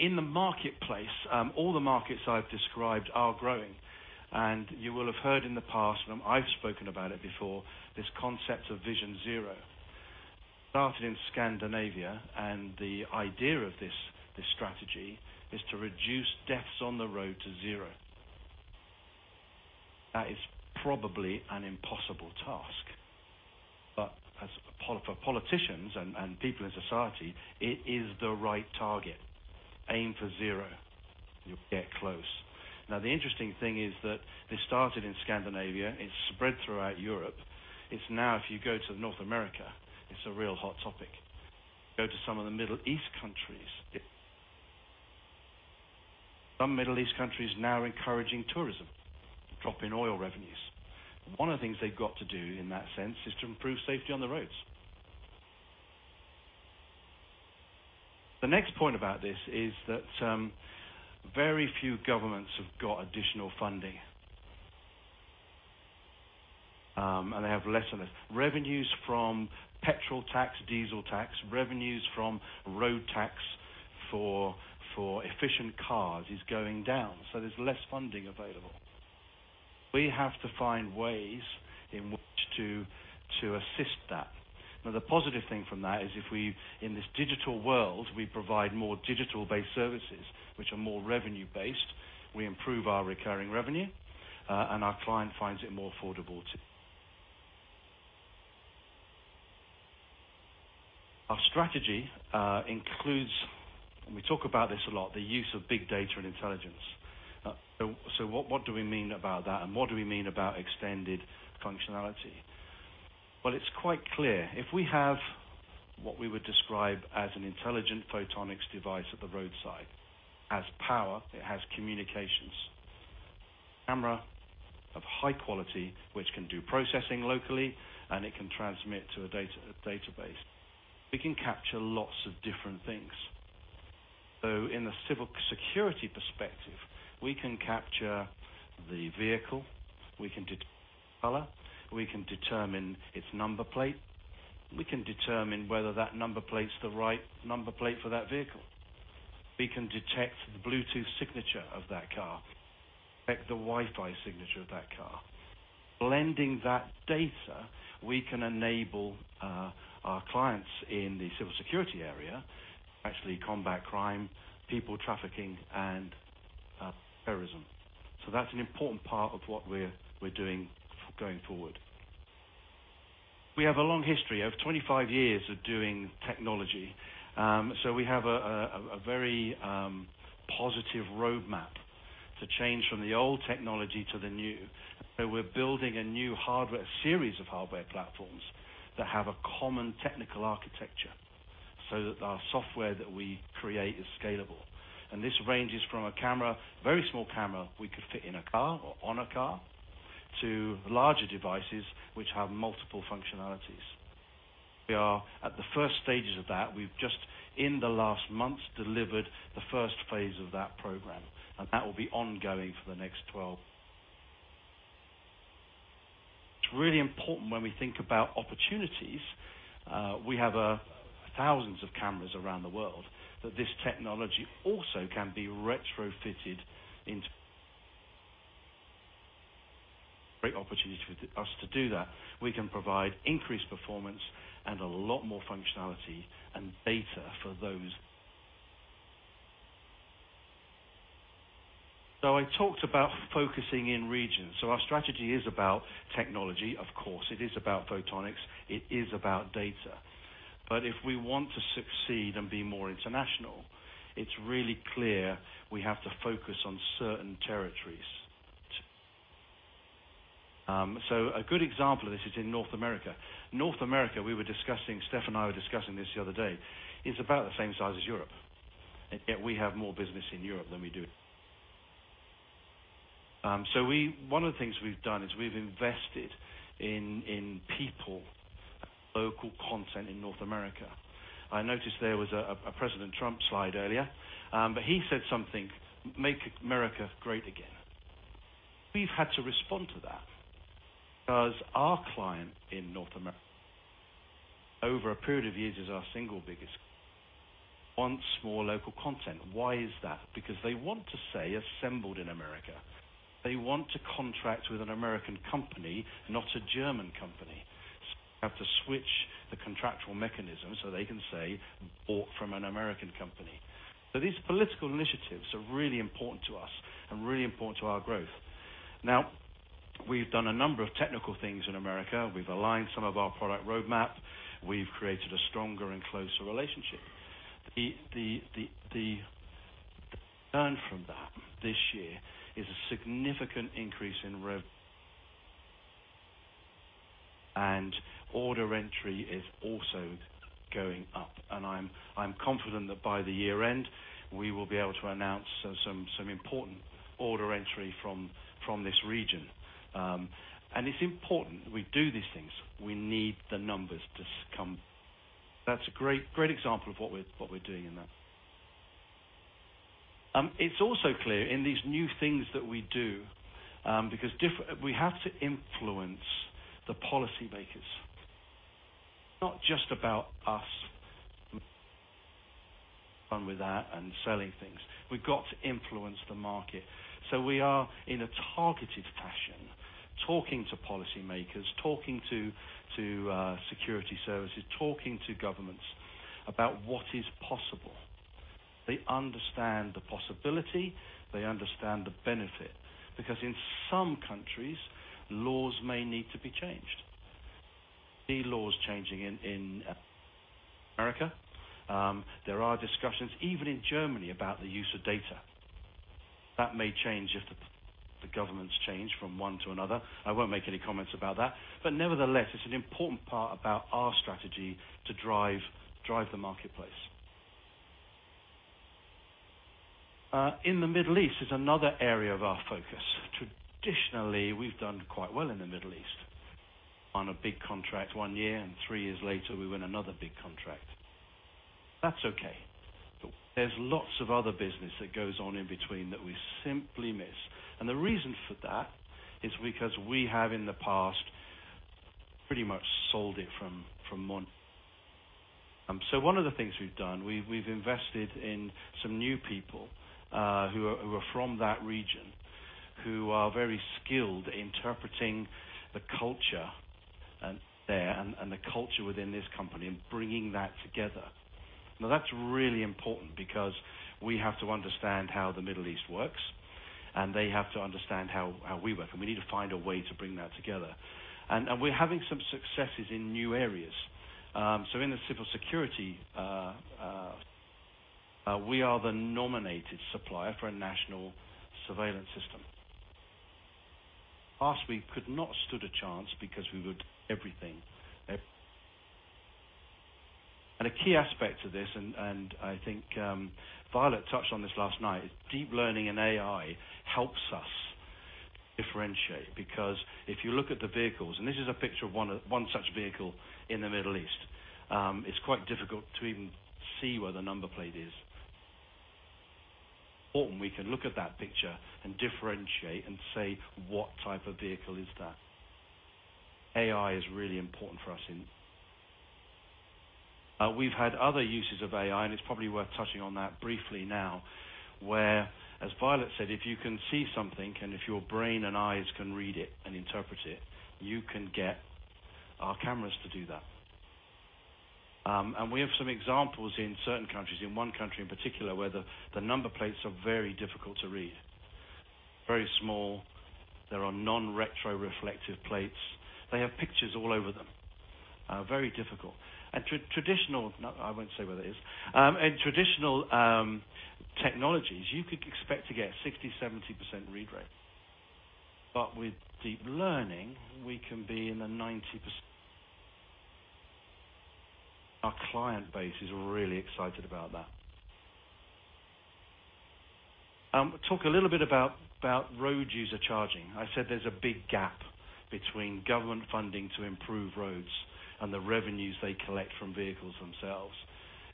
In the marketplace, all the markets I've described are growing, and you will have heard in the past, and I've spoken about it before, this concept of Vision Zero. It started in Scandinavia, and the idea of this strategy is to reduce deaths on the road to zero. That is probably an impossible task, but for politicians and people in society, it is the right target. Aim for zero, you'll get close. The interesting thing is that this started in Scandinavia, it spread throughout Europe. It's now, if you go to North America, it's a real hot topic. Go to some of the Middle East countries, some Middle East countries now encouraging tourism, drop in oil revenues. One of the things they've got to do in that sense is to improve safety on the roads. The next point about this is that very few governments have got additional funding, and they have less and less. Revenues from petrol tax, diesel tax, revenues from road tax for efficient cars is going down. There's less funding available. We have to find ways in which to assist that. The positive thing from that is if we, in this digital world, we provide more digital-based services which are more revenue based, we improve our recurring revenue, and our client finds it more affordable, too. Our strategy includes, and we talk about this a lot, the use of big data and intelligence. What do we mean about that, and what do we mean about extended functionality? Well, it's quite clear. If we have what we would describe as an intelligent photonics device at the roadside. It has power, it has communications, a camera of high quality, which can do processing locally, and it can transmit to a database. We can capture lots of different things. In the civil security perspective, we can capture the vehicle, we can determine its color, we can determine its number plate, we can determine whether that number plate's the right number plate for that vehicle. We can detect the Bluetooth signature of that car, detect the Wi-Fi signature of that car. Blending that data, we can enable our clients in the civil security area to actually combat crime, people trafficking, and terrorism. That's an important part of what we're doing going forward. We have a long history of 25 years of doing technology. We have a very positive roadmap to change from the old technology to the new. We're building a new series of hardware platforms that have a common technical architecture so that our software that we create is scalable. This ranges from a very small camera we could fit in a car or on a car, to larger devices which have multiple functionalities. We are at the first stages of that. We've just, in the last month, delivered the first phase of that program, and that will be ongoing for the next 12. It's really important when we think about opportunities, we have thousands of cameras around the world, that this technology also can be retrofitted. Great opportunity for us to do that. We can provide increased performance and a lot more functionality and data for those. I talked about focusing in regions. Our strategy is about technology, of course. It is about photonics. It is about data. If we want to succeed and be more international, it's really clear we have to focus on certain territories. A good example of this is in North America. North America, we were discussing, Stefan and I were discussing this the other day, is about the same size as Europe, and yet we have more business in Europe than we do. One of the things we've done is we've invested in people, local content in North America. I noticed there was a President Trump slide earlier, but he said something, "Make America great again." We've had to respond to that because our client in North America, over a period of years as our single biggest, wants more local content. Why is that? Because they want to say, "Assembled in America." They want to contract with an American company, not a German company. We have to switch the contractual mechanism so they can say, "Bought from an American company." These political initiatives are really important to us and really important to our growth. Now, we've done a number of technical things in America. We've aligned some of our product roadmap. We've created a stronger and closer relationship. What we've learned from that this year is a significant increase in order entry is also going up. I'm confident that by the year-end, we will be able to announce some important order entry from this region. It's important we do these things. We need the numbers to come. That's a great example of what we're doing in that. It's also clear in these new things that we do, because we have to influence the policymakers. It's not just about us having fun with that and selling things. We've got to influence the market. We are, in a targeted fashion, talking to policymakers, talking to security services, talking to governments about what is possible. They understand the possibility, they understand the benefit, because in some countries, laws may need to be changed. We see laws changing in America. There are discussions even in Germany about the use of data. That may change if the governments change from one to another. I won't make any comments about that. Nevertheless, it's an important part about our strategy to drive the marketplace. In the Middle East is another area of our focus. Traditionally, we've done quite well in the Middle East. We won a big contract one year. Three years later, we win another big contract. That's okay, there's lots of other business that goes on in between that we simply miss. The reason for that is because we have in the past pretty much sold it from one. One of the things we've done, we've invested in some new people who are from that region, who are very skilled at interpreting the culture there and the culture within this company and bringing that together. That's really important because we have to understand how the Middle East works, and they have to understand how we work, and we need to find a way to bring that together. We're having some successes in new areas. In the civil security space, we are the nominated supplier for a national surveillance system. In the past, we could not stood a chance because we would-- Everything. A key aspect to this, and I think Violet touched on this last night, is deep learning and AI helps us differentiate. If you look at the vehicles, and this is a picture of one such vehicle in the Middle East, it's quite difficult to even see where the number plate is. With OAM, we can look at that picture and differentiate and say what type of vehicle is that. AI is really important for us in. We've had other uses of AI, and it's probably worth touching on that briefly now, where, as Violet said, if you can see something and if your brain and eyes can read it and interpret it, you can get our cameras to do that. We have some examples in certain countries, in one country in particular, where the number plates are very difficult to read. They're very small. There are non-retroreflective plates. They have pictures all over them. Very difficult. No, I won't say where that is. In traditional technologies, you could expect to get a 60%, 70% read rate. With deep learning, we can be in the 90%. Our client base is really excited about that. Talk a little bit about road user charging. I said there's a big gap between government funding to improve roads and the revenues they collect from vehicles themselves.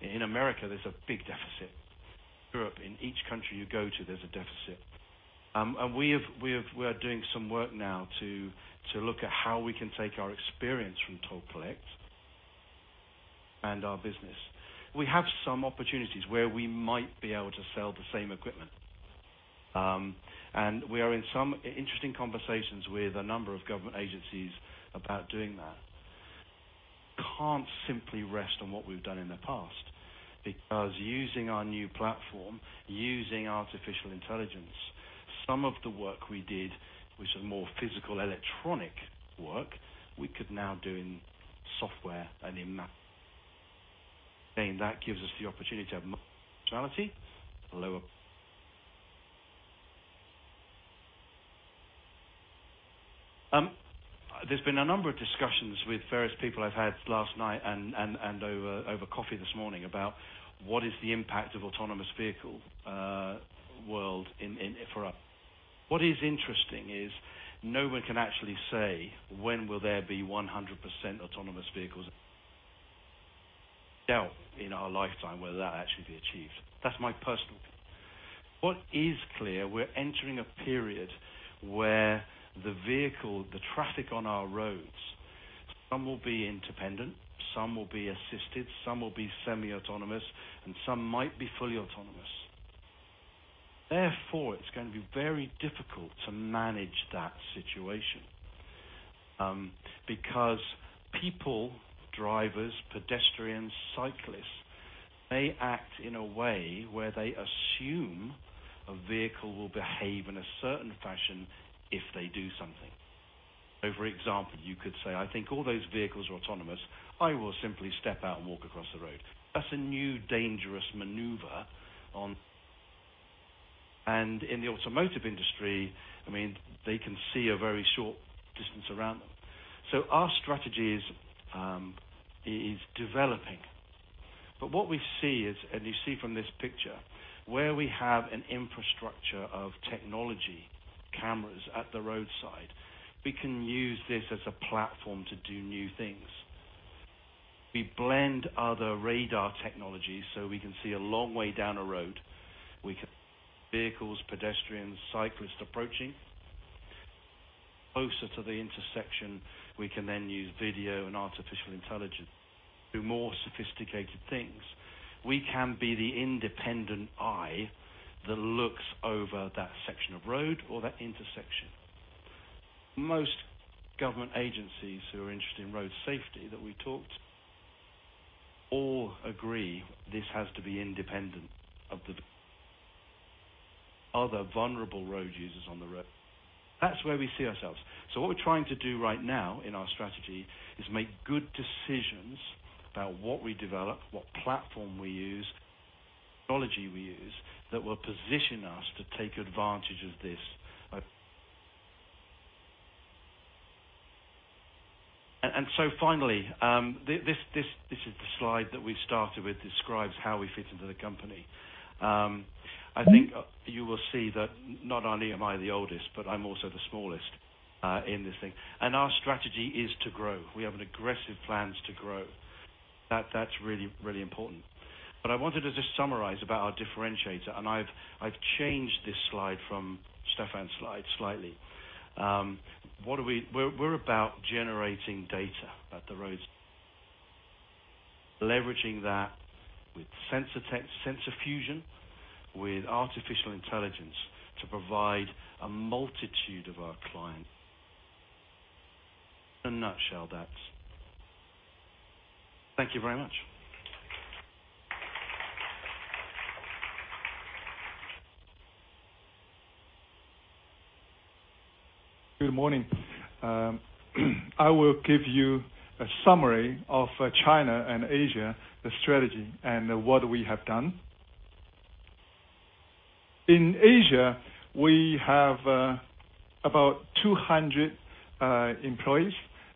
In America, there's a big deficit. In Europe, in each country you go to, there's a deficit. We are doing some work now to look at how we can take our experience from Toll Collect and our business. We have some opportunities where we might be able to sell the same equipment. We are in some interesting conversations with a number of government agencies about doing that. We can't simply rest on what we've done in the past because using our new platform, using artificial intelligence, some of the work we did, which was more physical electronic work, we could now do in software. There's been a number of discussions with various people I've had last night and over coffee this morning about what is the impact of autonomous vehicle world for us. What is interesting is no one can actually say when will there be 100% autonomous vehicles doubt in our lifetime whether that actually be achieved. That's my personal view. What is clear, we're entering a period where the vehicle, the traffic on our roads, some will be independent, some will be assisted, some will be semiautonomous, and some might be fully autonomous. It's going to be very difficult to manage that situation. People, drivers, pedestrians, cyclists, they act in a way where they assume a vehicle will behave in a certain fashion if they do something. For example, you could say, "I think all those vehicles are autonomous. I will simply step out and walk across the road." That's a new, dangerous maneuver. In the automotive industry, they can see a very short distance around them. Our strategy is developing. What we see is, and you see from this picture, where we have an infrastructure of technology, cameras at the roadside, we can use this as a platform to do new things. We blend other radar technology we can see a long way down a road. We can see vehicles, pedestrians, cyclists approaching. Closer to the intersection, we can then use video and artificial intelligence to do more sophisticated things. We can be the independent eye that looks over that section of road or that intersection. Most government agencies who are interested in road safety that we talked to all agree this has to be independent of the other vulnerable road users on the road. That's where we see ourselves. What we're trying to do right now in our strategy is make good decisions about what we develop, what platform we use, what technology we use that will position us to take advantage of. Finally, this is the slide that we started with, describes how we fit into the company. I think you will see that not only am I the oldest, but I'm also the smallest in this thing. Our strategy is to grow. We have aggressive plans to grow. That's really, really important. I wanted to just summarize about our differentiator, and I've changed this slide from Stefan's slide slightly. We're about generating data at the road, leveraging that with sensor fusion, with artificial intelligence to provide a multitude of our clients. In a nutshell, that's it. Thank you very much. Good morning. I will give you a summary of China and Asia, the strategy, and what we have done. In Asia, we have about 200 employees,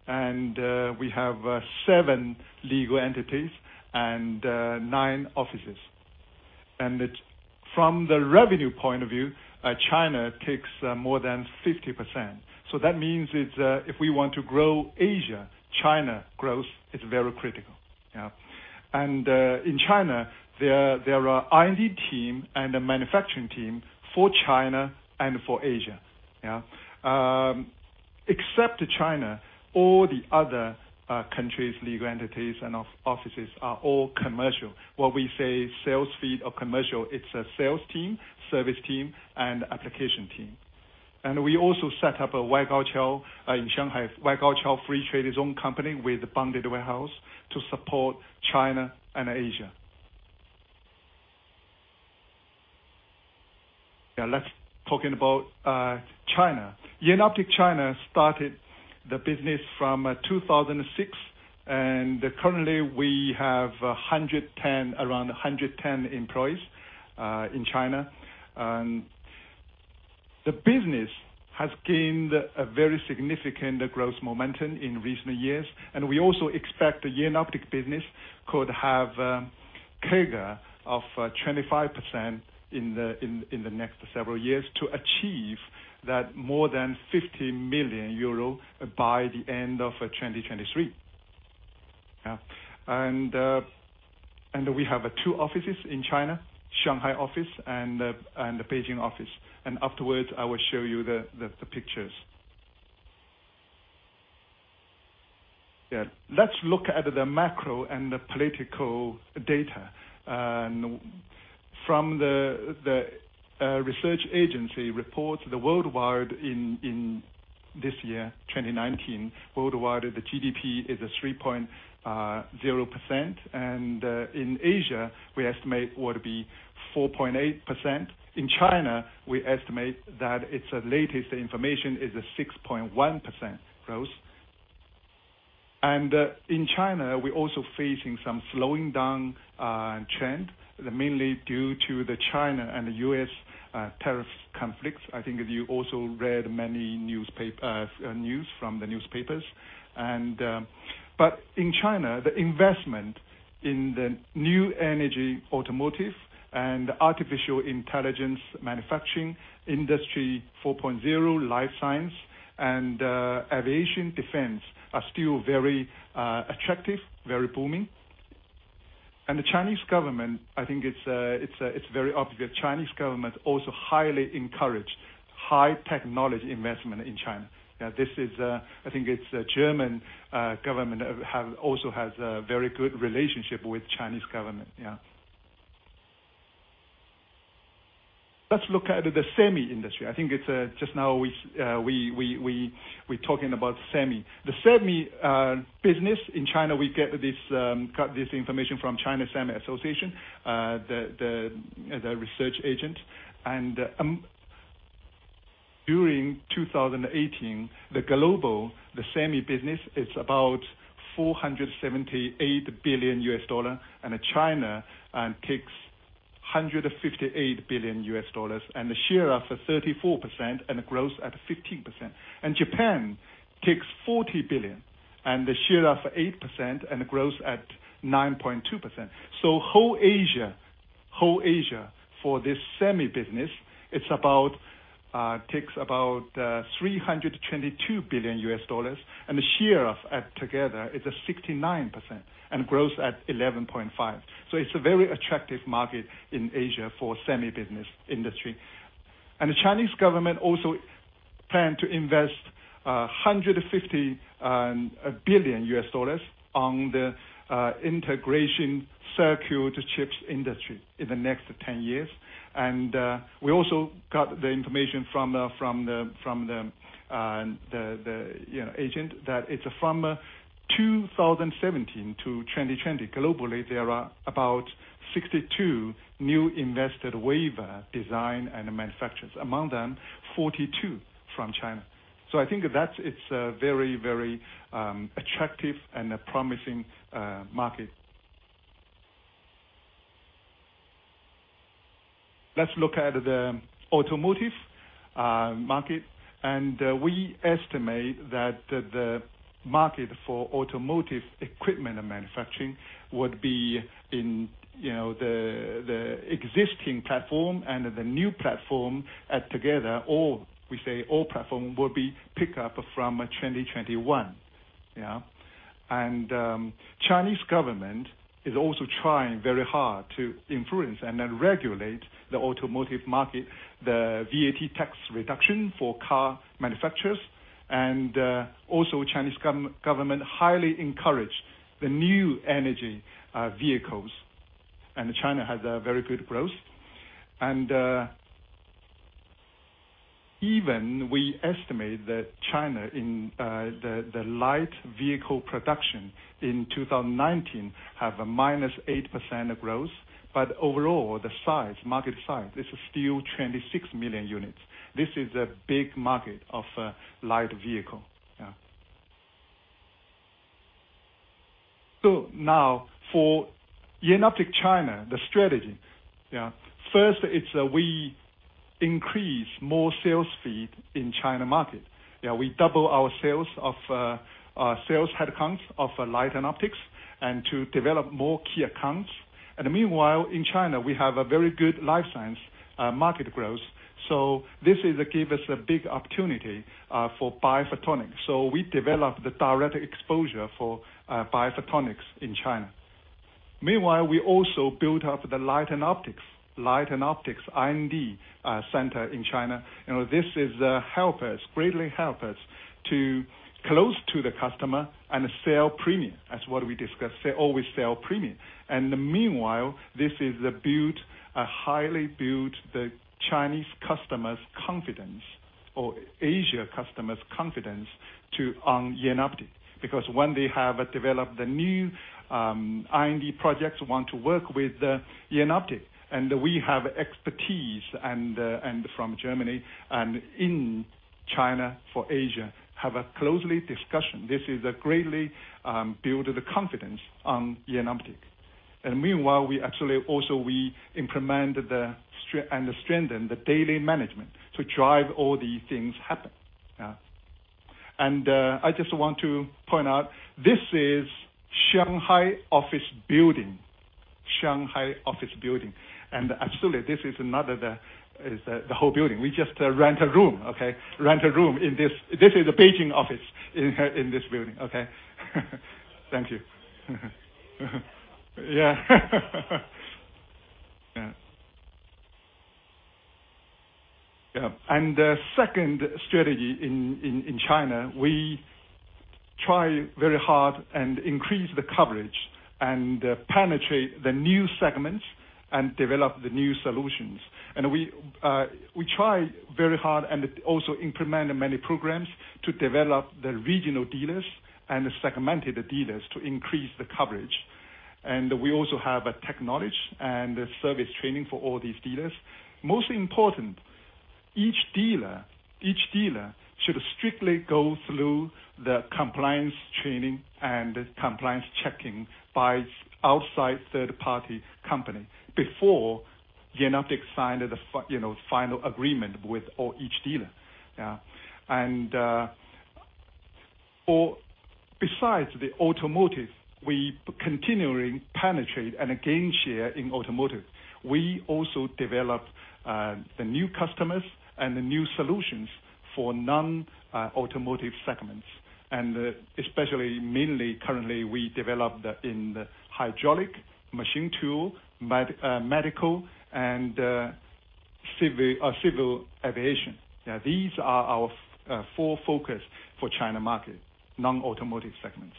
we have seven legal entities and nine offices. From the revenue point of view, China takes more than 50%. That means if we want to grow Asia, China growth is very critical. In China, there are R&D team and a manufacturing team for China and for Asia. Except China, all the other countries, legal entities, and offices are all commercial. What we say sales feed or commercial, it's a sales team, service team, and application team. We also set up a Waigaoqiao in Shanghai. Waigaoqiao Free Trade Zone company with bonded warehouse to support China and Asia. Now let's talk about China. Jenoptik China started the business from 2006, currently we have around 110 employees in China. The business has gained a very significant growth momentum in recent years. We also expect Jenoptik business could have CAGR of 25% in the next several years to achieve that more than 50 million euro by the end of 2023. We have two offices in China, Shanghai office and the Beijing office. Afterwards, I will show you the pictures. Let's look at the macro and the political data. From the research agency reports, the worldwide in this year, 2019, worldwide the GDP is 3.0%, and in Asia we estimate would be 4.8%. In China, we estimate that its latest information is 6.1% growth. In China, we're also facing some slowing down trend, mainly due to the China and U.S. tariff conflicts. I think you also read many news from the newspapers. In China, the investment in the new energy automotive and artificial intelligence manufacturing, Industry 4.0, life science, and aviation defense are still very attractive, very booming. The Chinese government, I think it's very obvious, Chinese government also highly encourages high technology investment in China. I think it's the German government also has a very good relationship with Chinese government. Yeah. Let's look at the semi industry. I think just now we're talking about semi. The semi business in China, we got this information from China Semi Association, the research agent. During 2018, the global semi business is about $478 billion, China takes $158 billion. The share of 34% and grows at 15%. Japan takes 40 billion, the share of 8% and grows at 9.2%. Whole Asia for this semi business, takes about $322 billion, and the share of together is 69%, and grows at 11.5%. It's a very attractive market in Asia for semi business industry. The Chinese government also plan to invest $150 billion on the integration circuit chips industry in the next 10 years. We also got the information from the agent that from 2017 to 2020, globally, there are about 62 new invested wafer design and manufacturers. Among them, 42 from China. I think that it's a very, very attractive and promising market. Let's look at the automotive market, we estimate that the market for automotive equipment and manufacturing would be in the existing platform and the new platform together, all we say, all platform will be pick up from 2021. Chinese government is also trying very hard to influence and then regulate the automotive market, the VAT tax reduction for car manufacturers. Chinese government highly encourage the new energy vehicles. China has a very good growth. Even we estimate that China in the light vehicle production in 2019 have a -8% growth. Overall, the market size is still 26 million units. This is a big market of light vehicle. Now for Jenoptik China, the strategy. First, it's we increase more sales feed in China market. We double our sales headcounts of Light & Optics, and to develop more key accounts. Meanwhile, in China, we have a very good life science market growth. This give us a big opportunity for biophotonics. We developed the direct exposure for biophotonics in China. Meanwhile, we also built up the Light & Optics R&D center in China, this greatly help us to close to the customer and sell premium as what we discussed. Always sell premium. Meanwhile, this is highly build the Chinese customers' confidence or Asia customers' confidence on Jenoptik. Because when they have developed the new R&D projects, want to work with Jenoptik. We have expertise from Germany and in China for Asia, have a closely discussion. This greatly build the confidence on Jenoptik. Meanwhile, we actually also implement and strengthen the daily management to drive all these things happen. I just want to point out, this is Shanghai office building. Absolutely, this is not the whole building. We just rent a room, okay? Rent a room in this. This is the Beijing office in this building. Thank you. Yeah. Yeah. Second strategy in China, we try very hard and increase the coverage, and penetrate the new segments, and develop the new solutions. We try very hard and also implement many programs to develop the regional dealers and segmented dealers to increase the coverage. We also have a technology and service training for all these dealers. Most important, each dealer should strictly go through the compliance training and compliance checking by outside third-party company before Jenoptik sign the final agreement with each dealer. Besides the automotive, we continuing penetrate and gain share in automotive. We also develop the new customers and the new solutions for non-automotive segments. Especially mainly currently we developed in the hydraulic machine tool, medical, and civil aviation. These are our four focus for China market, non-automotive segments.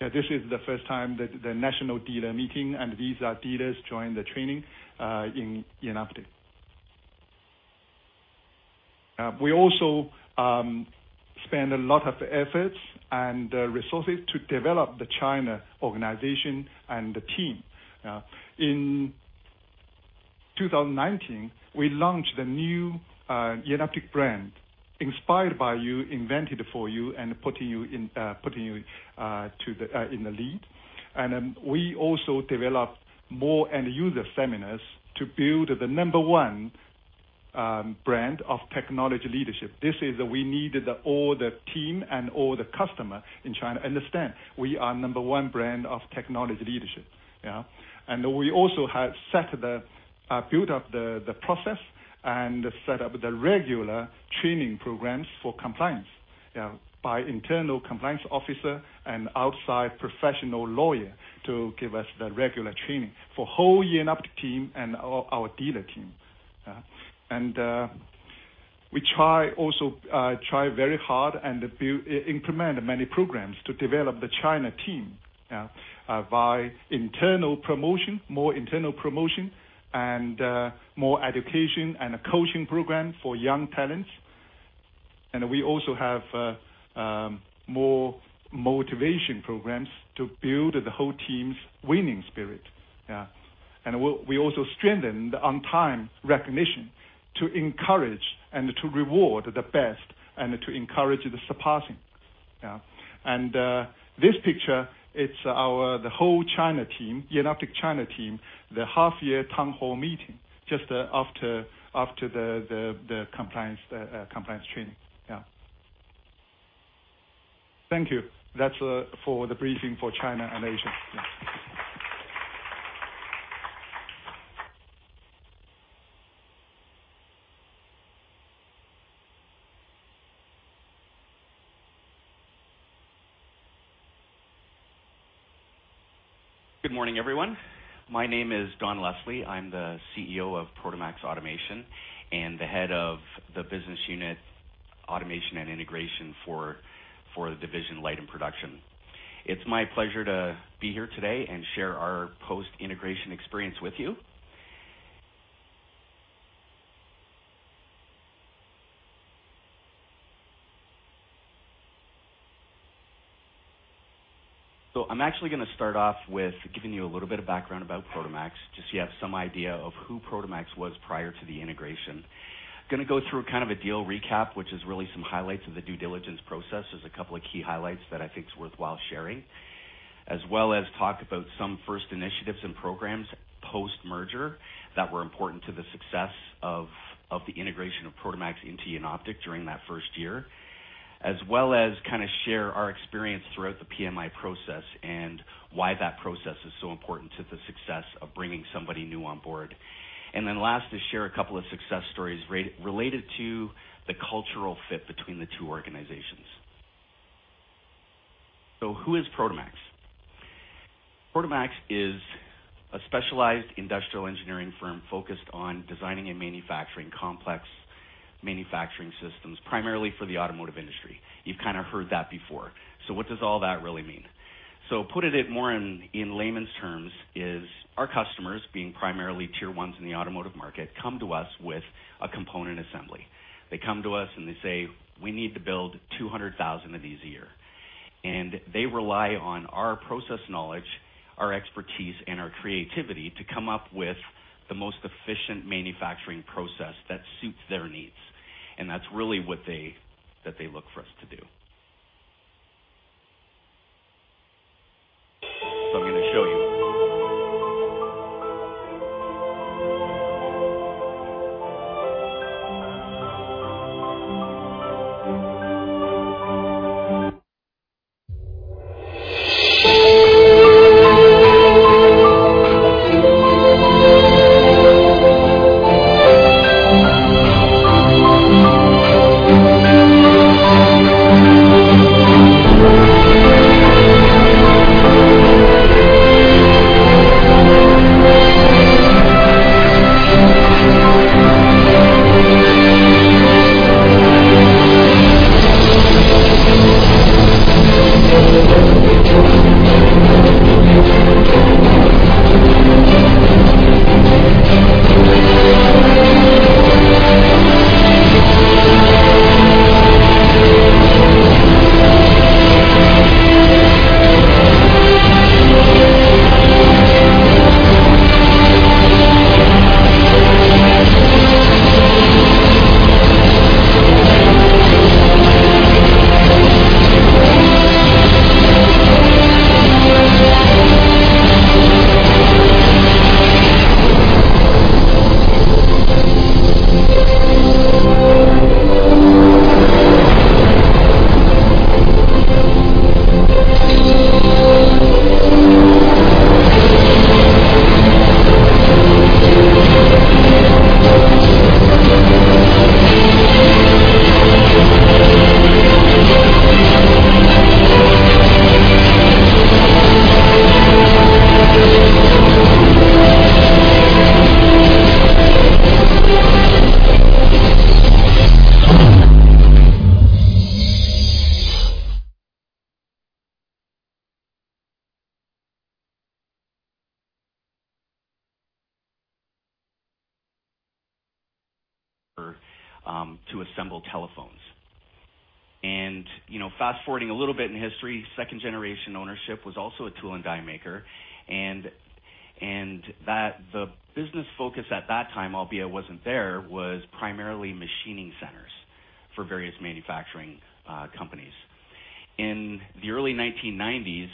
This is the first time that the national dealer meeting and these are dealers join the training in Jenoptik. We also spend a lot of efforts and resources to develop the China organization and the team. In 2019, we launched the new Jenoptik brand, inspired by you, invented for you, putting you in the lead. We also developed more end-user seminars to build the number one brand of technology leadership. This is we need all the team and all the customer in China understand we are number one brand of technology leadership. We also have built up the process and set up the regular training programs for compliance by internal compliance officer and outside professional lawyer to give us the regular training for whole Jenoptik team and our dealer team. We try very hard and implement many programs to develop the Jenoptik China team by more internal promotion and more education and coaching program for young talents. We also have more motivation programs to build the whole team's winning spirit. We also strengthen on-time recognition to encourage and to reward the best and to encourage the surpassing. This picture, it's the whole Jenoptik China team, the half-year town hall meeting, just after the compliance training. Thank you. That's for the briefing for China and Asia. Good morning, everyone. My name is Don Leslie. I'm the CEO of Prodomax Automation and the head of the business unit automation and integration for the division Light & Production. It's my pleasure to be here today and share our post-integration experience with you. I'm actually going to start off with giving you a little bit of background about Prodomax, just so you have some idea of who Prodomax was prior to the integration. Going to go through a deal recap, which is really some highlights of the due diligence process. There is a couple of key highlights that I think is worthwhile sharing, as well as talk about some first initiatives and programs post-merger that were important to the success of the integration of Prodomax into Jenoptik during that first year, as well as share our experience throughout the PMI process and why that process is so important to the success of bringing somebody new on board. Last is share a couple of success stories related to the cultural fit between the two organizations. Who is Prodomax? Prodomax is a specialized industrial engineering firm focused on designing and manufacturing complex manufacturing systems, primarily for the automotive industry. You've kind of heard that before. What does all that really mean? Put it in more in layman's terms is our customers, being primarily tier 1s in the automotive market, come to us with a component assembly. They come to us and they say, "We need to build 200,000 of these a year." They rely on our process knowledge, our expertise, and our creativity to come up with the most efficient manufacturing process that suits their needs. That's really what they look for us to do. I'm going to show you. To assemble telephones. Fast-forwarding a little bit in history, second generation ownership was also a tool and die maker, and the business focus at that time, albeit wasn't there, was primarily machining centers for various manufacturing companies. In the early 1990s,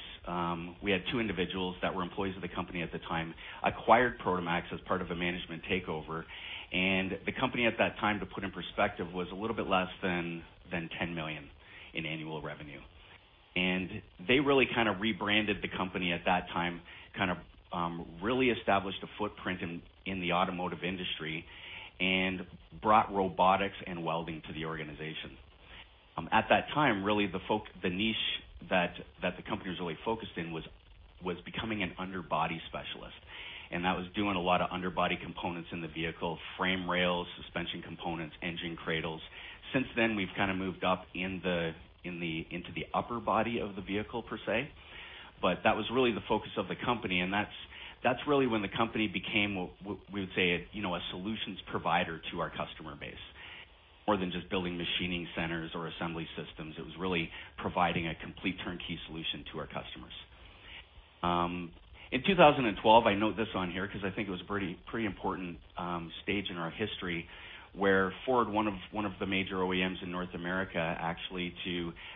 we had two individuals that were employees of the company at the time, acquired Prodomax as part of a management takeover, and the company at that time, to put in perspective, was a little bit less than 10 million in annual revenue. They really rebranded the company at that time, really established a footprint in the automotive industry and brought robotics and welding to the organization. At that time, really the niche that the company was really focused in was becoming an underbody specialist, and that was doing a lot of underbody components in the vehicle, frame rails, suspension components, engine cradles. Since then, we've moved up into the upper body of the vehicle, per se, but that was really the focus of the company, and that's really when the company became, we would say, a solutions provider to our customer base. More than just building machining centers or assembly systems, it was really providing a complete turnkey solution to our customers. In 2012, I note this on here because I think it was a pretty important stage in our history where Ford, one of the major OEMs in North America, actually,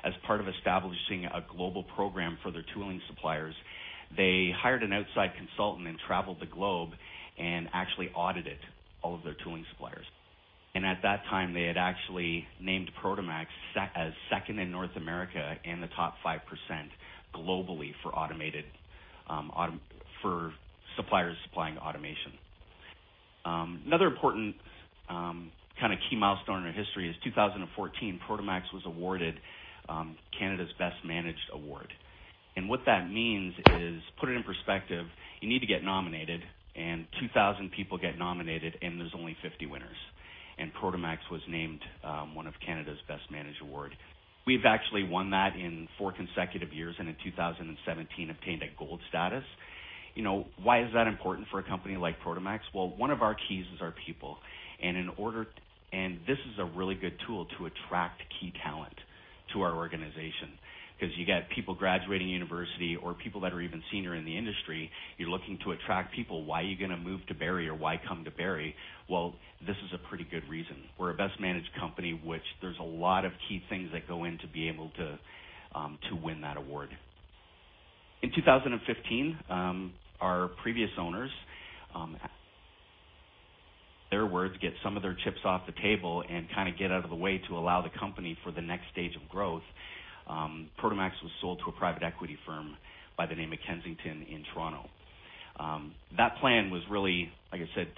as part of establishing a global program for their tooling suppliers, they hired an outside consultant and traveled the globe and actually audited all of their tooling suppliers. At that time, they had actually named Prodomax as second in North America and the top 5% globally for suppliers supplying automation. Another important key milestone in our history is 2014, Prodomax was awarded Canada's Best Managed Companies Award. What that means is, put it in perspective, you need to get nominated, and 2,000 people get nominated, and there's only 50 winners. Prodomax was named one of Canada's Best Managed Companies Award. We've actually won that in four consecutive years, and in 2017, obtained a gold status. Why is that important for a company like Prodomax? Well, one of our keys is our people, and this is a really good tool to attract key talent to our organization. You got people graduating university or people that are even senior in the industry, you're looking to attract people. Why are you going to move to Barrie, or why come to Barrie? Well, this is a pretty good reason. We're a Best Managed Company, which there's a lot of key things that go in to be able to win that award. In 2015, our previous owners, in their words, get some of their chips off the table and get out of the way to allow the company for the next stage of growth. Prodomax was sold to a private equity firm by the name of Kensington in Toronto. That plan was really, like I said,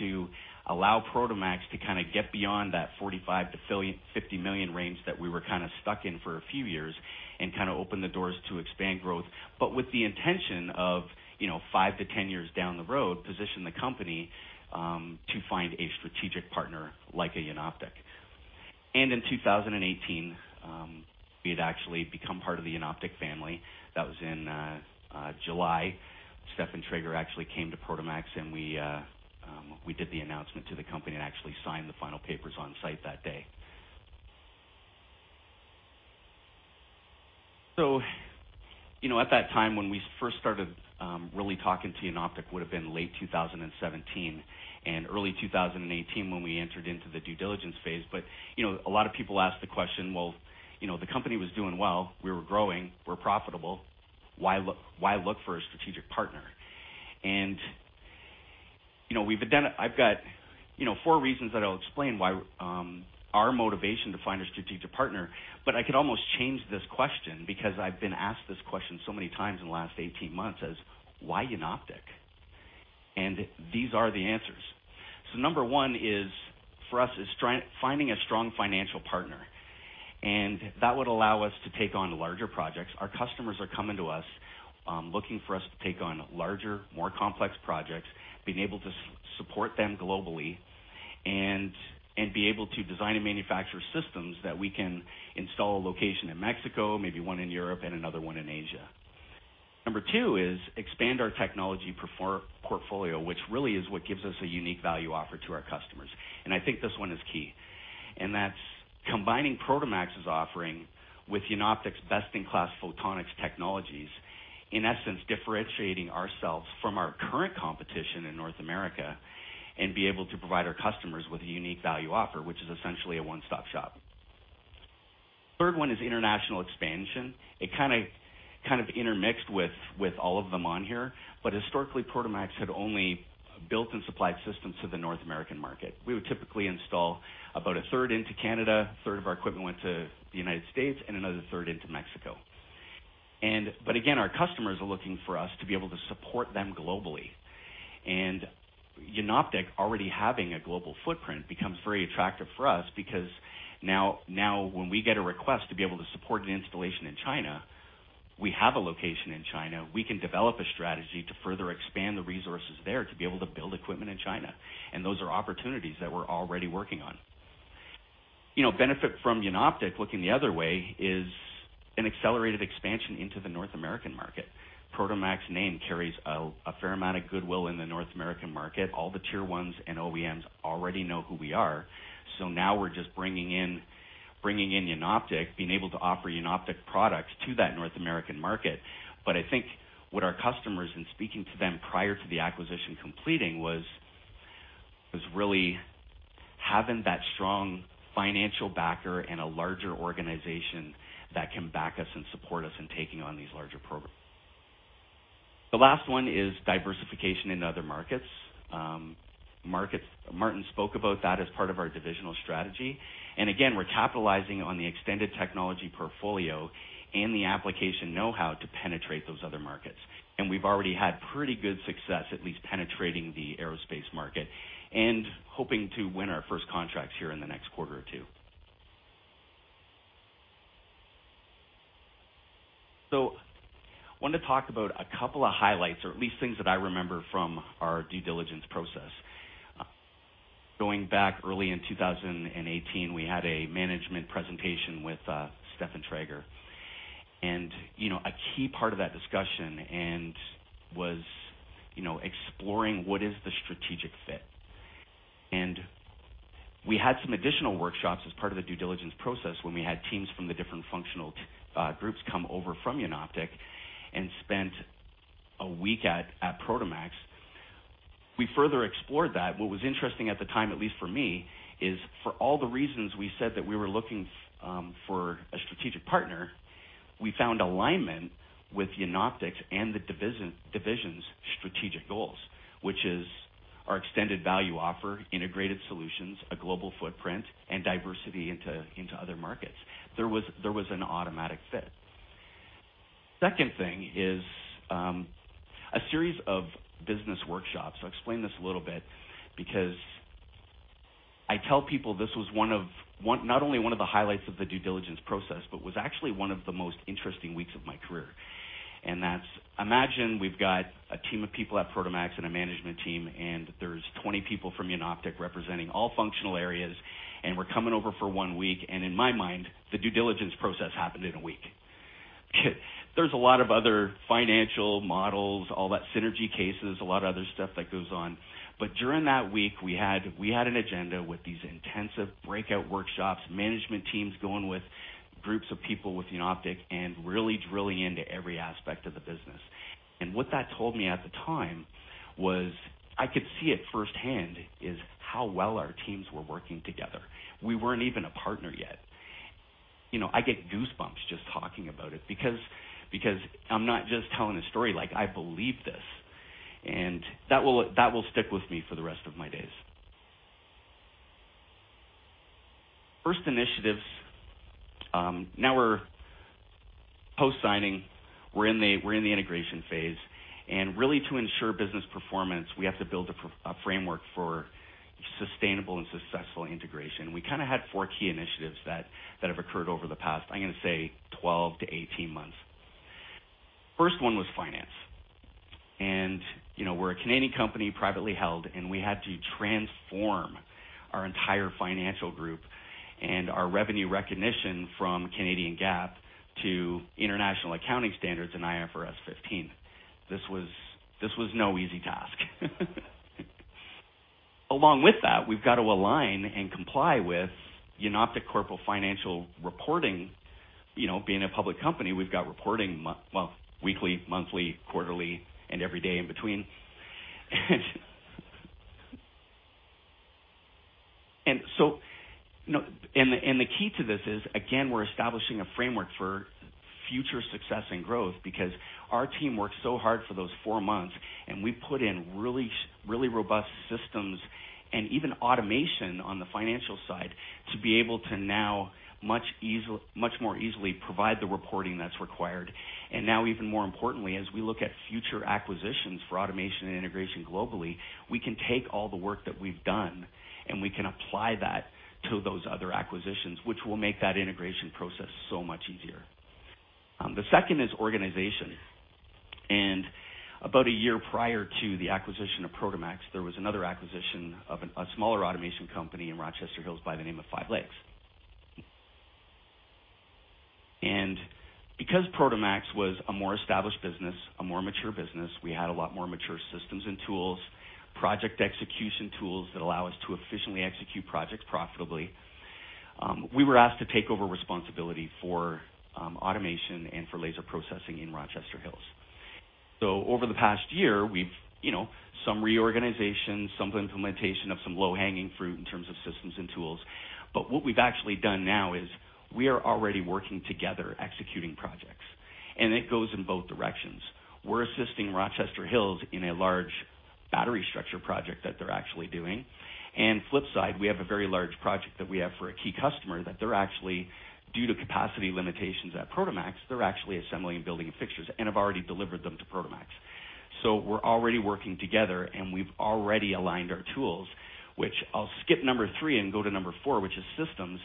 to allow Prodomax to get beyond that 45 million-50 million range that we were stuck in for a few years and open the doors to expand growth, but with the intention of five to 10 years down the road, position the company to find a strategic partner like a Jenoptik. In 2018, we had actually become part of the Jenoptik family. That was in July. Stefan Traeger actually came to Prodomax, and we did the announcement to the company and actually signed the final papers on site that day. At that time when we first started really talking to Jenoptik would've been late 2017 and early 2018 when we entered into the due diligence phase. A lot of people ask the question, well, the company was doing well, we were growing, we're profitable. Why look for a strategic partner? I've got four reasons that I'll explain why our motivation to find a strategic partner, but I could almost change this question because I've been asked this question so many times in the last 18 months as, why Jenoptik? These are the answers. Number 1 for us is finding a strong financial partner, and that would allow us to take on larger projects. Our customers are coming to us, looking for us to take on larger, more complex projects, being able to support them globally and be able to design and manufacture systems that we can install a location in Mexico, maybe one in Europe and another one in Asia. Number 2 is expand our technology portfolio, which really is what gives us a unique value offer to our customers. I think this one is key. That's combining Prodomax's offering with Jenoptik's best-in-class photonics technologies, in essence, differentiating ourselves from our current competition in North America and be able to provide our customers with a unique value offer, which is essentially a one-stop shop. Third one is international expansion. It intermixed with all of them on here, but historically, Prodomax had only built and supplied systems to the North American market. We would typically install about a third into Canada, a third of our equipment went to the United States, and another third into Mexico. Again, our customers are looking for us to be able to support them globally. Jenoptik already having a global footprint becomes very attractive for us because now when we get a request to be able to support an installation in China, we have a location in China. We can develop a strategy to further expand the resources there to be able to build equipment in China. Those are opportunities that we're already working on. Benefit from Jenoptik, looking the other way, is an accelerated expansion into the North American market. Prodomax name carries a fair amount of goodwill in the North American market. All the tier ones and OEMs already know who we are. Now we're just bringing in Jenoptik, being able to offer Jenoptik products to that North American market. I think what our customers, in speaking to them prior to the acquisition completing, was really having that strong financial backer and a larger organization that can back us and support us in taking on these larger programs. The last one is diversification in other markets. Martin spoke about that as part of our divisional strategy. Again, we're capitalizing on the extended technology portfolio and the application know-how to penetrate those other markets. We've already had pretty good success, at least penetrating the aerospace market and hoping to win our first contracts here in the next quarter or two. I want to talk about a couple of highlights or at least things that I remember from our due diligence process. Going back early in 2018, we had a management presentation with Stefan Traeger. A key part of that discussion was exploring what is the strategic fit. We had some additional workshops as part of the due diligence process when we had teams from the different functional groups come over from Jenoptik and spent a week at Prodomax. We further explored that. What was interesting at the time, at least for me, is for all the reasons we said that we were looking for a strategic partner, we found alignment with Jenoptik's and the division's strategic goals, which is our extended value offer, integrated solutions, a global footprint, and diversity into other markets. There was an automatic fit. Second thing is a series of business workshops. I'll explain this a little bit because I tell people this was not only one of the highlights of the due diligence process, but was actually one of the most interesting weeks of my career. That's, imagine we've got a team of people at Prodomax and a management team, and there's 20 people from Jenoptik representing all functional areas, and we're coming over for one week, and in my mind, the due diligence process happened in a week. There's a lot of other financial models, all that synergy cases, a lot of other stuff that goes on. During that week, we had an agenda with these intensive breakout workshops, management teams going with groups of people with Jenoptik, and really drilling into every aspect of the business. What that told me at the time was, I could see it firsthand, is how well our teams were working together. We weren't even a partner yet. I get goosebumps just talking about it because I'm not just telling a story, like, I believe this. That will stick with me for the rest of my days. First initiatives. Now we're post-signing, we're in the integration phase, and really to ensure business performance, we have to build a framework for sustainable and successful integration. We kind of had four key initiatives that have occurred over the past, I'm going to say 12 to 18 months. First one was finance. We're a Canadian company, privately held, and we had to transform our entire financial group and our revenue recognition from Canadian GAAP to International Accounting Standards and IFRS 15. This was no easy task. Along with that, we've got to align and comply with Jenoptik corporate financial reporting. Being a public company, we've got reporting, well, weekly, monthly, quarterly, and every day in between. The key to this is, again, we're establishing a framework for future success and growth because our team worked so hard for those four months, and we put in really robust systems and even automation on the financial side to be able to now much more easily provide the reporting that's required. Now even more importantly, as we look at future acquisitions for automation and integration globally, we can take all the work that we've done and we can apply that to those other acquisitions, which will make that integration process so much easier. The second is organization. About a year prior to the acquisition of Prodomax, there was another acquisition of a smaller automation company in Rochester Hills by the name of Five Lakes Automation. Because Prodomax was a more established business, a more mature business, we had a lot more mature systems and tools, project execution tools that allow us to efficiently execute projects profitably. We were asked to take over responsibility for automation and for laser processing in Rochester Hills. Over the past year, some reorganization, some implementation of some low-hanging fruit in terms of systems and tools. What we've actually done now is we are already working together executing projects. It goes in both directions. We're assisting Rochester Hills in a large battery structure project that they're actually doing. Flip side, we have a very large project that we have for a key customer that they're actually, due to capacity limitations at Prodomax, they're actually assembling and building fixtures, and have already delivered them to Prodomax. We're already working together, and we've already aligned our tools, which I'll skip number three and go to number four, which is systems.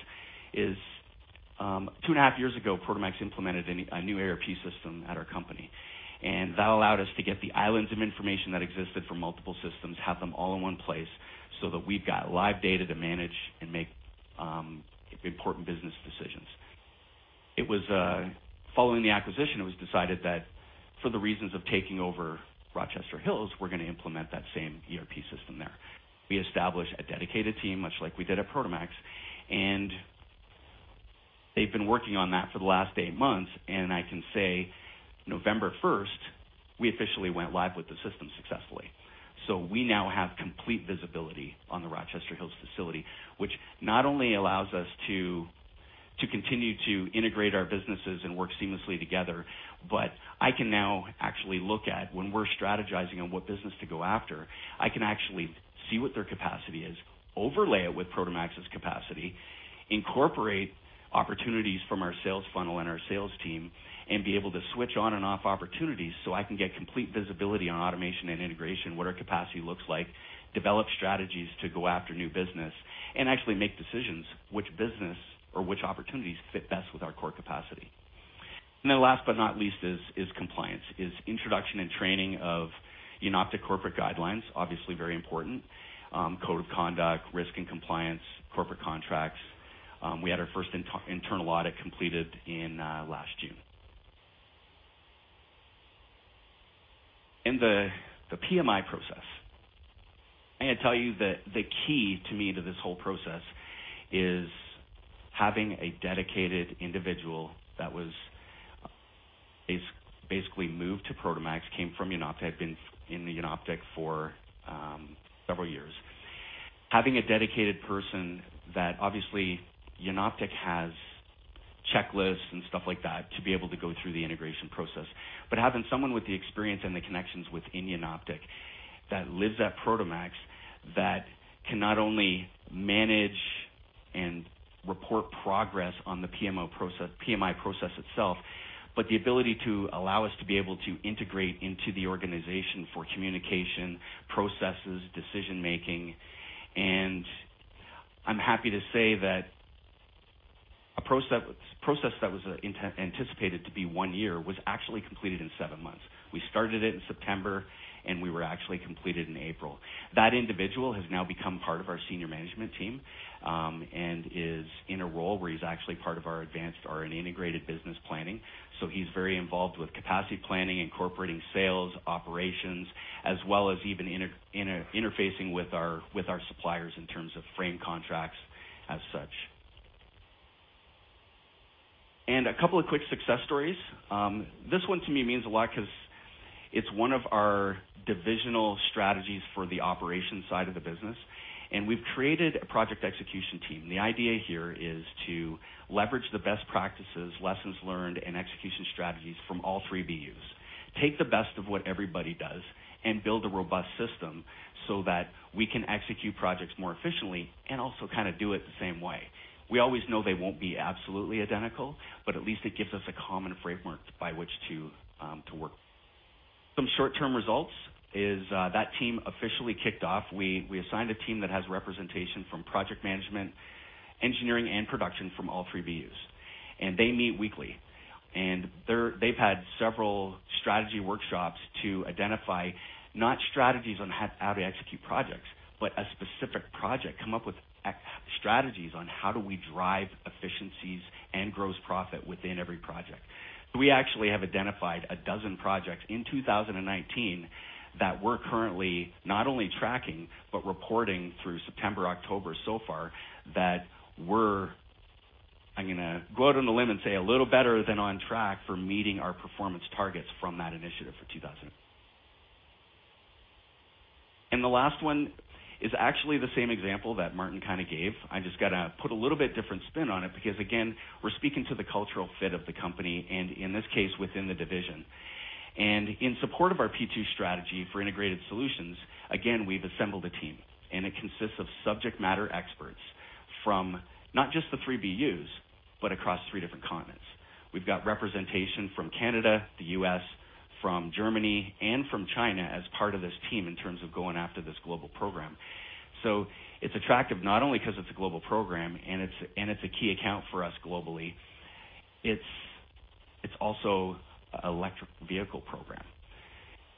2.5 years ago, Prodomax implemented a new ERP system at our company, and that allowed us to get the islands of information that existed for multiple systems, have them all in one place, so that we've got live data to manage and make important business decisions. Following the acquisition, it was decided that for the reasons of taking over Rochester Hills, we're going to implement that same ERP system there. We established a dedicated team, much like we did at Prodomax, and they've been working on that for the last eight months, and I can say November 1st, we officially went live with the system successfully. We now have complete visibility on the Rochester Hills facility, which not only allows us to continue to integrate our businesses and work seamlessly together, but I can now actually look at, when we're strategizing on what business to go after, I can actually see what their capacity is, overlay it with Prodomax's capacity, incorporate opportunities from our sales funnel and our sales team, and be able to switch on and off opportunities, so I can get complete visibility on automation and integration, what our capacity looks like, develop strategies to go after new business, and actually make decisions which business or which opportunities fit best with our core capacity. Last but not least is compliance, is introduction and training of Jenoptik corporate guidelines, obviously very important. Code of conduct, risk and compliance, corporate contracts. We had our first internal audit completed in last June. In the PMI process, I got to tell you that the key to me to this whole process is having a dedicated individual that was basically moved to Prodomax, came from Jenoptik, had been in Jenoptik for several years. Having a dedicated person that obviously Jenoptik has checklists and stuff like that to be able to go through the integration process, but having someone with the experience and the connections within Jenoptik that lives at Prodomax, that can not only manage and report progress on the PMI process itself, but the ability to allow us to be able to integrate into the organization for communication, processes, decision-making. I'm happy to say that a process that was anticipated to be one year was actually completed in seven months. We started it in September, we were actually completed in April. That individual has now become part of our senior management team, is in a role where he's actually part of our advanced integrated business planning. He's very involved with capacity planning, incorporating sales, operations, as well as even interfacing with our suppliers in terms of frame contracts as such. A couple of quick success stories. This one to me means a lot because it's one of our divisional strategies for the operations side of the business, and we've created a project execution team. The idea here is to leverage the best practices, lessons learned, and execution strategies from all three BUs. Take the best of what everybody does, and build a robust system, so that we can execute projects more efficiently and also do it the same way. We always know they won't be absolutely identical, but at least it gives us a common framework by which to work. Some short-term results is that team officially kicked off. We assigned a team that has representation from project management, engineering, and production from all three BUs. They meet weekly. They've had several strategy workshops to identify not strategies on how to execute projects, but a specific project come up with strategies on how do we drive efficiencies and gross profit within every project. We actually have identified 12 projects in 2019 that we're currently not only tracking, but reporting through September, October so far, I'm going to go out on a limb and say a little better than on track for meeting our performance targets from that initiative for 2000. The last one is actually the same example that Martin gave. I just got to put a little bit different spin on it because, again, we're speaking to the cultural fit of the company, and in this case, within the division. In support of our P2 strategy for integrated solutions, again, we've assembled a team. It consists of subject matter experts from not just the three BUs, but across three different continents. We've got representation from Canada, the U.S., from Germany, and from China as part of this team in terms of going after this global program. It's attractive not only because it's a global program and it's a key account for us globally, it's also an electric vehicle program.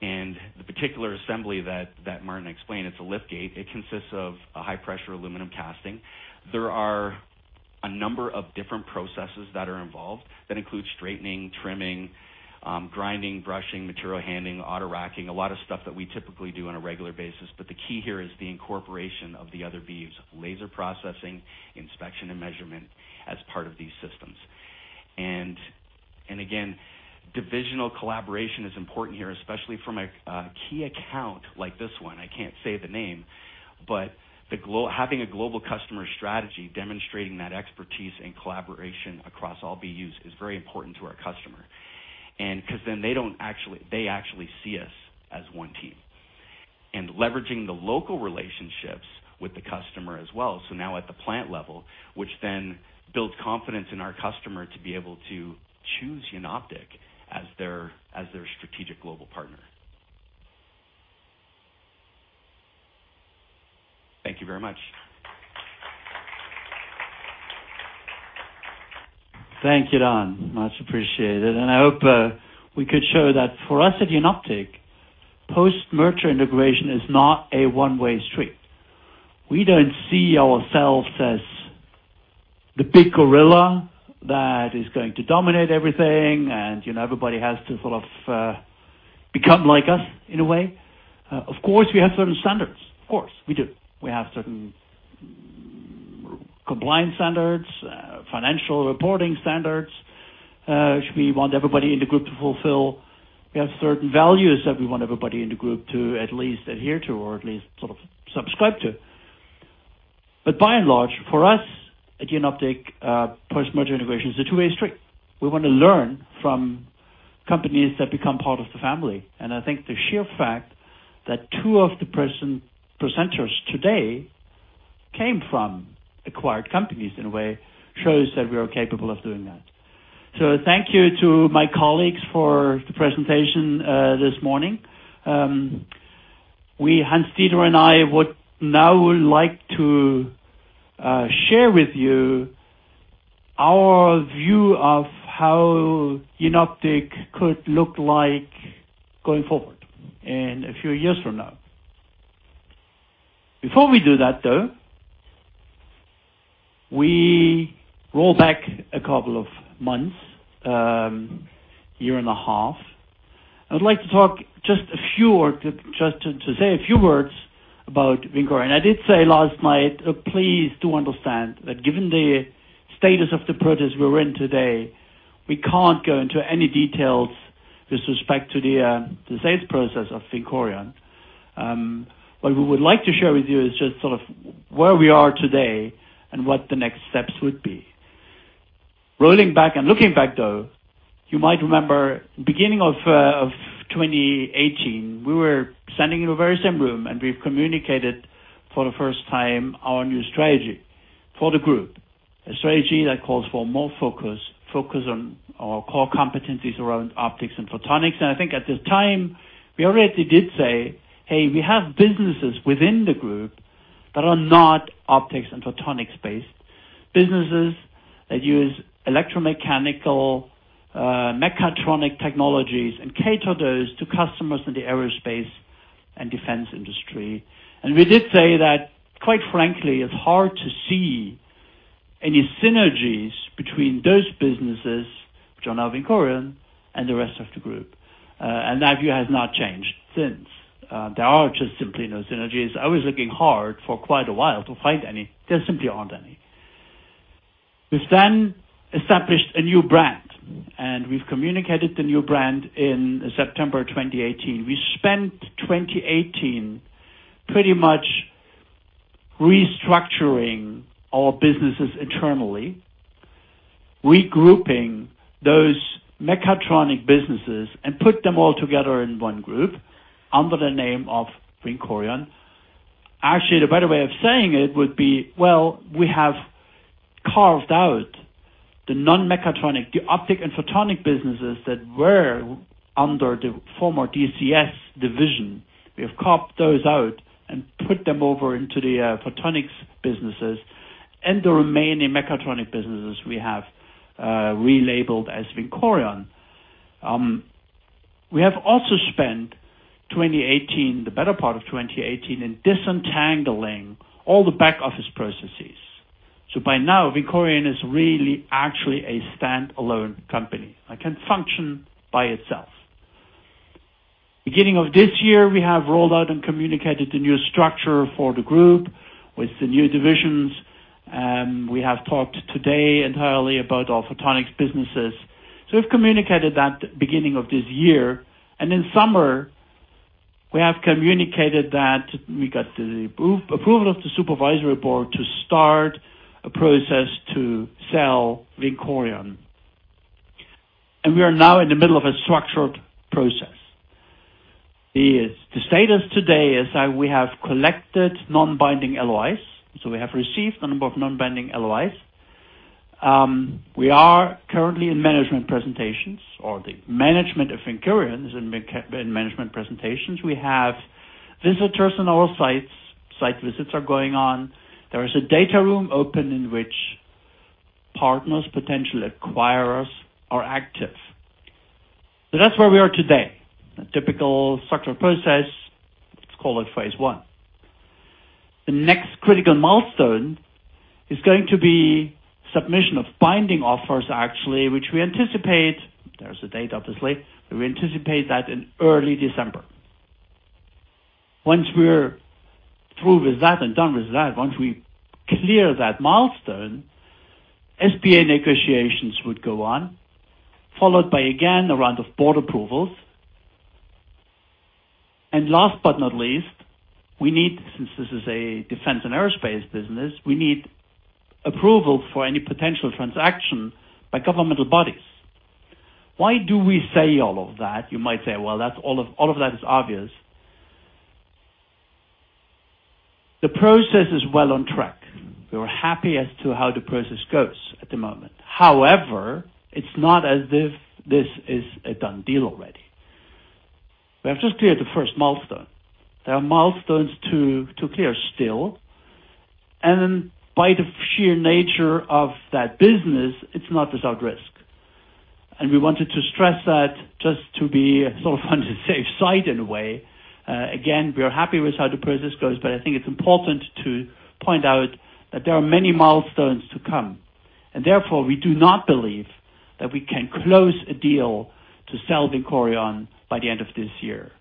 The particular assembly that Martin explained, it's a lift gate. It consists of a high-pressure aluminum casting. There are a number of different processes that are involved that include straightening, trimming, grinding, brushing, material handling, auto-racking, a lot of stuff that we typically do on a regular basis. The key here is the incorporation of the other BUs, laser processing, inspection, and measurement as part of these systems. Again, divisional collaboration is important here, especially from a key account like this one. I can't say the name. Having a global customer strategy, demonstrating that expertise and collaboration across all BUs is very important to our customer. Because then they actually see us as one team. Leveraging the local relationships with the customer as well, so now at the plant level, which then builds confidence in our customer to be able to choose Jenoptik as their strategic global partner. Thank you very much. Thank you, Don. Much appreciated. I hope we could show that for us at Jenoptik, post-merger integration is not a one-way street. We don't see ourselves as the big gorilla that is going to dominate everything, and everybody has to sort of become like us in a way. Of course, we have certain standards. Of course, we do. We have certain compliance standards, financial reporting standards, which we want everybody in the group to fulfill. We have certain values that we want everybody in the group to at least adhere to or at least sort of subscribe to. By and large, for us at Jenoptik, post-merger integration is a two-way street. We want to learn from companies that become part of the family. I think the sheer fact that two of the presenters today came from acquired companies in a way shows that we are capable of doing that. Thank you to my colleagues for the presentation this morning. Hans-Dieter and I would now like to share with you our view of how Jenoptik could look like going forward in a few years from now. Before we do that, though, we roll back a couple of months, 1.5 year. I would like to talk just to say a few words about VINCORION. I did say last night, please do understand that given the status of the process we're in today, we can't go into any details with respect to the sales process of VINCORION. What we would like to share with you is just sort of where we are today and what the next steps would be. Rolling back and looking back, though, you might remember beginning of 2018, we were standing in the very same room. We communicated for the first time our new strategy for the group. A strategy that calls for more focus on our core competencies around optics and photonics. I think at the time, we already did say, "Hey, we have businesses within the group that are not optics and photonics-based. Businesses that use electromechanical, mechatronic technologies and cater those to customers in the aerospace and defense industry." We did say that, quite frankly, it's hard to see any synergies between those businesses, which are now VINCORION, and the rest of the group. That view has not changed since. There are just simply no synergies. I was looking hard for quite a while to find any. There simply aren't any. We've established a new brand, we've communicated the new brand in September 2018. We spent 2018 pretty much restructuring our businesses internally, regrouping those mechatronic businesses, and put them all together in one group under the name of VINCORION. Actually, the better way of saying it would be, well, we have carved out the non-mechatronic, the optic and photonic businesses that were under the former DCS division. We have carved those out and put them over into the photonics businesses. The remaining mechatronic businesses we have relabeled as VINCORION. We have also spent the better part of 2018 in disentangling all the back office processes. By now, VINCORION is really actually a standalone company that can function by itself. Beginning of this year, we have rolled out and communicated the new structure for the group with the new divisions. We have talked today entirely about our photonics businesses. We've communicated that beginning of this year. In summer, we have communicated that we got the approval of the supervisory board to start a process to sell VINCORION. We are now in the middle of a structured process. The status today is that we have collected non-binding LOIs. We have received a number of non-binding LOIs. We are currently in management presentations, or the management of VINCORION is in management presentations. We have visitors on our sites. Site visits are going on. There is a data room open in which partners, potential acquirers, are active. That's where we are today. A typical structured process, let's call it phase 1. The next critical milestone is going to be submission of binding offers, actually, which we anticipate, there's the date, obviously. We anticipate that in early December. Once we're through with that and done with that, once we clear that milestone, SPA negotiations would go on, followed by, again, a round of board approvals. Last but not least, since this is a defense and aerospace business, we need approval for any potential transaction by governmental bodies. Why do we say all of that? You might say, well, all of that is obvious. The process is well on track. We are happy as to how the process goes at the moment. However, it's not as if this is a done deal already. We have just cleared the first milestone. There are milestones to clear still. By the sheer nature of that business, it's not without risk. We wanted to stress that just to be sort of on the safe side in a way. Again, we are happy with how the process goes, but I think it's important to point out that there are many milestones to come. Therefore, we do not believe that we can close a deal to sell VINCORION by the end of this year.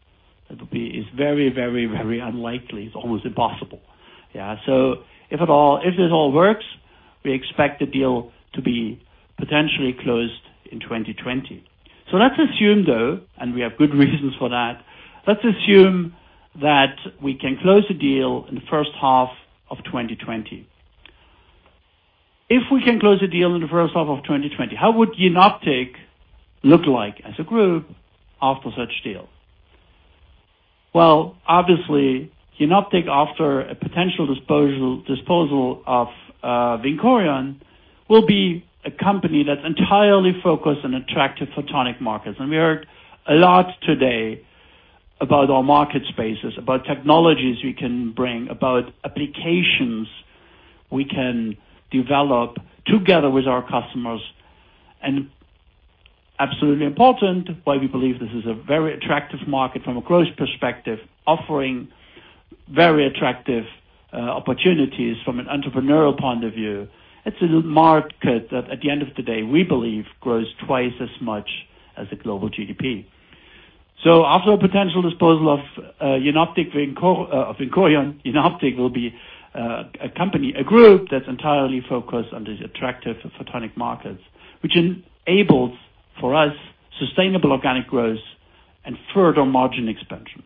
It's very unlikely. It's almost impossible. If this all works, we expect the deal to be potentially closed in 2020. Let's assume, though, and we have good reasons for that, let's assume that we can close the deal in the first half of 2020. If we can close the deal in the first half of 2020, how would Jenoptik look like as a group after such deal? Well, obviously, Jenoptik, after a potential disposal of VINCORION, will be a company that's entirely focused on attractive photonic markets. We heard a lot today about our market spaces, about technologies we can bring, about applications we can develop together with our customers. Absolutely important, why we believe this is a very attractive market from a growth perspective, offering very attractive opportunities from an entrepreneurial point of view. It's a market that, at the end of the day, we believe grows twice as much as the global GDP. After a potential disposal of Jenoptik VINCORION, Jenoptik will be a group that's entirely focused on these attractive photonic markets, which enables, for us, sustainable organic growth and further margin expansion.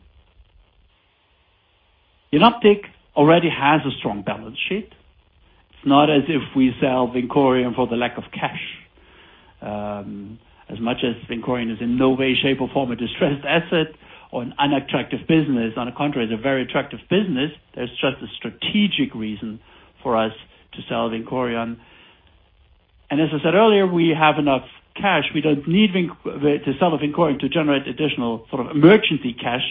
Jenoptik already has a strong balance sheet. It's not as if we sell VINCORION for the lack of cash. As much as VINCORION is in no way, shape, or form a distressed asset or an unattractive business. On the contrary, it's a very attractive business. There's just a strategic reason for us to sell VINCORION. As I said earlier, we have enough cash. We don't need to sell VINCORION to generate additional emergency cash.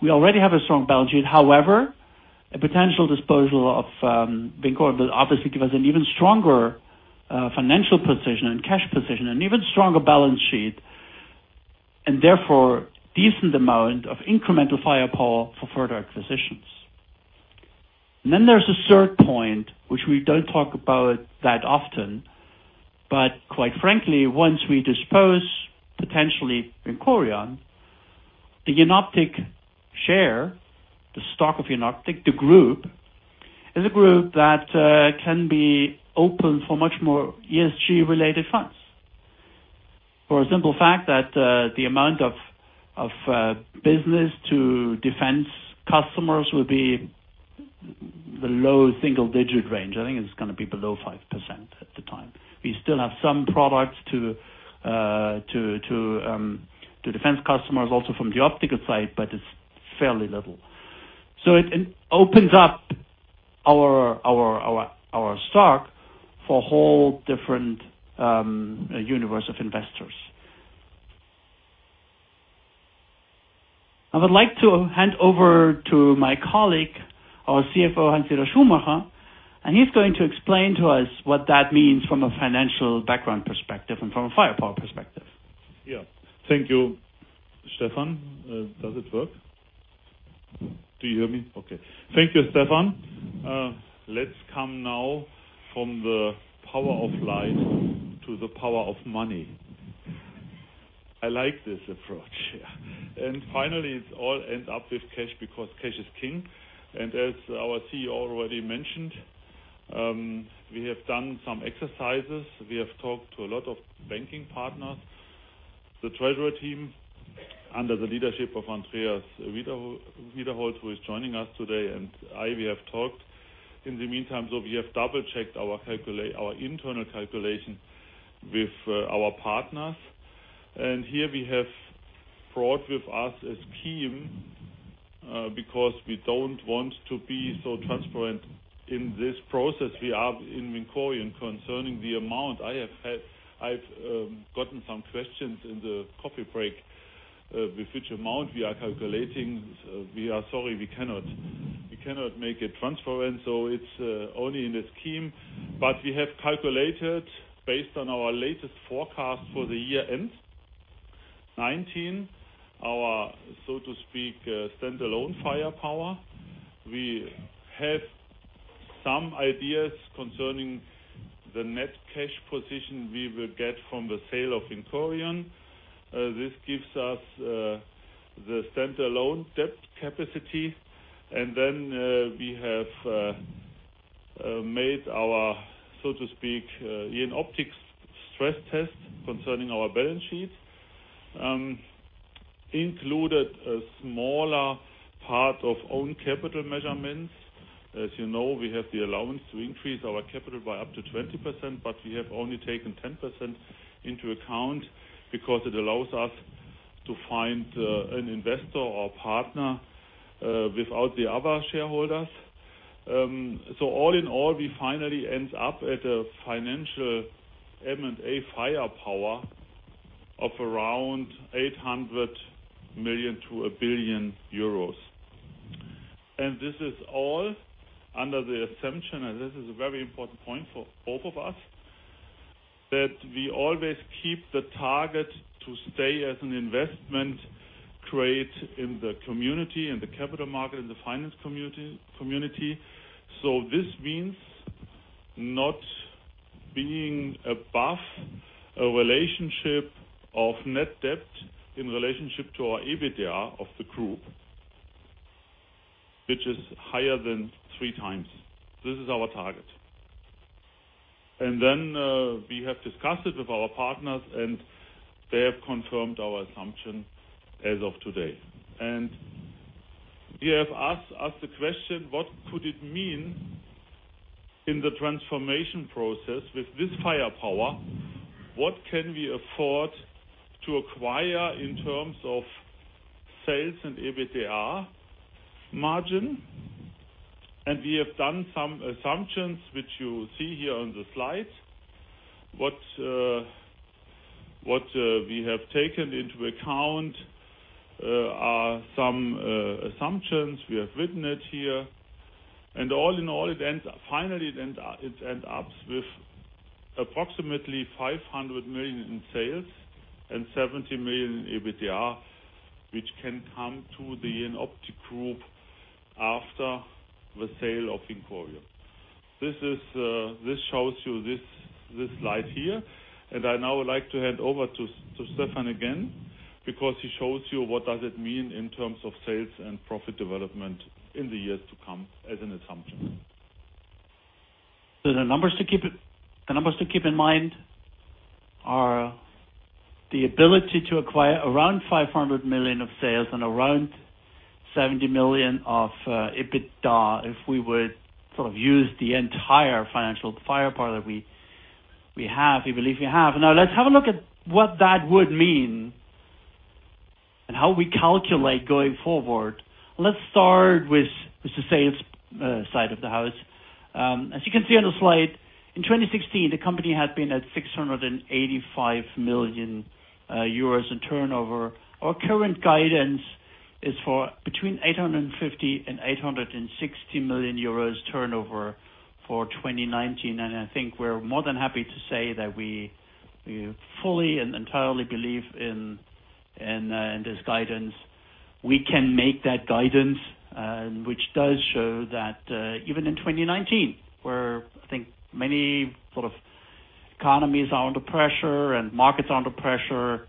We already have a strong balance sheet. However, a potential disposal of VINCORION will obviously give us an even stronger financial position and cash position, an even stronger balance sheet, and therefore, decent amount of incremental firepower for further acquisitions. Then there's a third point, which we don't talk about that often, but quite frankly, once we dispose, potentially, VINCORION, the Jenoptik share, the stock of Jenoptik, the group, is a group that can be open for much more ESG-related funds. For a simple fact that the amount of business to defense customers will be the low single-digit range. I think it's going to be below 5% at the time. We still have some products to defense customers, also from the optical side, it's fairly little. It opens up our stock for a whole different universe of investors. I would like to hand over to my colleague, our CFO, Hans-Dieter Schumacher. He's going to explain to us what that means from a financial background perspective and from a firepower perspective. Yeah. Thank you, Stefan. Does it work? Do you hear me? Okay. Thank you, Stefan. Let's come now from the power of light to the power of money. I like this approach. Finally, it all ends up with cash because cash is king. As our CEO already mentioned, we have done some exercises. We have talked to a lot of banking partners. The Treasury team, under the leadership of Andreas Wiederhold, who is joining us today, and I, we have talked. In the meantime, though, we have double-checked our internal calculation with our partners. Here we have brought with us a scheme, because we don't want to be so transparent in this process we are in VINCORION concerning the amount. I've gotten some questions in the coffee break with which amount we are calculating. We are sorry, we cannot make it transparent, so it's only in the scheme. We have calculated, based on our latest forecast for the year end 2019, our, so to speak, standalone firepower. We have some ideas concerning the net cash position we will get from the sale of VINCORION. This gives us the standalone debt capacity, and then we have made our, so to speak, Jenoptik stress test concerning our balance sheet. Included a smaller part of own capital measurements. As you know, we have the allowance to increase our capital by up to 20%, but we have only taken 10% into account because it allows us to find an investor or partner without the other shareholders. All in all, we finally end up at a financial M&A firepower of around 800 million to 1 billion euros. This is all under the assumption, and this is a very important point for both of us, that we always keep the target to stay as an investment grade in the community and the capital market and the finance community. This means not being above a relationship of net debt in relationship to our EBITDA of the group, which is higher than three times. This is our target. Then we have discussed it with our partners, and they have confirmed our assumption as of today. We have asked the question, what could it mean in the transformation process with this firepower? What can we afford to acquire in terms of sales and EBITDA margin? We have done some assumptions, which you see here on the slide. What we have taken into account are some assumptions. We have written it here. All in all, it finally ends up with approximately 500 million in sales and 70 million in EBITDA, which can come to the Jenoptik Group after the sale of VINCORION. This shows you this slide here. I now would like to hand over to Stefan again because he shows you what does it mean in terms of sales and profit development in the years to come as an assumption. The numbers to keep in mind are the ability to acquire around 500 million of sales and around 70 million of EBITDA, if we would use the entire financial firepower that we believe we have. Let's have a look at what that would mean and how we calculate going forward. Let's start with the sales side of the house. As you can see on the slide, in 2016, the company had been at 685 million euros turnover. Our current guidance is for between 850 million and 860 million euros turnover for 2019. I think we're more than happy to say that we fully and entirely believe in this guidance. We can make that guidance, which does show that even in 2019, where I think many economies are under pressure and markets are under pressure,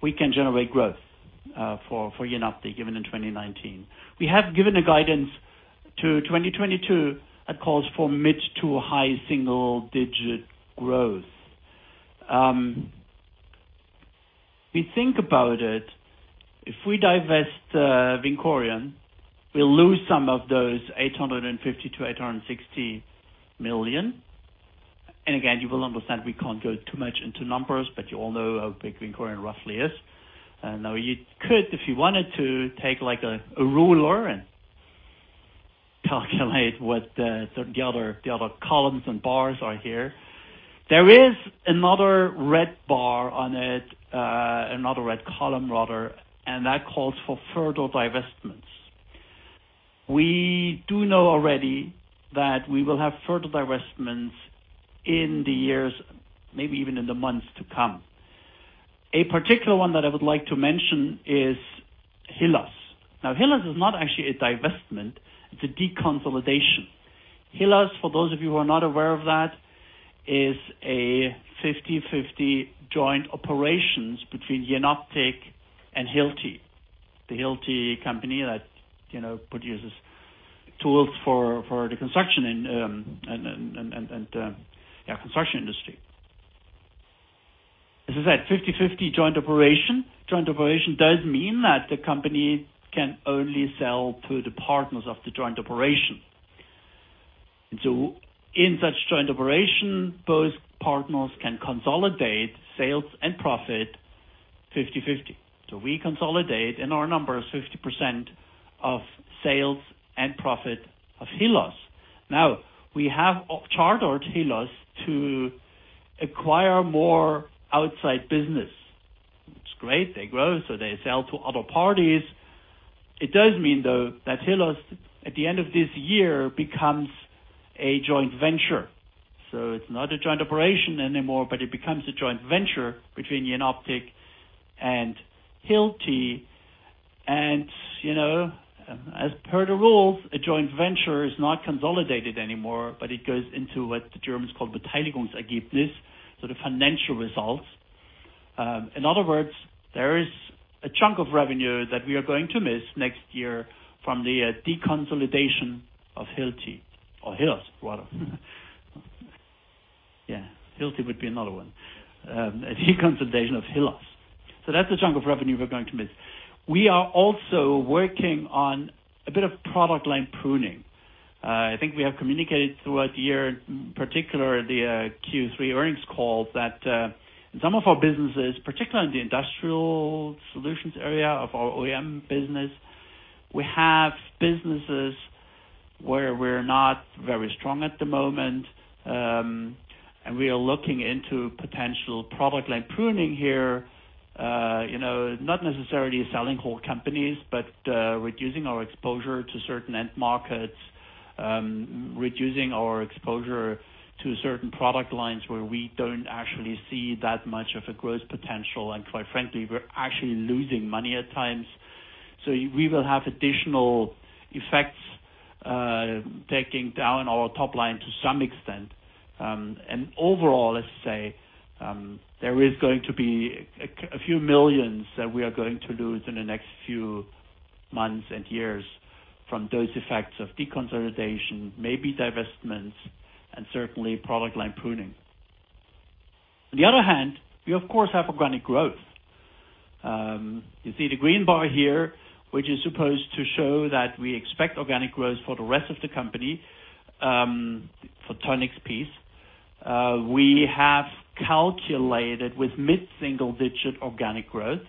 we can generate growth for Jenoptik even in 2019. We have given a guidance to 2022 that calls for mid to high single digit growth. We think about it, if we divest VINCORION, we'll lose some of those 850 million to 860 million. Again, you will understand we can't go too much into numbers, but you all know how big VINCORION roughly is. You could, if you wanted to, take a ruler and calculate what the other columns and bars are here. There is another red bar on it, another red column rather, and that calls for further divestments. We do know already that we will have further divestments in the years, maybe even in the months to come. A particular one that I would like to mention is Hillos. Hillos is not actually a divestment, it's a deconsolidation. Hillos, for those of you who are not aware of that, is a 50/50 joint operations between Jenoptik and Hilti. The Hilti company that produces tools for the construction and the construction industry. As I said, 50/50 joint operation. Joint operation does mean that the company can only sell to the partners of the joint operation. In such joint operation, both partners can consolidate sales and profit 50/50. We consolidate in our numbers 50% of sales and profit of Hillos. Now, we have chartered Hillos to acquire more outside business. It's great. They grow, they sell to other parties. It does mean, though, that Hillos, at the end of this year, becomes a joint venture. It's not a joint operation anymore, but it becomes a joint venture between Jenoptik and Hilti. As per the rules, a joint venture is not consolidated anymore, but it goes into what the Germans call the Beteiligungsergebnis, so the financial results. In other words, there is a chunk of revenue that we are going to miss next year from the deconsolidation of Hilti or Hillos rather. Yeah. Hilti would be another one. A deconsolidation of Hillos. That's the chunk of revenue we're going to miss. We are also working on a bit of product line pruning. I think we have communicated throughout the year, particularly the Q3 earnings call, that in some of our businesses, particularly in the industrial solutions area of our OEM business, we have businesses where we're not very strong at the moment, and we are looking into potential product line pruning here. Not necessarily selling whole companies, but reducing our exposure to certain end markets, reducing our exposure to certain product lines where we don't actually see that much of a growth potential. Quite frankly, we're actually losing money at times. We will have additional effects taking down our top line to some extent. Overall, let's say, there is going to be a few million that we are going to lose in the next few months and years from those effects of deconsolidation, maybe divestments, and certainly product line pruning. On the other hand, we of course have organic growth. You see the green bar here, which is supposed to show that we expect organic growth for the rest of the company, Photonics piece. We have calculated with mid-single-digit organic growth,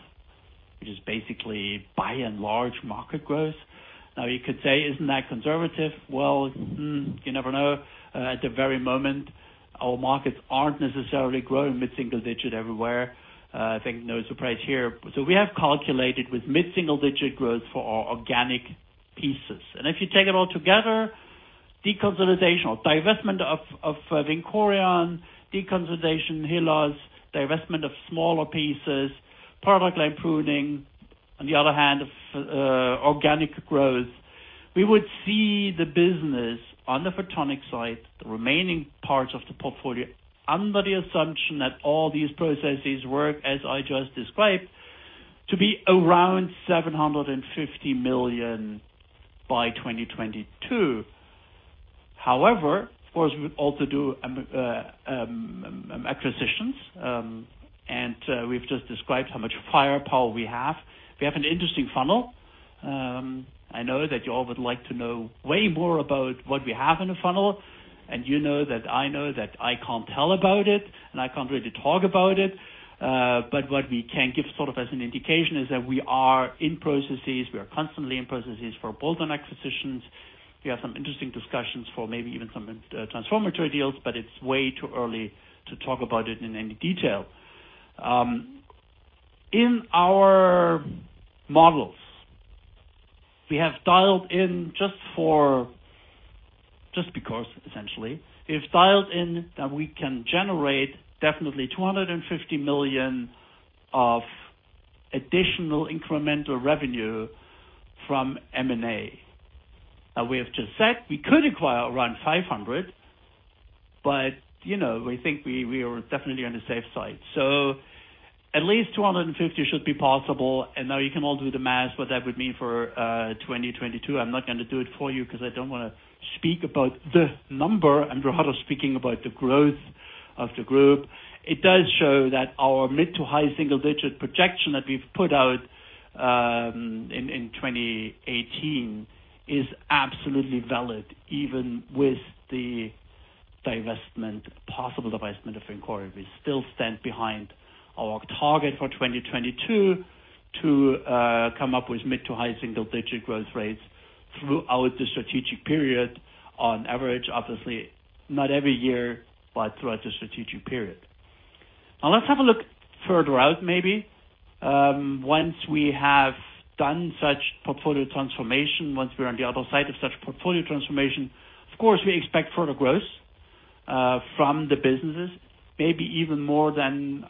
which is basically by and large market growth. You could say, isn't that conservative? Well, you never know. At the very moment, our markets aren't necessarily growing mid-single-digit everywhere. I think no surprise here. We have calculated with mid-single-digit growth for our organic pieces. If you take it all together, deconsolidation or divestment of VINCORION, deconsolidation Hillos, divestment of smaller pieces, product line pruning. On the other hand of organic growth, we would see the business on the Photonics side, the remaining parts of the portfolio, under the assumption that all these processes work as I just described, to be around 750 million by 2022. However, of course, we would also do acquisitions. We've just described how much firepower we have. We have an interesting funnel. I know that you all would like to know way more about what we have in the funnel, and you know that I know that I can't tell about it, and I can't really talk about it. What we can give sort of as an indication is that we are in processes, we are constantly in processes for bolt-on acquisitions. We have some interesting discussions for maybe even some transformatory deals, but it's way too early to talk about it in any detail. In our models, we have dialed in. We've dialed in that we can generate definitely 250 million of additional incremental revenue from M&A. Now we have just said we could acquire around 500, but we think we are definitely on the safe side. At least 250 should be possible. Now you can all do the math, what that would mean for 2022. I'm not going to do it for you because I don't want to speak about the number. I'm rather speaking about the growth of the group. It does show that our mid to high single-digit projection that we've put out in 2018 is absolutely valid, even with the possible divestment of VINCORION. We still stand behind our target for 2022 to come up with mid to high single-digit growth rates throughout the strategic period on average. Obviously, not every year, but throughout the strategic period. Let's have a look further out, maybe. Once we have done such portfolio transformation, once we're on the other side of such portfolio transformation, of course, we expect further growth from the businesses, maybe even more than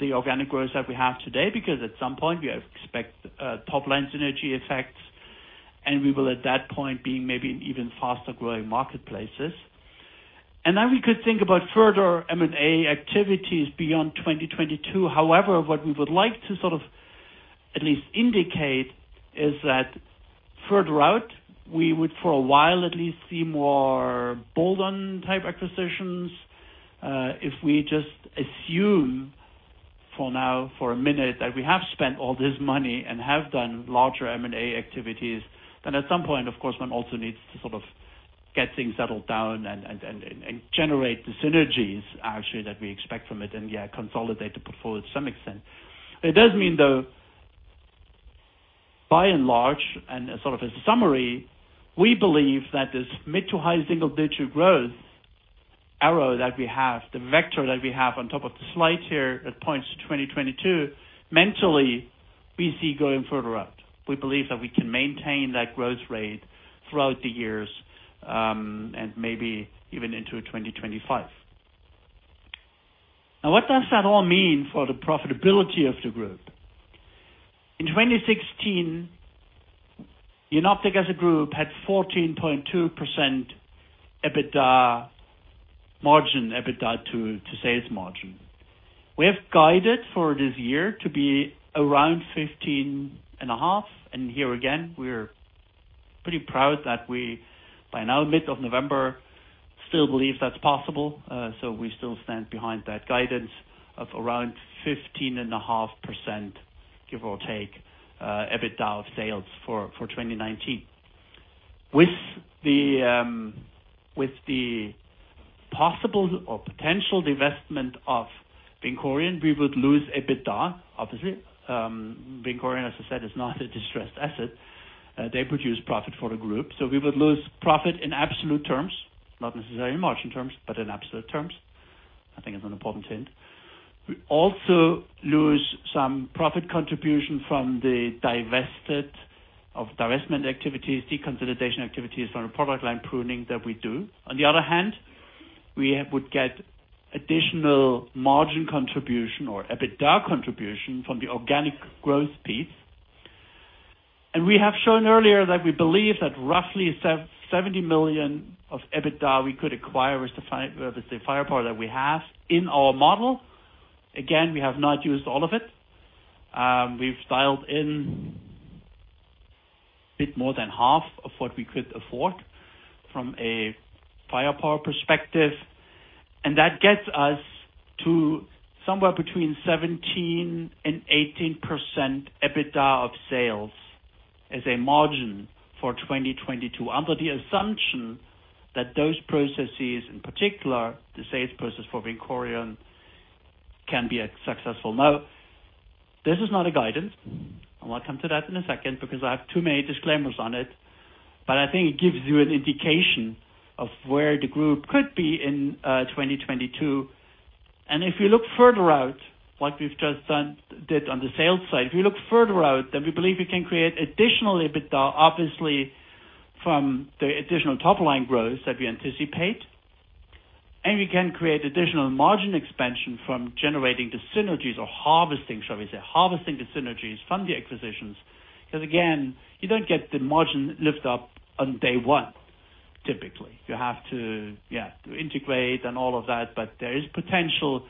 the organic growth that we have today, because at some point we expect top-line synergy effects, and we will at that point be maybe in even faster-growing marketplaces. We could think about further M&A activities beyond 2022. However, what we would like to sort of at least indicate is that further out, we would, for a while at least, see more bolt-on type acquisitions. If we just assume for now, for a minute, that we have spent all this money and have done larger M&A activities, then at some point, of course, one also needs to sort of get things settled down and generate the synergies actually that we expect from it and yeah, consolidate the portfolio to some extent. It does mean, though, by and large, and sort of as a summary, we believe that this mid to high single-digit growth arrow that we have, the vector that we have on top of the slide here, it points to 2022. Mentally, we see going further out. We believe that we can maintain that growth rate throughout the years, and maybe even into 2025.What does that all mean for the profitability of the group? In 2016, Jenoptik as a group had 14.2% EBITDA margin, EBITDA to sales margin. We have guided for this year to be around 15.5%. Here again, we're pretty proud that we, by now mid of November, still believe that's possible. We still stand behind that guidance of around 15.5%, give or take, EBITDA of sales for 2019. With the possible or potential divestment of VINCORION, we would lose EBITDA, obviously. VINCORION, as I said, is not a distressed asset. They produce profit for the group. We would lose profit in absolute terms, not necessarily in margin terms, but in absolute terms. I think it's an important hint. We also lose some profit contribution from the divestment activities, deconsolidation activities from the product line pruning that we do. On the other hand, we would get additional margin contribution or EBITDA contribution from the organic growth piece. We have shown earlier that we believe that roughly 70 million of EBITDA we could acquire with the firepower that we have in our model. Again, we have not used all of it. We've dialed in a bit more than half of what we could afford from a firepower perspective, that gets us to somewhere between 17%-18% EBITDA of sales as a margin for 2022, under the assumption that those processes, in particular the sales process for VINCORION, can be a successful note. This is not a guidance, we'll come to that in a second because I have too many disclaimers on it. I think it gives you an indication of where the group could be in 2022. If you look further out, like we've just did on the sales side, if you look further out, then we believe we can create additional EBITDA, obviously from the additional top-line growth that we anticipate. We can create additional margin expansion from generating the synergies or harvesting the synergies from the acquisitions. Again, you don't get the margin lift up on day one, typically. You have to integrate and all of that. There is potential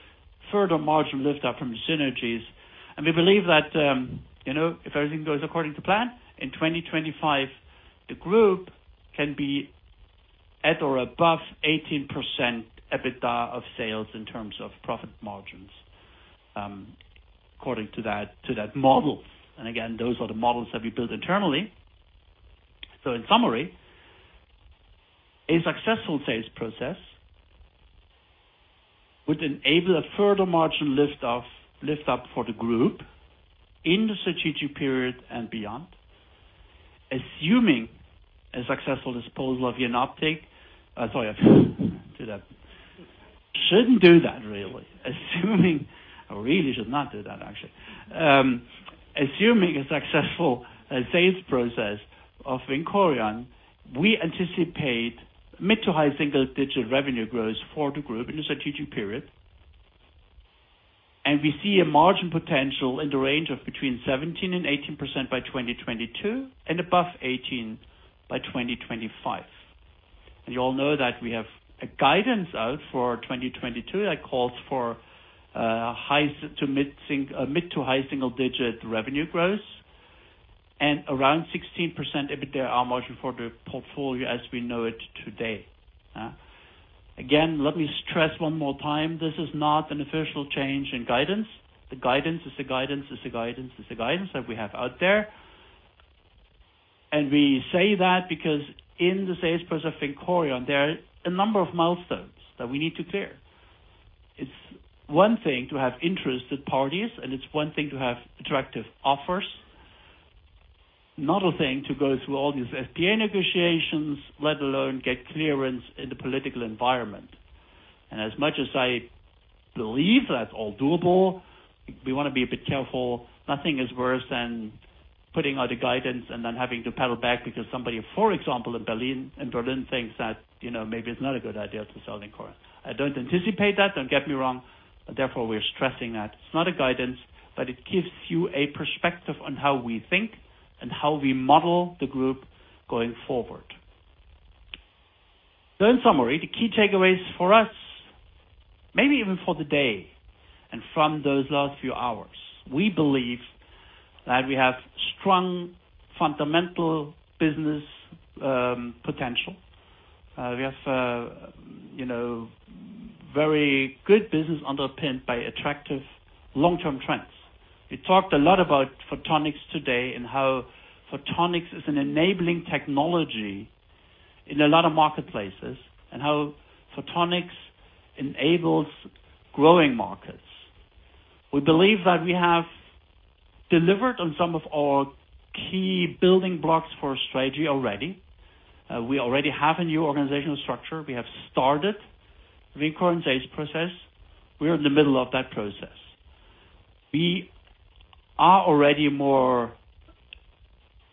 further margin lift up from synergies. We believe that, if everything goes according to plan, in 2025 the group can be at or above 18% EBITDA of sales in terms of profit margins, according to that model. Again, those are the models that we build internally. In summary, a successful sales process would enable a further margin lift up for the group in the strategic period and beyond, assuming a successful disposal of Jenoptik. Sorry, I did that. Shouldn't do that really. I really should not do that actually. Assuming a successful sales process of VINCORION, we anticipate mid to high single digit revenue growth for the group in the strategic period and we see a margin potential in the range of between 17% and 18% by 2022 and above 18% by 2025. You all know that we have a guidance out for 2022 that calls for mid to high single digit revenue growth and around 16% EBITDA margin for the portfolio as we know it today. Let me stress one more time, this is not an official change in guidance. The guidance is the guidance that we have out there. We say that because in the sales process of VINCORION, there are a number of milestones that we need to clear. It's one thing to have interested parties and it's one thing to have attractive offers. Another thing to go through all these SPA negotiations, let alone get clearance in the political environment. As much as I believe that's all doable, we want to be a bit careful. Nothing is worse than putting out a guidance and then having to paddle back because somebody, for example, in Berlin thinks that maybe it's not a good idea to sell VINCORION. I don't anticipate that, don't get me wrong. We're stressing that it's not a guidance, but it gives you a perspective on how we think and how we model the group going forward. In summary, the key takeaways for us, maybe even for the day and from those last few hours, we believe that we have strong fundamental business potential. We have very good business underpinned by attractive long-term trends. We talked a lot about photonics today and how photonics is an enabling technology in a lot of marketplaces and how photonics enables growing markets. We believe that we have delivered on some of our key building blocks for our strategy already. We already have a new organizational structure. We have started the VINCORION sales process. We are in the middle of that process. We are already more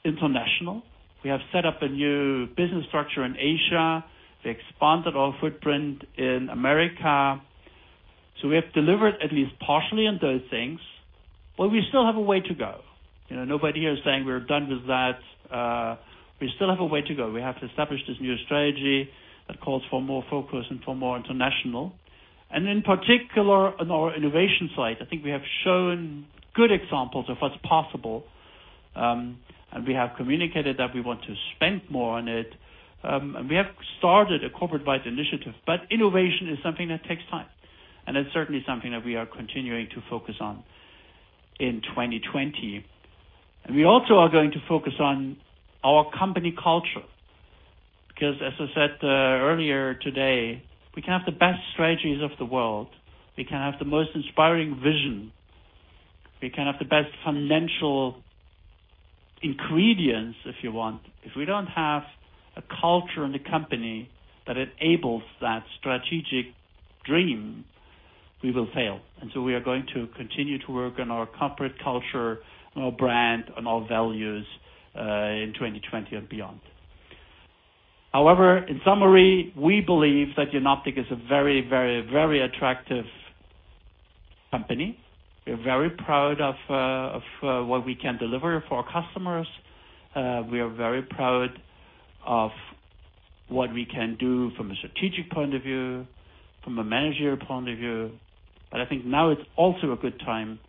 international. We have set up a new business structure in Asia. We expanded our footprint in America. We have delivered at least partially on those things, but we still have a way to go. Nobody here is saying we're done with that. We still have a way to go. We have to establish this new strategy that calls for more focus and for more international. In particular, on our innovation side, I think we have shown good examples of what's possible, and we have communicated that we want to spend more on it. We have started a corporate-wide initiative. Innovation is something that takes time, and it's certainly something that we are continuing to focus on in 2020. We also are going to focus on our company culture. As I said earlier today, we can have the best strategies of the world, we can have the most inspiring vision, we can have the best financial ingredients if you want. If we don't have a culture in the company that enables that strategic dream, we will fail. We are going to continue to work on our corporate culture and our brand and our values in 2020 and beyond. However, in summary, we believe that Jenoptik is a very attractive company. We're very proud of what we can deliver for our customers. We are very proud of what we can do from a strategic point of view, from a managerial point of view. I think now it's also a good time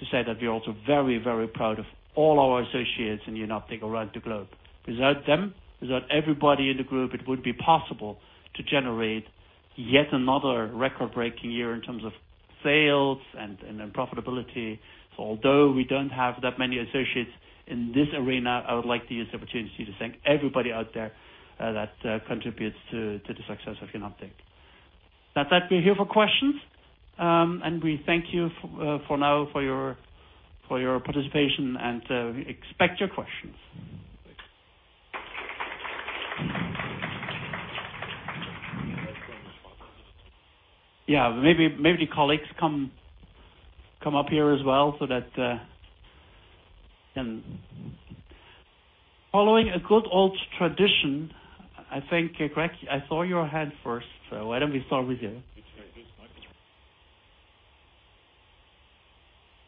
to say that we're also very proud of all our associates in Jenoptik around the globe. Without them, without everybody in the group, it would be possible to generate yet another record-breaking year in terms of sales and profitability. Although we don't have that many associates in this arena, I would like to use the opportunity to thank everybody out there that contributes to the success of Jenoptik. With that said, we're here for questions. We thank you for now for your participation, and expect your questions. Yeah, maybe the colleagues come up here as well so that Following a good old tradition, I think, Craig, I saw your hand first, so why don't we start with you? Use this microphone.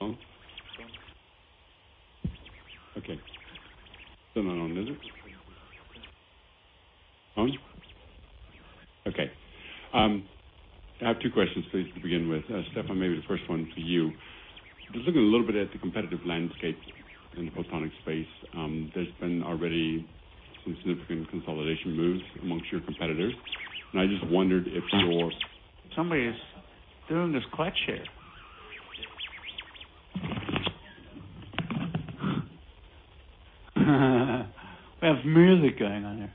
Oh. Okay. Still not on, is it? On? Okay. I have two questions for you to begin with. Stefan, maybe the first one for you. Just looking a little bit at the competitive landscape in the photonics space. There's been already some significant consolidation moves amongst your competitors, and I just wondered if you're- Somebody is doing this clutch here. We have music going on here.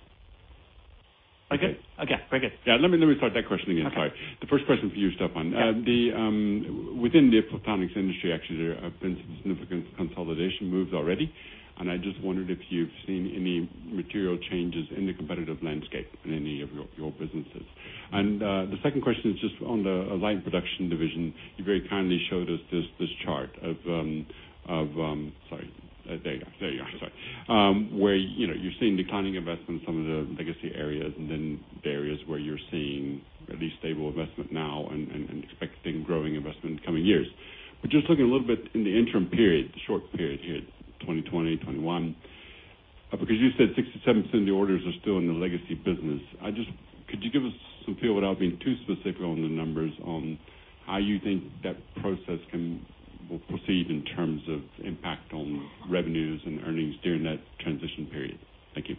Okay. Okay, very good. Yeah, let me start that question again. Sorry. Okay. The first question for you, Stefan. Yeah. Within the photonics industry, actually, there have been some significant consolidation moves already. I just wondered if you've seen any material changes in the competitive landscape in any of your businesses. The second question is just on the Light & Production division. You very kindly showed us this chart of Sorry. There you are. Sorry. Where you're seeing declining investment in some of the legacy areas and then the areas where you're seeing at least stable investment now and expecting growing investment in coming years. Just looking a little bit in the interim period, the short period here, 2020, 2021. Because you said 67% of the orders are still in the legacy business. Could you give us some feel, without being too specific on the numbers, on how you think that process will proceed in terms of impact on revenues and earnings during that transition period? Thank you.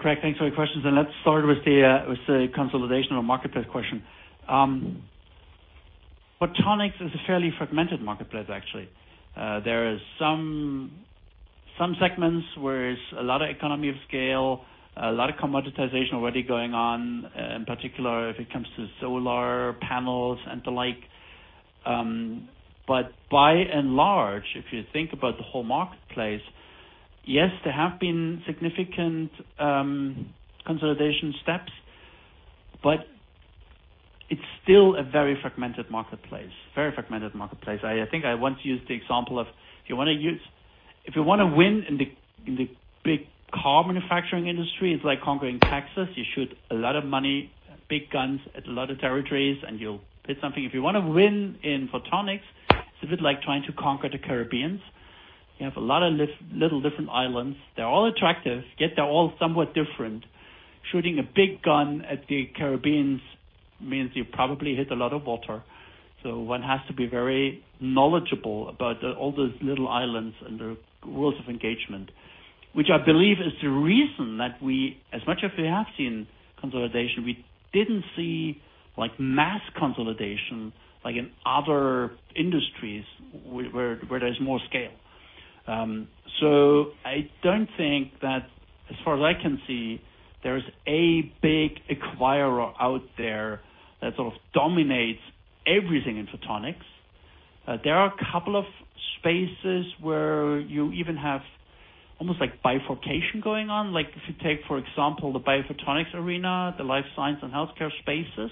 Craig, thanks for your questions. Let's start with the consolidation or marketplace question. Photonics is a fairly fragmented marketplace, actually. There is some segments where there's a lot of economy of scale, a lot of commoditization already going on, in particular if it comes to solar panels and the like. By and large, if you think about the whole marketplace, yes, there have been significant consolidation steps, but it's still a very fragmented marketplace. I think I want to use the example of if you want to win in the big car manufacturing industry, it's like conquering Texas. You shoot a lot of money, big guns at a lot of territories. You'll hit something. If you want to win in photonics, it's a bit like trying to conquer the Caribbean. You have a lot of little different islands. They're all attractive, yet they're all somewhat different. Shooting a big gun at the Caribbean means you probably hit a lot of water. One has to be very knowledgeable about all those little islands and the rules of engagement. Which I believe is the reason that we, as much as we have seen consolidation, we didn't see mass consolidation like in other industries where there's more scale. I don't think that, as far as I can see, there's a big acquirer out there that sort of dominates everything in photonics. There are a couple of spaces where you even have almost like bifurcation going on. Like if you take, for example, the biophotonics arena, the life science and healthcare spaces.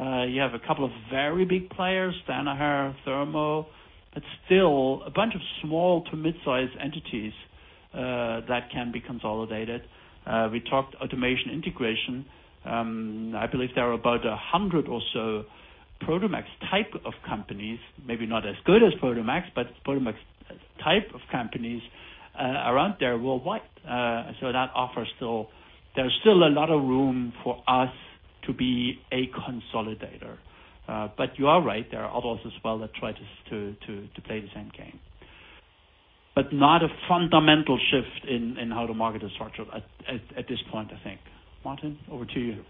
You have a couple of very big players, Danaher, Thermo, but still a bunch of small to mid-size entities that can be consolidated. We talked automation integration. I believe there are about 100 or so Prodomax type of companies, maybe not as good as Prodomax, but Prodomax type of companies around there worldwide. There's still a lot of room for us to be a consolidator. You are right, there are others as well that try to play the same game. Not a fundamental shift in how the market is structured at this point, I think. Martin, over to you.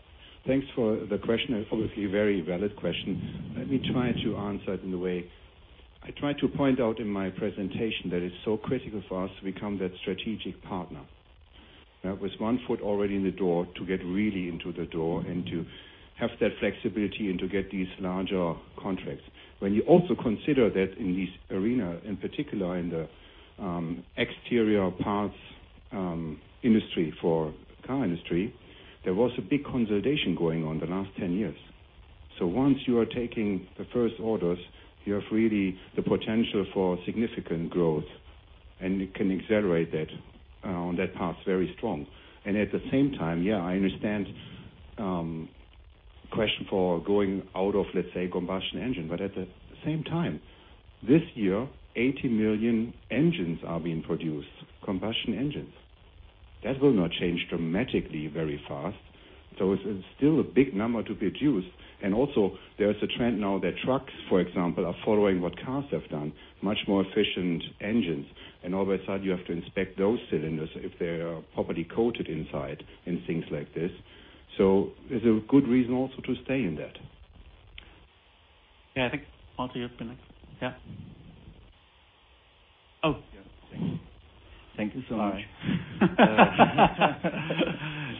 Thanks for the question. Obviously, a very valid question. Let me try to answer it in a way. I tried to point out in my presentation that it's so critical for us to become that strategic partner. With one foot already in the door, to get really into the door and to have that flexibility and to get these larger contracts. When you also consider that in this arena, in particular in the exterior parts industry for car industry, there was a big consolidation going on the last 10 years. Once you are taking the first orders, you have really the potential for significant growth, and it can accelerate that on that path very strong. At the same time, yeah, I understand, question for going out of, let's say, combustion engine, but at the same time, this year, 80 million engines are being produced, combustion engines. That will not change dramatically very fast. It's still a big number to be produced, and also there is a trend now that trucks, for example, are following what cars have done, much more efficient engines. All of a sudden you have to inspect those cylinders if they are properly coated inside and things like this. It's a good reason also to stay in that. Yeah, I think, Martin, you're up next. Yeah. Oh. Yeah. Thank you. Thank you so much. Sorry.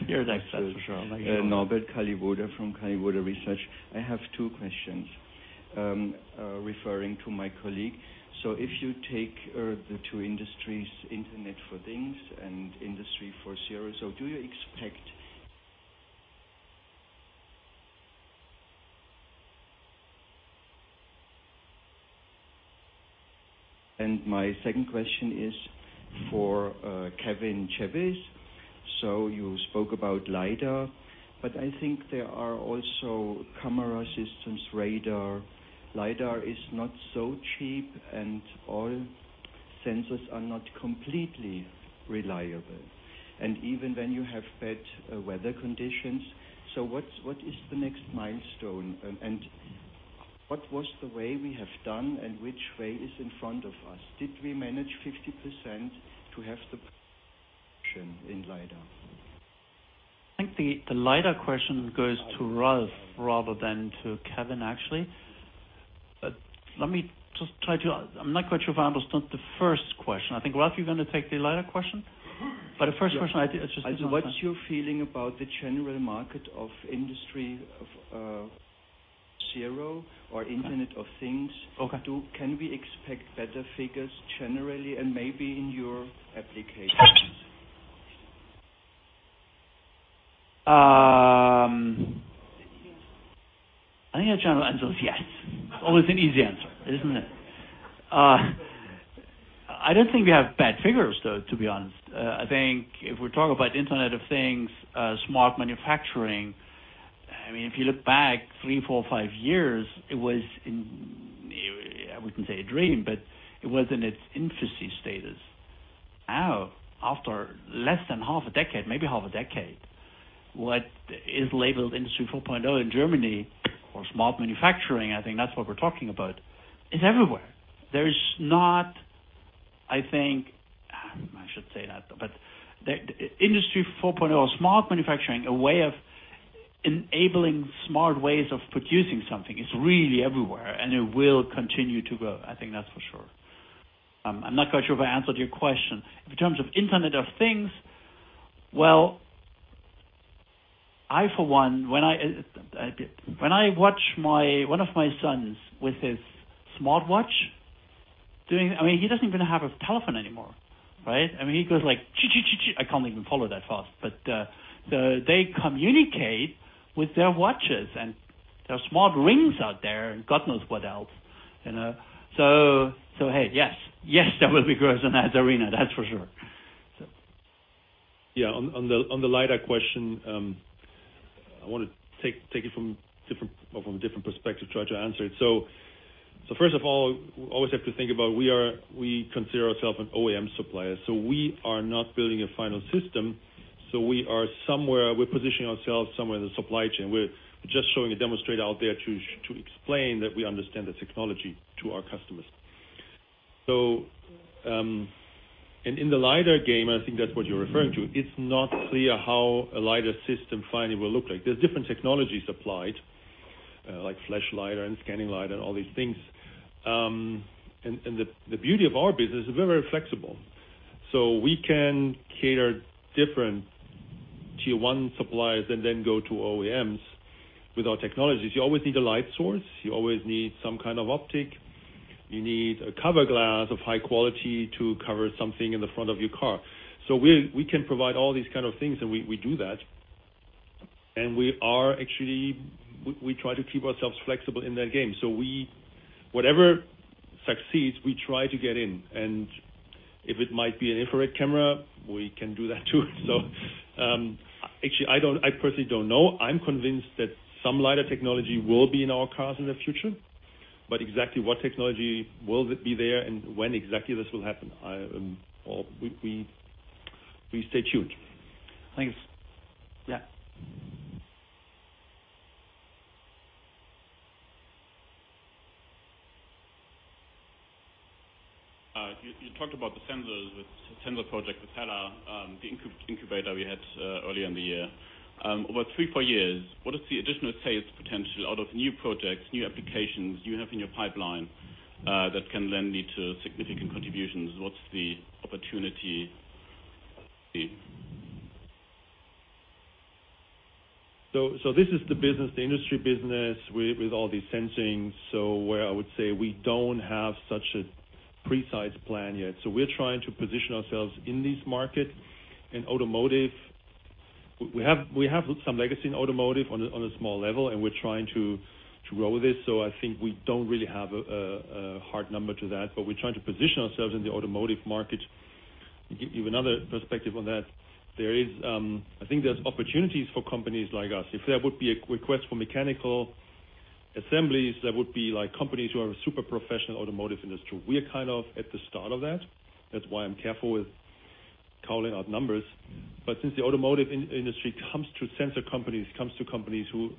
You're next, that's for sure. Norbert Kalliwoda from Kalliwoda Research. I have two questions, referring to my colleague. If you take the two industries, Internet of Things and Industry 4.0. My second question is for Kevin Chevis. You spoke about LiDAR, but I think there are also camera systems, radar. LiDAR is not so cheap and all sensors are not completely reliable, even when you have bad weather conditions. What is the next milestone and what was the way we have done and which way is in front of us? Did we manage 50% to have the in LiDAR? I think the LiDAR question goes to Ralf rather than to Kevin, actually. I'm not quite sure if I understood the first question. I think Ralf, you're going to take the LiDAR question? What's your feeling about the general market of Industry 4.0 or Internet of Things? Okay. Can we expect better figures generally and maybe in your applications? I think the general answer is yes. Always an easy answer, isn't it? I don't think we have bad figures, though, to be honest. I think if we talk about Internet of Things, smart manufacturing, if you look back three, four, five years, it was in, I wouldn't say a dream, but it was in its infancy status. Now, after less than half a decade, maybe half a decade, what is labeled Industry 4.0 in Germany or smart manufacturing, I think that's what we're talking about, is everywhere. There is not, I shouldn't say that, but Industry 4.0, smart manufacturing, a way of enabling smart ways of producing something, is really everywhere and it will continue to grow. I think that's for sure. I'm not quite sure if I answered your question. In terms of Internet of Things, well, I for one, when I watch one of my sons with his smartwatch. He doesn't even have a telephone anymore, right? He goes like, chi-chi-chi-chi. I can't even follow that fast, but they communicate with their watches, and there are smart rings out there and God knows what else. Hey, yes. Yes, there will be growth in that arena, that's for sure. Yeah, on the LIDAR question, I want to take it from a different perspective, try to answer it. First of all, we always have to think about we consider ourselves an OEM supplier. We are not building a final system, we're positioning ourselves somewhere in the supply chain. We're just showing a demonstrator out there to explain that we understand the technology to our customers. In the LIDAR game, I think that's what you're referring to, it's not clear how a LIDAR system finally will look like. There's different technologies applied, like flash LIDAR and scanning LIDAR and all these things. The beauty of our business is we're very flexible. We can cater different tier 1 suppliers and then go to OEMs with our technologies. You always need a light source. You always need some kind of optic. You need a cover glass of high quality to cover something in the front of your car. We can provide all these kind of things, and we do that. We try to keep ourselves flexible in that game. Whatever succeeds, we try to get in, and if it might be an infrared camera, we can do that, too. Actually, I personally don't know. I'm convinced that some LiDAR technology will be in our cars in the future. Exactly what technology will be there and when exactly this will happen, we stay tuned. Thanks. Yeah. You talked about the sensors with the sensor project with HELLA, the incubator we had earlier in the year. Over three, four years, what is the additional sales potential out of new projects, new applications you have in your pipeline, that can then lead to significant contributions? What's the opportunity be? This is the industry business with all these sensings, where I would say we don't have such a precise plan yet. We're trying to position ourselves in this market. In automotive, we have some legacy in automotive on a small level, and we're trying to grow this. I think we don't really have a hard number to that, but we're trying to position ourselves in the automotive market. Give you another perspective on that. I think there's opportunities for companies like us. If there would be a request for mechanical assemblies, that would be companies who are super professional automotive industry. We are at the start of that. That's why I'm careful with calling out numbers. Since the automotive industry comes to sensor companies, comes to companies who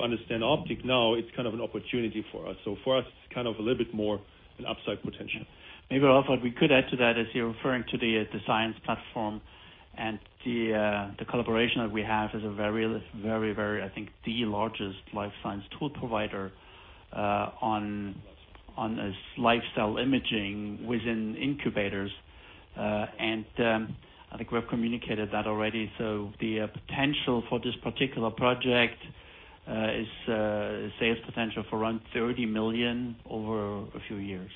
understand optics now, it's an opportunity for us. For us, it's a little bit more an upside potential. Maybe, Alfred, we could add to that, as you're referring to the science platform and the collaboration that we have as a very, I think the largest life science tool provider on a lifestyle imaging within incubators. I think we've communicated that already. The potential for this particular project is a sales potential for around 30 million over a few years.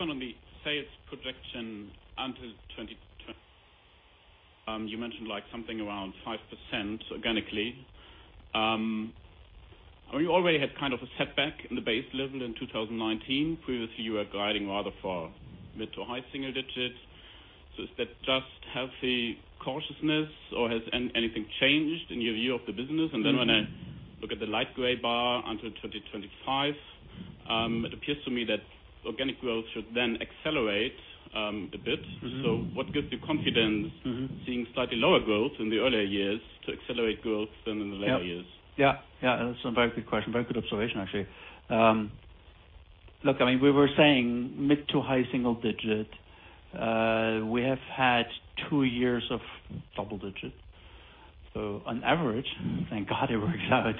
On the sales projection until 2020, you mentioned something around 5% organically. You already had a setback in the base level in 2019. Previously, you were guiding rather for mid to high single digits. Is that just healthy cautiousness or has anything changed in your view of the business? When I look at the light gray bar until 2025, it appears to me that organic growth should then accelerate, a bit. What gives you confidence? seeing slightly lower growth in the earlier years to accelerate growth than in the later years? Yeah. That's a very good question. Very good observation, actually. Look, we were saying mid to high single digit. We have had two years of double digit. On average, thank God it works out.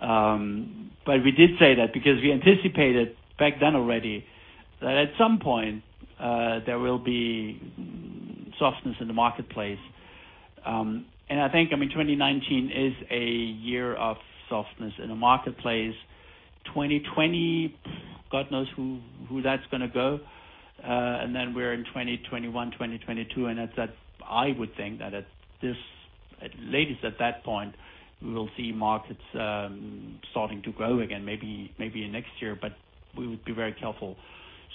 We did say that because we anticipated back then already that at some point, there will be softness in the marketplace. I think, 2019 is a year of softness in the marketplace. 2020, God knows who that's going to go. Then we're in 2021, 2022, and I would think that at latest at that point, we will see markets starting to grow again, maybe next year, but we would be very careful.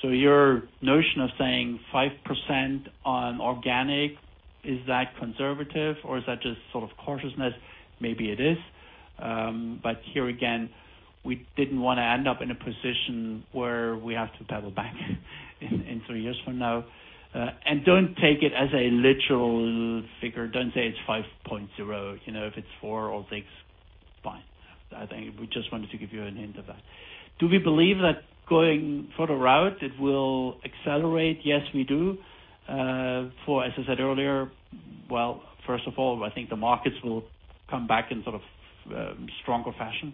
Your notion of saying 5% on organic, is that conservative or is that just cautiousness? Maybe it is. Here again, we didn't want to end up in a position where we have to paddle back in three years from now. Don't take it as a literal figure. Don't say it's 5.0. If it's four or six, it's fine. I think we just wanted to give you a hint of that. Do we believe that going further out, it will accelerate? Yes, we do. As I said earlier, well, first of all, I think the markets will come back in sort of stronger fashion.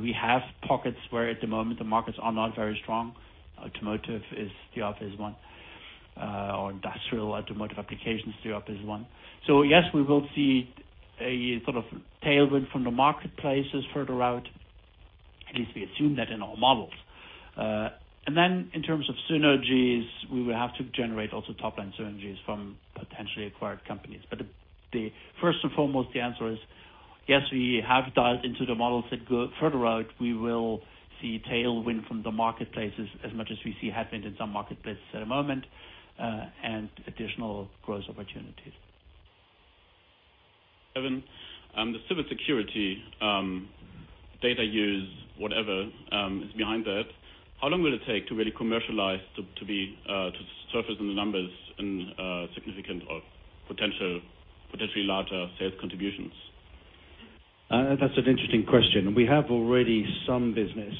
We have pockets where at the moment, the markets are not very strong. Automotive is the obvious one, or industrial automotive applications, the obvious one. Yes, we will see a sort of tailwind from the marketplaces further out. At least we assume that in our models. In terms of synergies, we will have to generate also top-line synergies from potentially acquired companies. First and foremost, the answer is, yes, we have dialed into the models that go further out. We will see tailwind from the marketplaces as much as we see headwind in some marketplaces at the moment, and additional growth opportunities. Kevin, the cybersecurity, data use, whatever, is behind that. How long will it take to really commercialize to surface in the numbers in significant or potentially larger sales contributions? That's an interesting question. We have already some business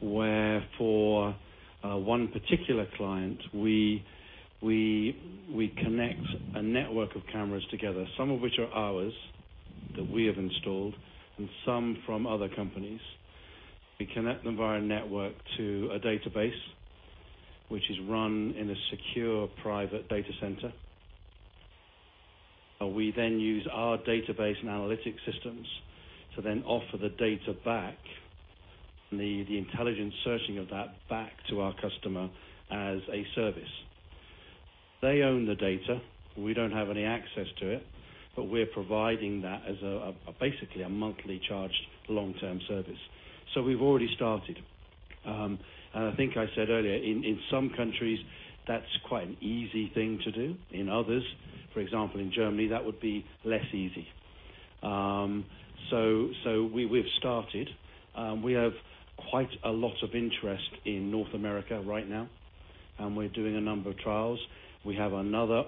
where for one particular client, we connect a network of cameras together, some of which are ours that we have installed, and some from other companies. We connect them via a network to a database, which is run in a secure private data center. We then use our database and analytics systems to then offer the data back, the intelligent searching of that back to our customer as a service. They own the data. We don't have any access to it, but we're providing that as basically a monthly charged long-term service. We've already started. I think I said earlier, in some countries, that's quite an easy thing to do. In others, for example, in Germany, that would be less easy. We've started. We have quite a lot of interest in North America right now, and we're doing a number of trials. We have another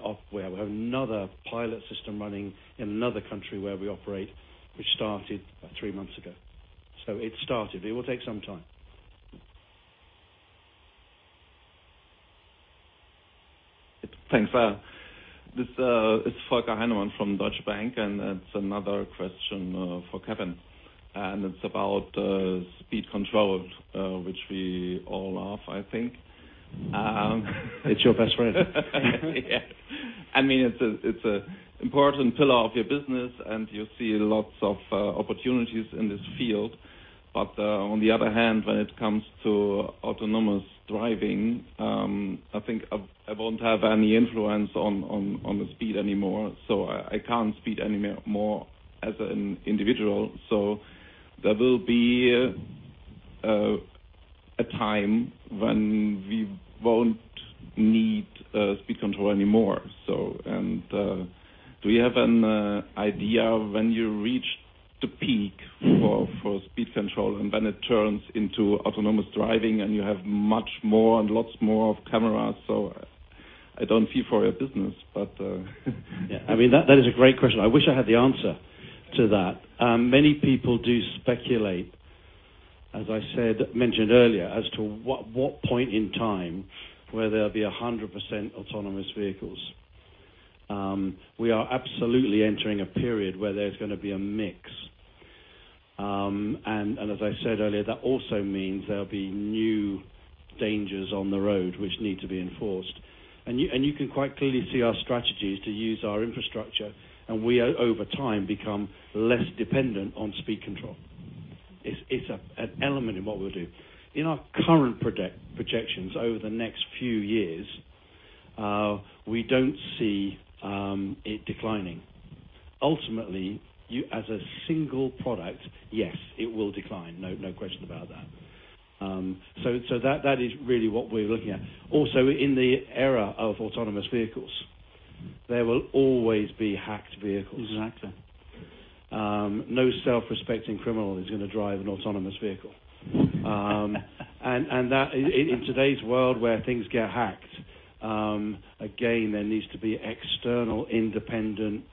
pilot system running in another country where we operate, which started about three months ago. It started. It will take some time. Thanks. This is Volker Heinemann from Deutsche Bank. It's another question for Kevin, and it's about speed control, which we all love, I think. It's your best friend. Yeah. It is an important pillar of your business, and you see lots of opportunities in this field. On the other hand, when it comes to autonomous driving, I think I won't have any influence on the speed anymore, so I can't speed any more as an individual. There will be a time when we won't need speed control anymore. Do we have an idea of when you reach the peak for speed control, and then it turns into autonomous driving and you have much more and lots more of cameras? I don't feel for your business, but. Yeah. That is a great question. I wish I had the answer to that. Many people do speculate, as I mentioned earlier, as to what point in time where there'll be 100% autonomous vehicles. We are absolutely entering a period where there's going to be a mix. As I said earlier, that also means there'll be new dangers on the road which need to be enforced. You can quite clearly see our strategy is to use our infrastructure, and we, over time, become less dependent on speed control. It's an element in what we'll do. In our current projections over the next few years, we don't see it declining. Ultimately, as a single product, yes, it will decline. No question about that. That is really what we're looking at. Also, in the era of autonomous vehicles, there will always be hacked vehicles. Exactly. No self-respecting criminal is going to drive an autonomous vehicle. In today's world where things get hacked, again, there needs to be external independent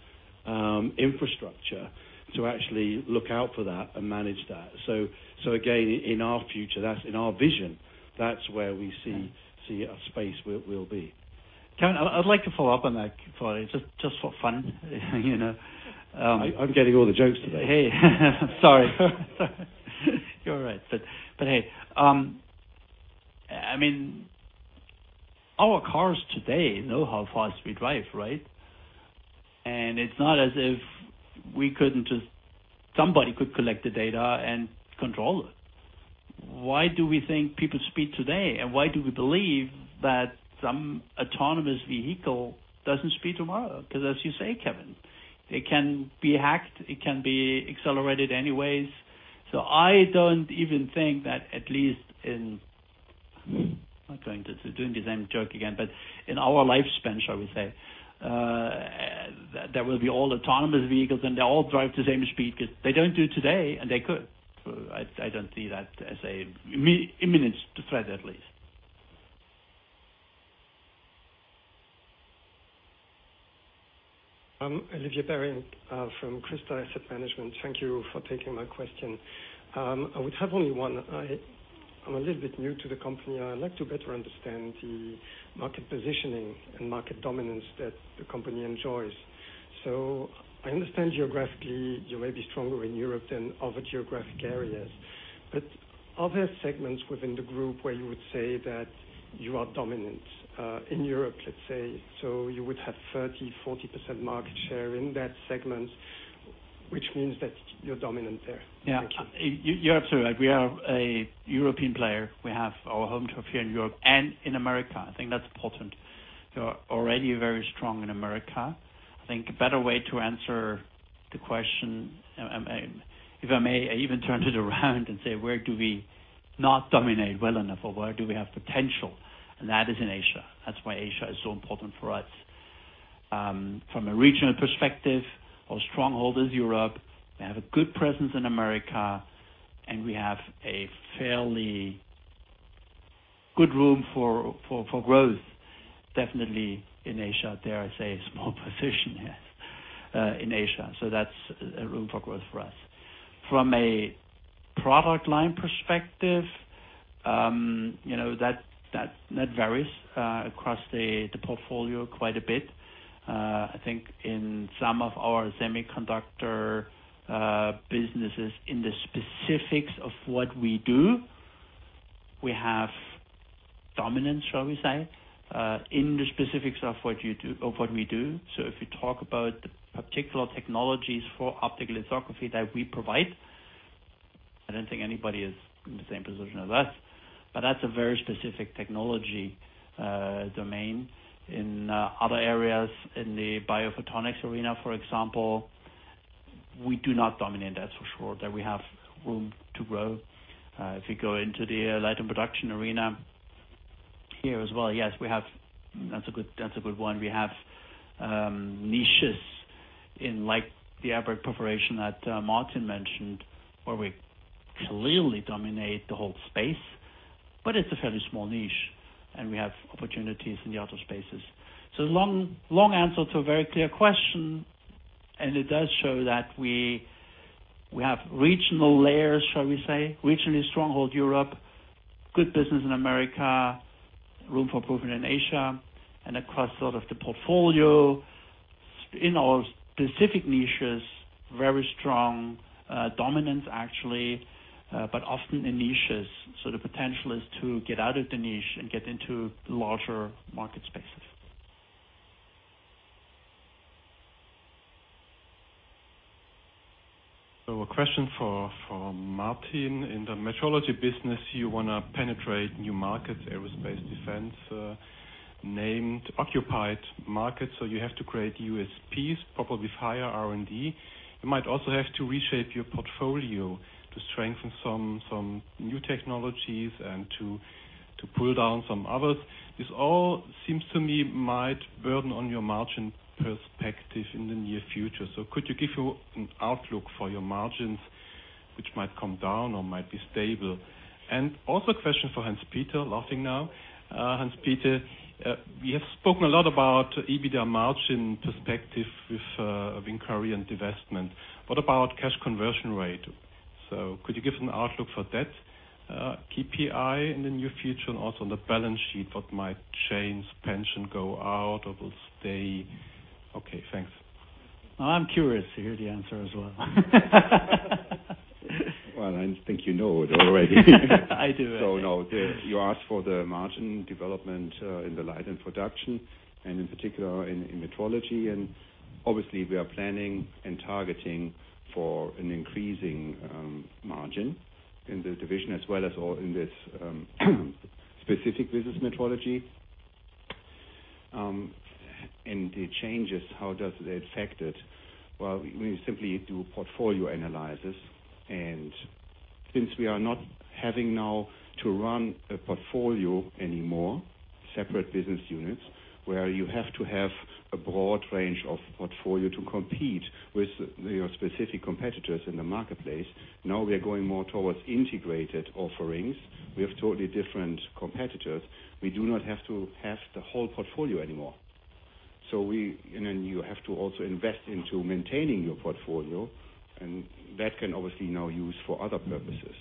infrastructure to actually look out for that and manage that. Again, in our future, in our vision, that's where we see our space will be. Kevin, I'd like to follow up on that thought, just for fun. I'm getting all the jokes today. Hey, sorry. You're all right. Hey. Our cars today know how fast we drive, right? It's not as if somebody could collect the data and control it. Why do we think people speed today, and why do we believe that some autonomous vehicle doesn't speed tomorrow? As you say, Kevin, it can be hacked, it can be accelerated anyways. I don't even think that at least not going to do the same joke again, but in our lifespan, shall we say, that there will be all autonomous vehicles and they all drive the same speed, because they don't do it today, and they could. I don't see that as an imminent threat, at least. Olivier Parein from Crystal Asset Management. Thank you for taking my question. I would have only one. I am a little bit new to the company. I would like to better understand the market positioning and market dominance that the company enjoys. I understand geographically you may be stronger in Europe than other geographic areas, are there segments within the group where you would say that you are dominant, in Europe, let's say, you would have 30%, 40% market share in that segment, which means that you are dominant there? Yeah. You're absolutely right. We are a European player. We have our home turf here in Europe and in America. I think that's important. We are already very strong in America. I think a better way to answer the question, if I may even turn it around and say, where do we not dominate well enough, or where do we have potential? That is in Asia. That's why Asia is so important for us. From a regional perspective, our stronghold is Europe. We have a good presence in America, and we have a fairly good room for growth, definitely in Asia, dare I say, a small position here in Asia. That's a room for growth for us. From a product line perspective, that varies across the portfolio quite a bit. I think in some of our semiconductor businesses, in the specifics of what we do. We have dominance, shall we say, in the specifics of what we do. If you talk about the particular technologies for optical lithography that we provide, I don't think anybody is in the same position as us, but that's a very specific technology domain. In other areas, in the biophotonics arena, for example, we do not dominate that, for sure. There we have room to grow. If you go into the Light & Production arena here as well, yes, that's a good one. We have niches in, like the abrade preparation that Martin mentioned, where we clearly dominate the whole space, but it's a fairly small niche, and we have opportunities in the other spaces. Long answer to a very clear question, and it does show that we have regional layers, shall we say. Regionally stronghold Europe, good business in America, room for improvement in Asia, and across the portfolio. In our specific niches, very strong dominance, actually, but often in niches. The potential is to get out of the niche and get into larger market spaces. A question for Martin. In the metrology business, you want to penetrate new markets, aerospace, defense, named occupied markets. You have to create USPs, probably with higher R&D. You might also have to reshape your portfolio to strengthen some new technologies and to pull down some others. This all seems to me might burden on your margin perspective in the near future. Could you give an outlook for your margins, which might come down or might be stable? Also a question for Hans-Dieter, laughing now. Hans-Dieter, you have spoken a lot about EBITDA margin perspective with VINCORION divestment. What about cash conversion rate? Could you give an outlook for that KPI in the near future and also on the balance sheet? What might change? Pension go out or will stay? Okay, thanks. I'm curious to hear the answer as well. Well, I think you know it already. I do. No, you asked for the margin development in the Light & Production, and in particular in metrology. Obviously, we are planning and targeting for an increasing margin in the division as well as in this specific business metrology. The changes, how does that affect it? Well, we simply do portfolio analysis. Since we are not having now to run a portfolio anymore, separate business units, where you have to have a broad range of portfolio to compete with your specific competitors in the marketplace. Now we are going more towards integrated offerings. We have totally different competitors. We do not have to have the whole portfolio anymore. Then you have to also invest into maintaining your portfolio, and that can obviously now use for other purposes.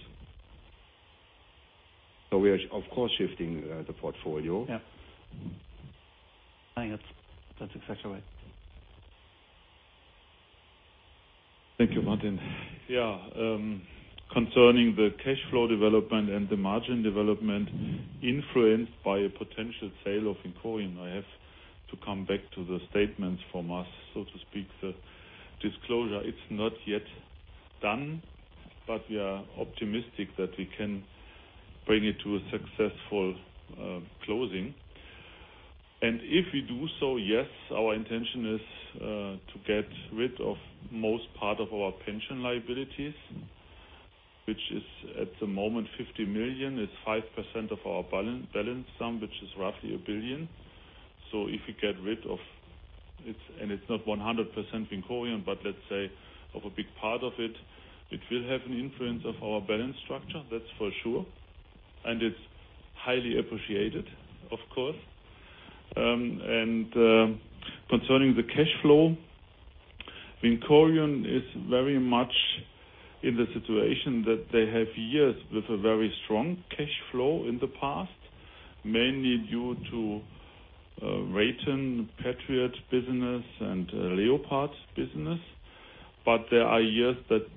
We are, of course, shifting the portfolio. Yeah. I think that's exactly right. Thank you, Martin. Yeah. Concerning the cash flow development and the margin development influenced by a potential sale of VINCORION, I have to come back to the statements from us, so to speak, the disclosure. It's not yet done, but we are optimistic that we can bring it to a successful closing. If we do so, yes, our intention is to get rid of most part of our pension liabilities, which is at the moment 50 million, it's 5% of our balance sum, which is roughly 1 billion. If we get rid of it, and it's not 100% VINCORION, but let's say of a big part of it will have an influence of our balance structure, that's for sure. It's highly appreciated, of course. Concerning the cash flow, VINCORION is very much in the situation that they have years with a very strong cash flow in the past, mainly due to Raytheon Patriot business and Leopard business. There are years that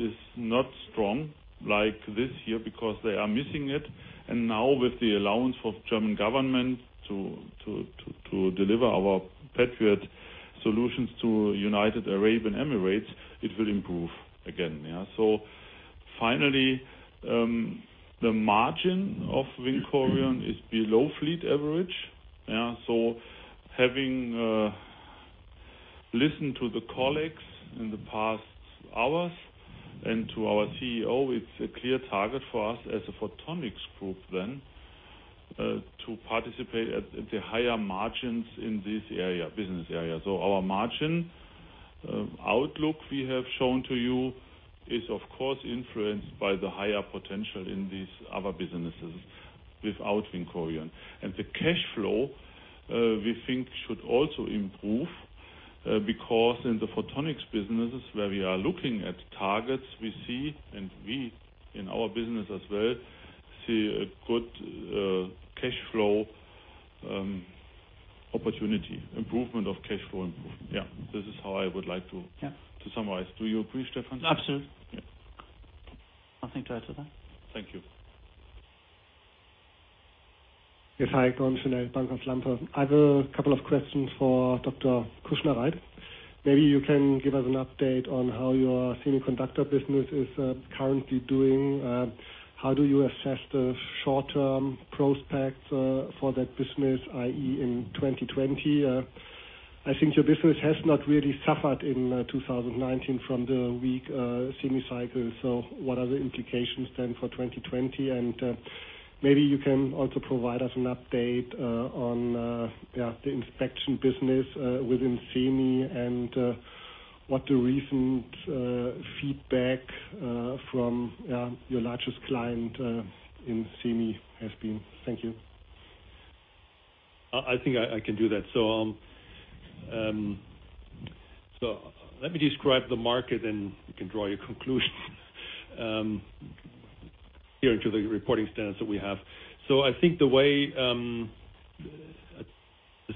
is not strong like this year because they are missing it. Now with the allowance of German government to deliver our Patriot solutions to United Arab Emirates, it will improve again. Finally, the margin of VINCORION is below fleet average. Having listened to the colleagues in the past hours and to our CEO, it's a clear target for us as a photonics group then to participate at the higher margins in this business area. Our margin outlook we have shown to you is of course influenced by the higher potential in these other businesses without VINCORION. The cash flow we think should also improve because in the photonics businesses where we are looking at targets we see, and we in our business as well, see a good cash flow. opportunity. Improvement of cash flow. Yeah. Yeah summarize. Do you agree, Stefan? Absolutely. Yeah. Nothing to add to that. Thank you. Yes. Hi, Gordon Schönell, Bankhaus Lampe. I have a couple of questions for Dr. Kuschnereit. You can give us an update on how your semiconductor business is currently doing. How do you assess the short-term prospects for that business, i.e., in 2020? I think your business has not really suffered in 2019 from the weak semi cycle. What are the implications for 2020? You can also provide us an update on the inspection business within Semi and what the recent feedback from your largest client in Semi has been. Thank you. I think I can do that. Let me describe the market and you can draw your conclusion, here into the reporting standards that we have. I think the way the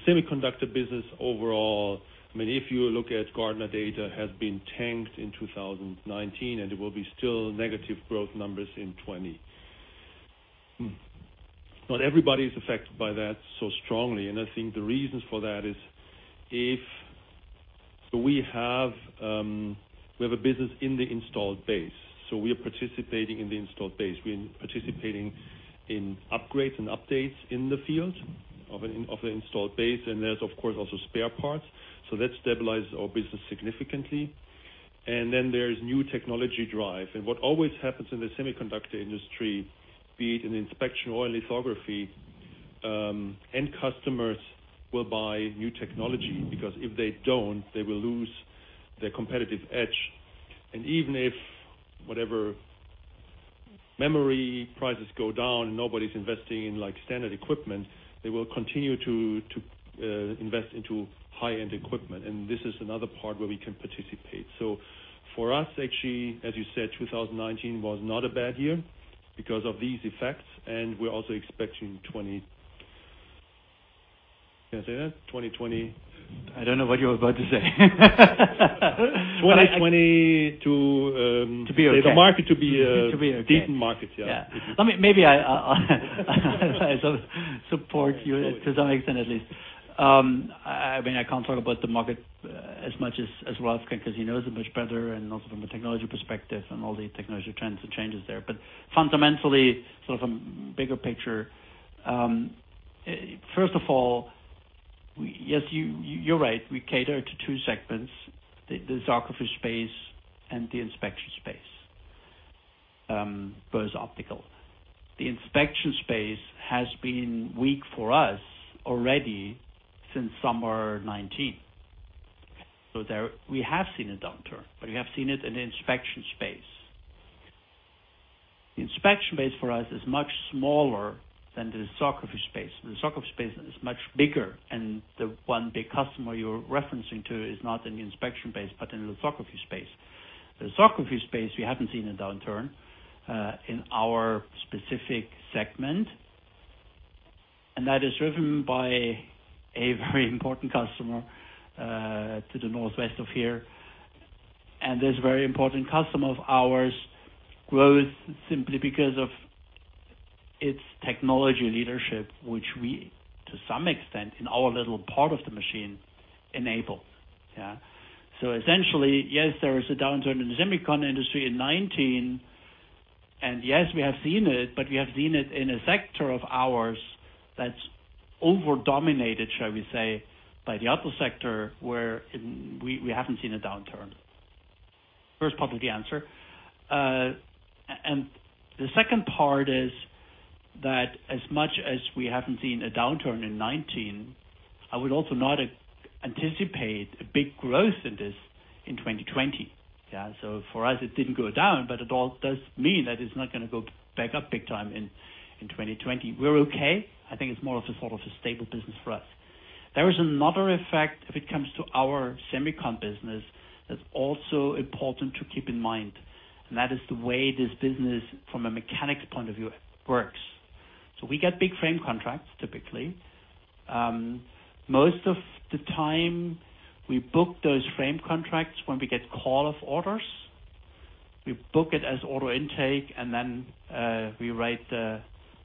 semiconductor business overall, if you look at Gartner data, has been tanked in 2019, and it will be still negative growth numbers in 2020. Not everybody is affected by that so strongly, and I think the reasons for that is if we have a business in the installed base. We are participating in the installed base. We are participating in upgrades and updates in the field of the installed base, and there's of course, also spare parts. That stabilizes our business significantly. There's new technology drive. What always happens in the semiconductor industry, be it in inspection or in lithography, end customers will buy new technology, because if they don't, they will lose their competitive edge. Even if, whatever memory prices go down and nobody's investing in standard equipment, they will continue to invest into high-end equipment. This is another part where we can participate. For us, actually, as you said, 2019 was not a bad year because of these effects. We're also expecting Can I say that? 2020-. I don't know what you're about to say. 2020 To be okay. the market to be To be okay. decent market. Yeah. Maybe I'll support you to some extent at least. I can't talk about the market as much as Ralf can, because he knows it much better, and also from a technology perspective and all the technology trends and changes there. Fundamentally, sort of a bigger picture. First of all, yes, you're right. We cater to two segments, the lithography space and the inspection space. Both optical. The inspection space has been weak for us already since summer 2019. There we have seen a downturn. We have seen it in the inspection space. The inspection space for us is much smaller than the lithography space. The lithography space is much bigger, and the one big customer you're referencing to is not in the inspection space, but in the lithography space. The lithography space, we haven't seen a downturn in our specific segment. That is driven by a very important customer to the northwest of here. This very important customer of ours grows simply because of its technology leadership, which we, to some extent in our little part of the machine, enable. Essentially, yes, there is a downturn in the semicon industry in 2019. Yes, we have seen it, but we have seen it in a sector of ours that's over-dominated, shall we say, by the other sector where we haven't seen a downturn. First part of the answer. The second part is that as much as we haven't seen a downturn in 2019, I would also not anticipate a big growth in this in 2020. For us, it didn't go down, but it all does mean that it's not going to go back up big time in 2020. We're okay. I think it's more of a sort of a stable business for us. There is another effect if it comes to our semicon business that's also important to keep in mind, and that is the way this business from a mechanics point of view works. We get big frame contracts, typically. Most of the time, we book those frame contracts when we get call of orders. We book it as order intake, and then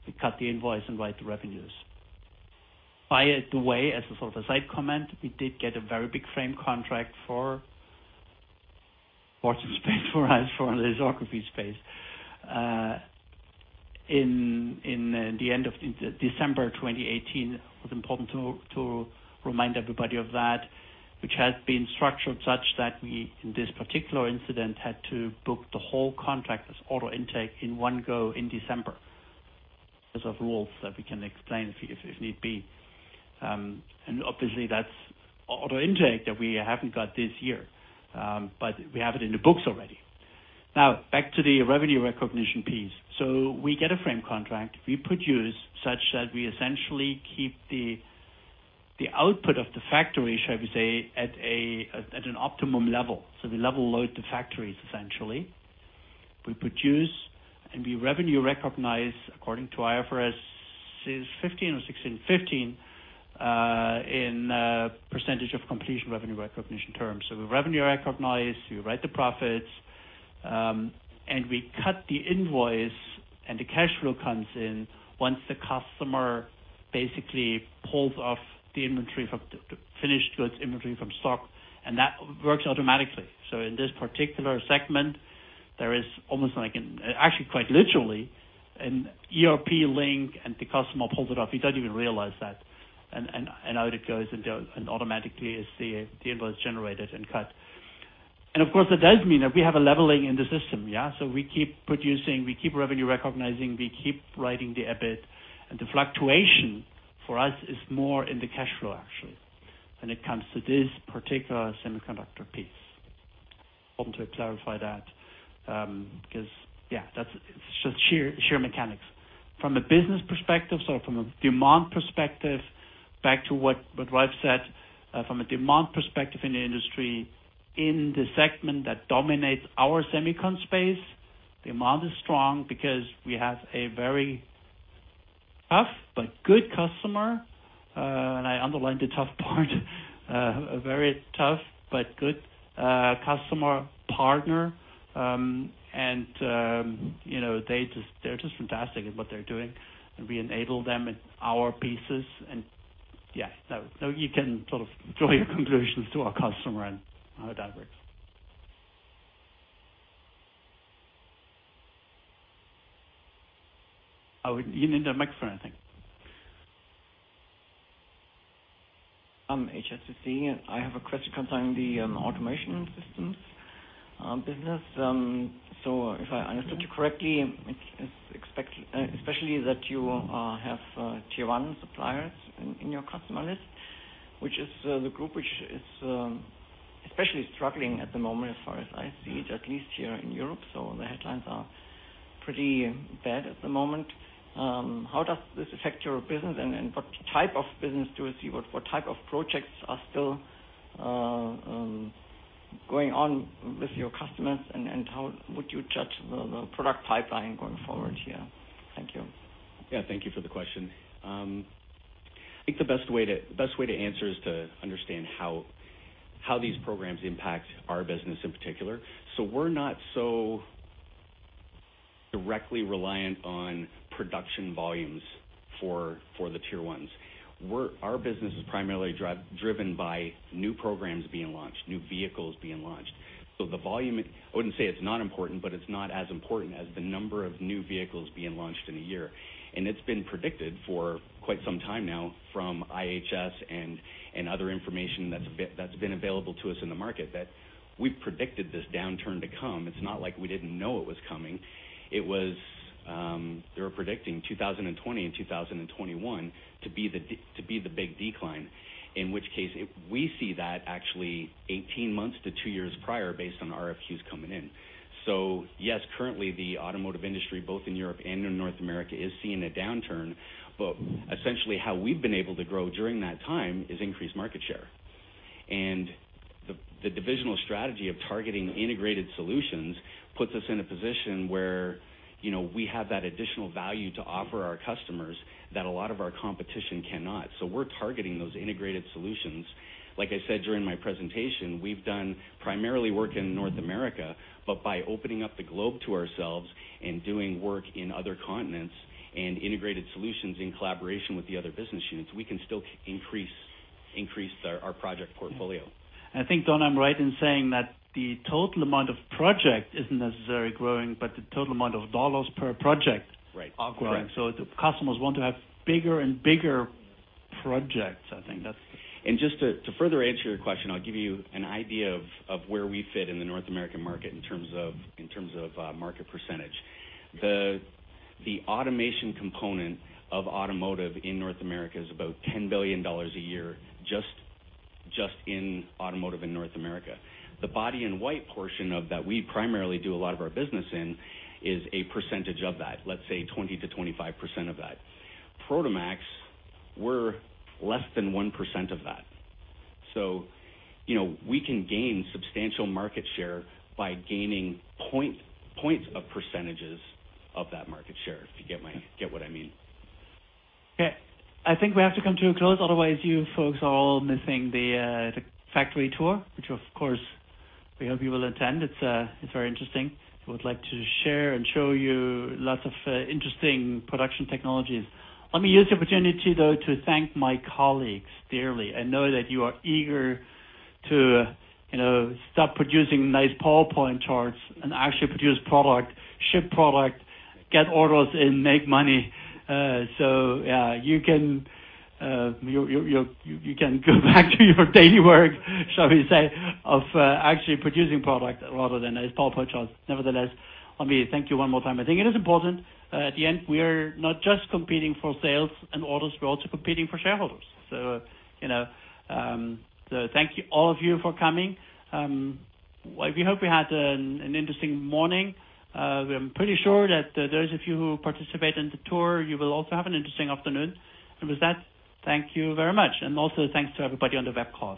we cut the invoice and write the revenues. By the way, as a sort of side comment, we did get a very big frame contract for space for us, for the lithography space. In the end of December 2018, it was important to remind everybody of that, which has been structured such that we, in this particular incident, had to book the whole contract as order intake in one go in December, because of rules that we can explain if need be. Obviously that's order intake that we haven't got this year. We have it in the books already. Back to the revenue recognition piece. We get a frame contract. We produce such that we essentially keep the output of the factory, shall we say, at an optimum level. We level load the factories, essentially. We produce and we revenue recognize according to IFRS 15 or 16, 15, in percentage of completion revenue recognition terms. We revenue recognize, we write the profits, and we cut the invoice and the cash flow comes in once the customer basically pulls off the inventory from the finished goods inventory from stock, and that works automatically. In this particular segment, there is almost like actually quite literally an ERP link and the customer pulls it off. He doesn't even realize that. Out it goes into, and automatically the invoice is generated and cut. Of course, that does mean that we have a leveling in the system. Yeah. We keep producing, we keep revenue recognizing, we keep writing the EBIT. The fluctuation for us is more in the cash flow, actually, when it comes to this particular semiconductor piece. Wanted to clarify that, because yeah, that's just sheer mechanics. From a business perspective, from a demand perspective, back to what Ralf said, from a demand perspective in the industry, in the segment that dominates our semicon space, the demand is strong because we have a very tough but good customer. I underline the tough part. A very tough but good customer partner. They're just fantastic at what they're doing, and we enable them in our pieces. You can sort of draw your conclusions to our customer and how that works. You need a mic for anything. I'm HSBC. I have a question concerning the automation systems business. If I understood you correctly, especially that you have Tier 1 suppliers in your customer list, which is the group which is especially struggling at the moment as far as I see it, at least here in Europe. The headlines are pretty bad at the moment. How does this affect your business and what type of business do you see? What type of projects are still going on with your customers, and how would you judge the product pipeline going forward here? Thank you. Yeah, thank you for the question. I think the best way to answer is to understand how these programs impact our business in particular. We're not so directly reliant on production volumes for the Tier 1s. Our business is primarily driven by new programs being launched, new vehicles being launched. It's been predicted for quite some time now from IHS and other information that's been available to us in the market that we've predicted this downturn to come. It's not like we didn't know it was coming. They were predicting 2020 and 2021 to be the big decline. In which case, we see that actually 18 months to two years prior based on RFQs coming in. Yes, currently the automotive industry both in Europe and in North America is seeing a downturn. Essentially how we've been able to grow during that time is increased market share. The divisional strategy of targeting integrated solutions puts us in a position where we have that additional value to offer our customers that a lot of our competition cannot. We're targeting those integrated solutions. Like I said during my presentation, we've done primarily work in North America, but by opening up the globe to ourselves and doing work in other continents and integrated solutions in collaboration with the other business units, we can still increase our project portfolio. I think, Don, I'm right in saying that the total amount of project isn't necessarily growing, but the total amount of dollars per project. Right are growing. Correct. The customers want to have bigger and bigger projects, I think that's. Just to further answer your question, I'll give you an idea of where we fit in the North American market in terms of market percentage. The automation component of automotive in North America is about $10 billion a year, just in automotive in North America. The body and white portion of that, we primarily do a lot of our business in, is a percentage of that, let's say 20%-25% of that. Prodomax, we're less than 1% of that. We can gain substantial market share by gaining points of percentages of that market share, if you get what I mean. Okay. I think we have to come to a close. Otherwise, you folks are all missing the factory tour, which of course, we hope you will attend. It's very interesting. We would like to share and show you lots of interesting production technologies. Let me use the opportunity, though, to thank my colleagues dearly. I know that you are eager to stop producing nice PowerPoint charts and actually produce product, ship product, get orders, and make money. Yeah, you can go back to your daily work, shall we say, of actually producing product rather than nice PowerPoint charts. Nevertheless, let me thank you one more time. I think it is important. At the end, we are not just competing for sales and orders, we're also competing for shareholders. Thank you all of you for coming. We hope you had an interesting morning. I'm pretty sure that those of you who participate in the tour, you will also have an interesting afternoon. With that, thank you very much, and also thanks to everybody on the web call.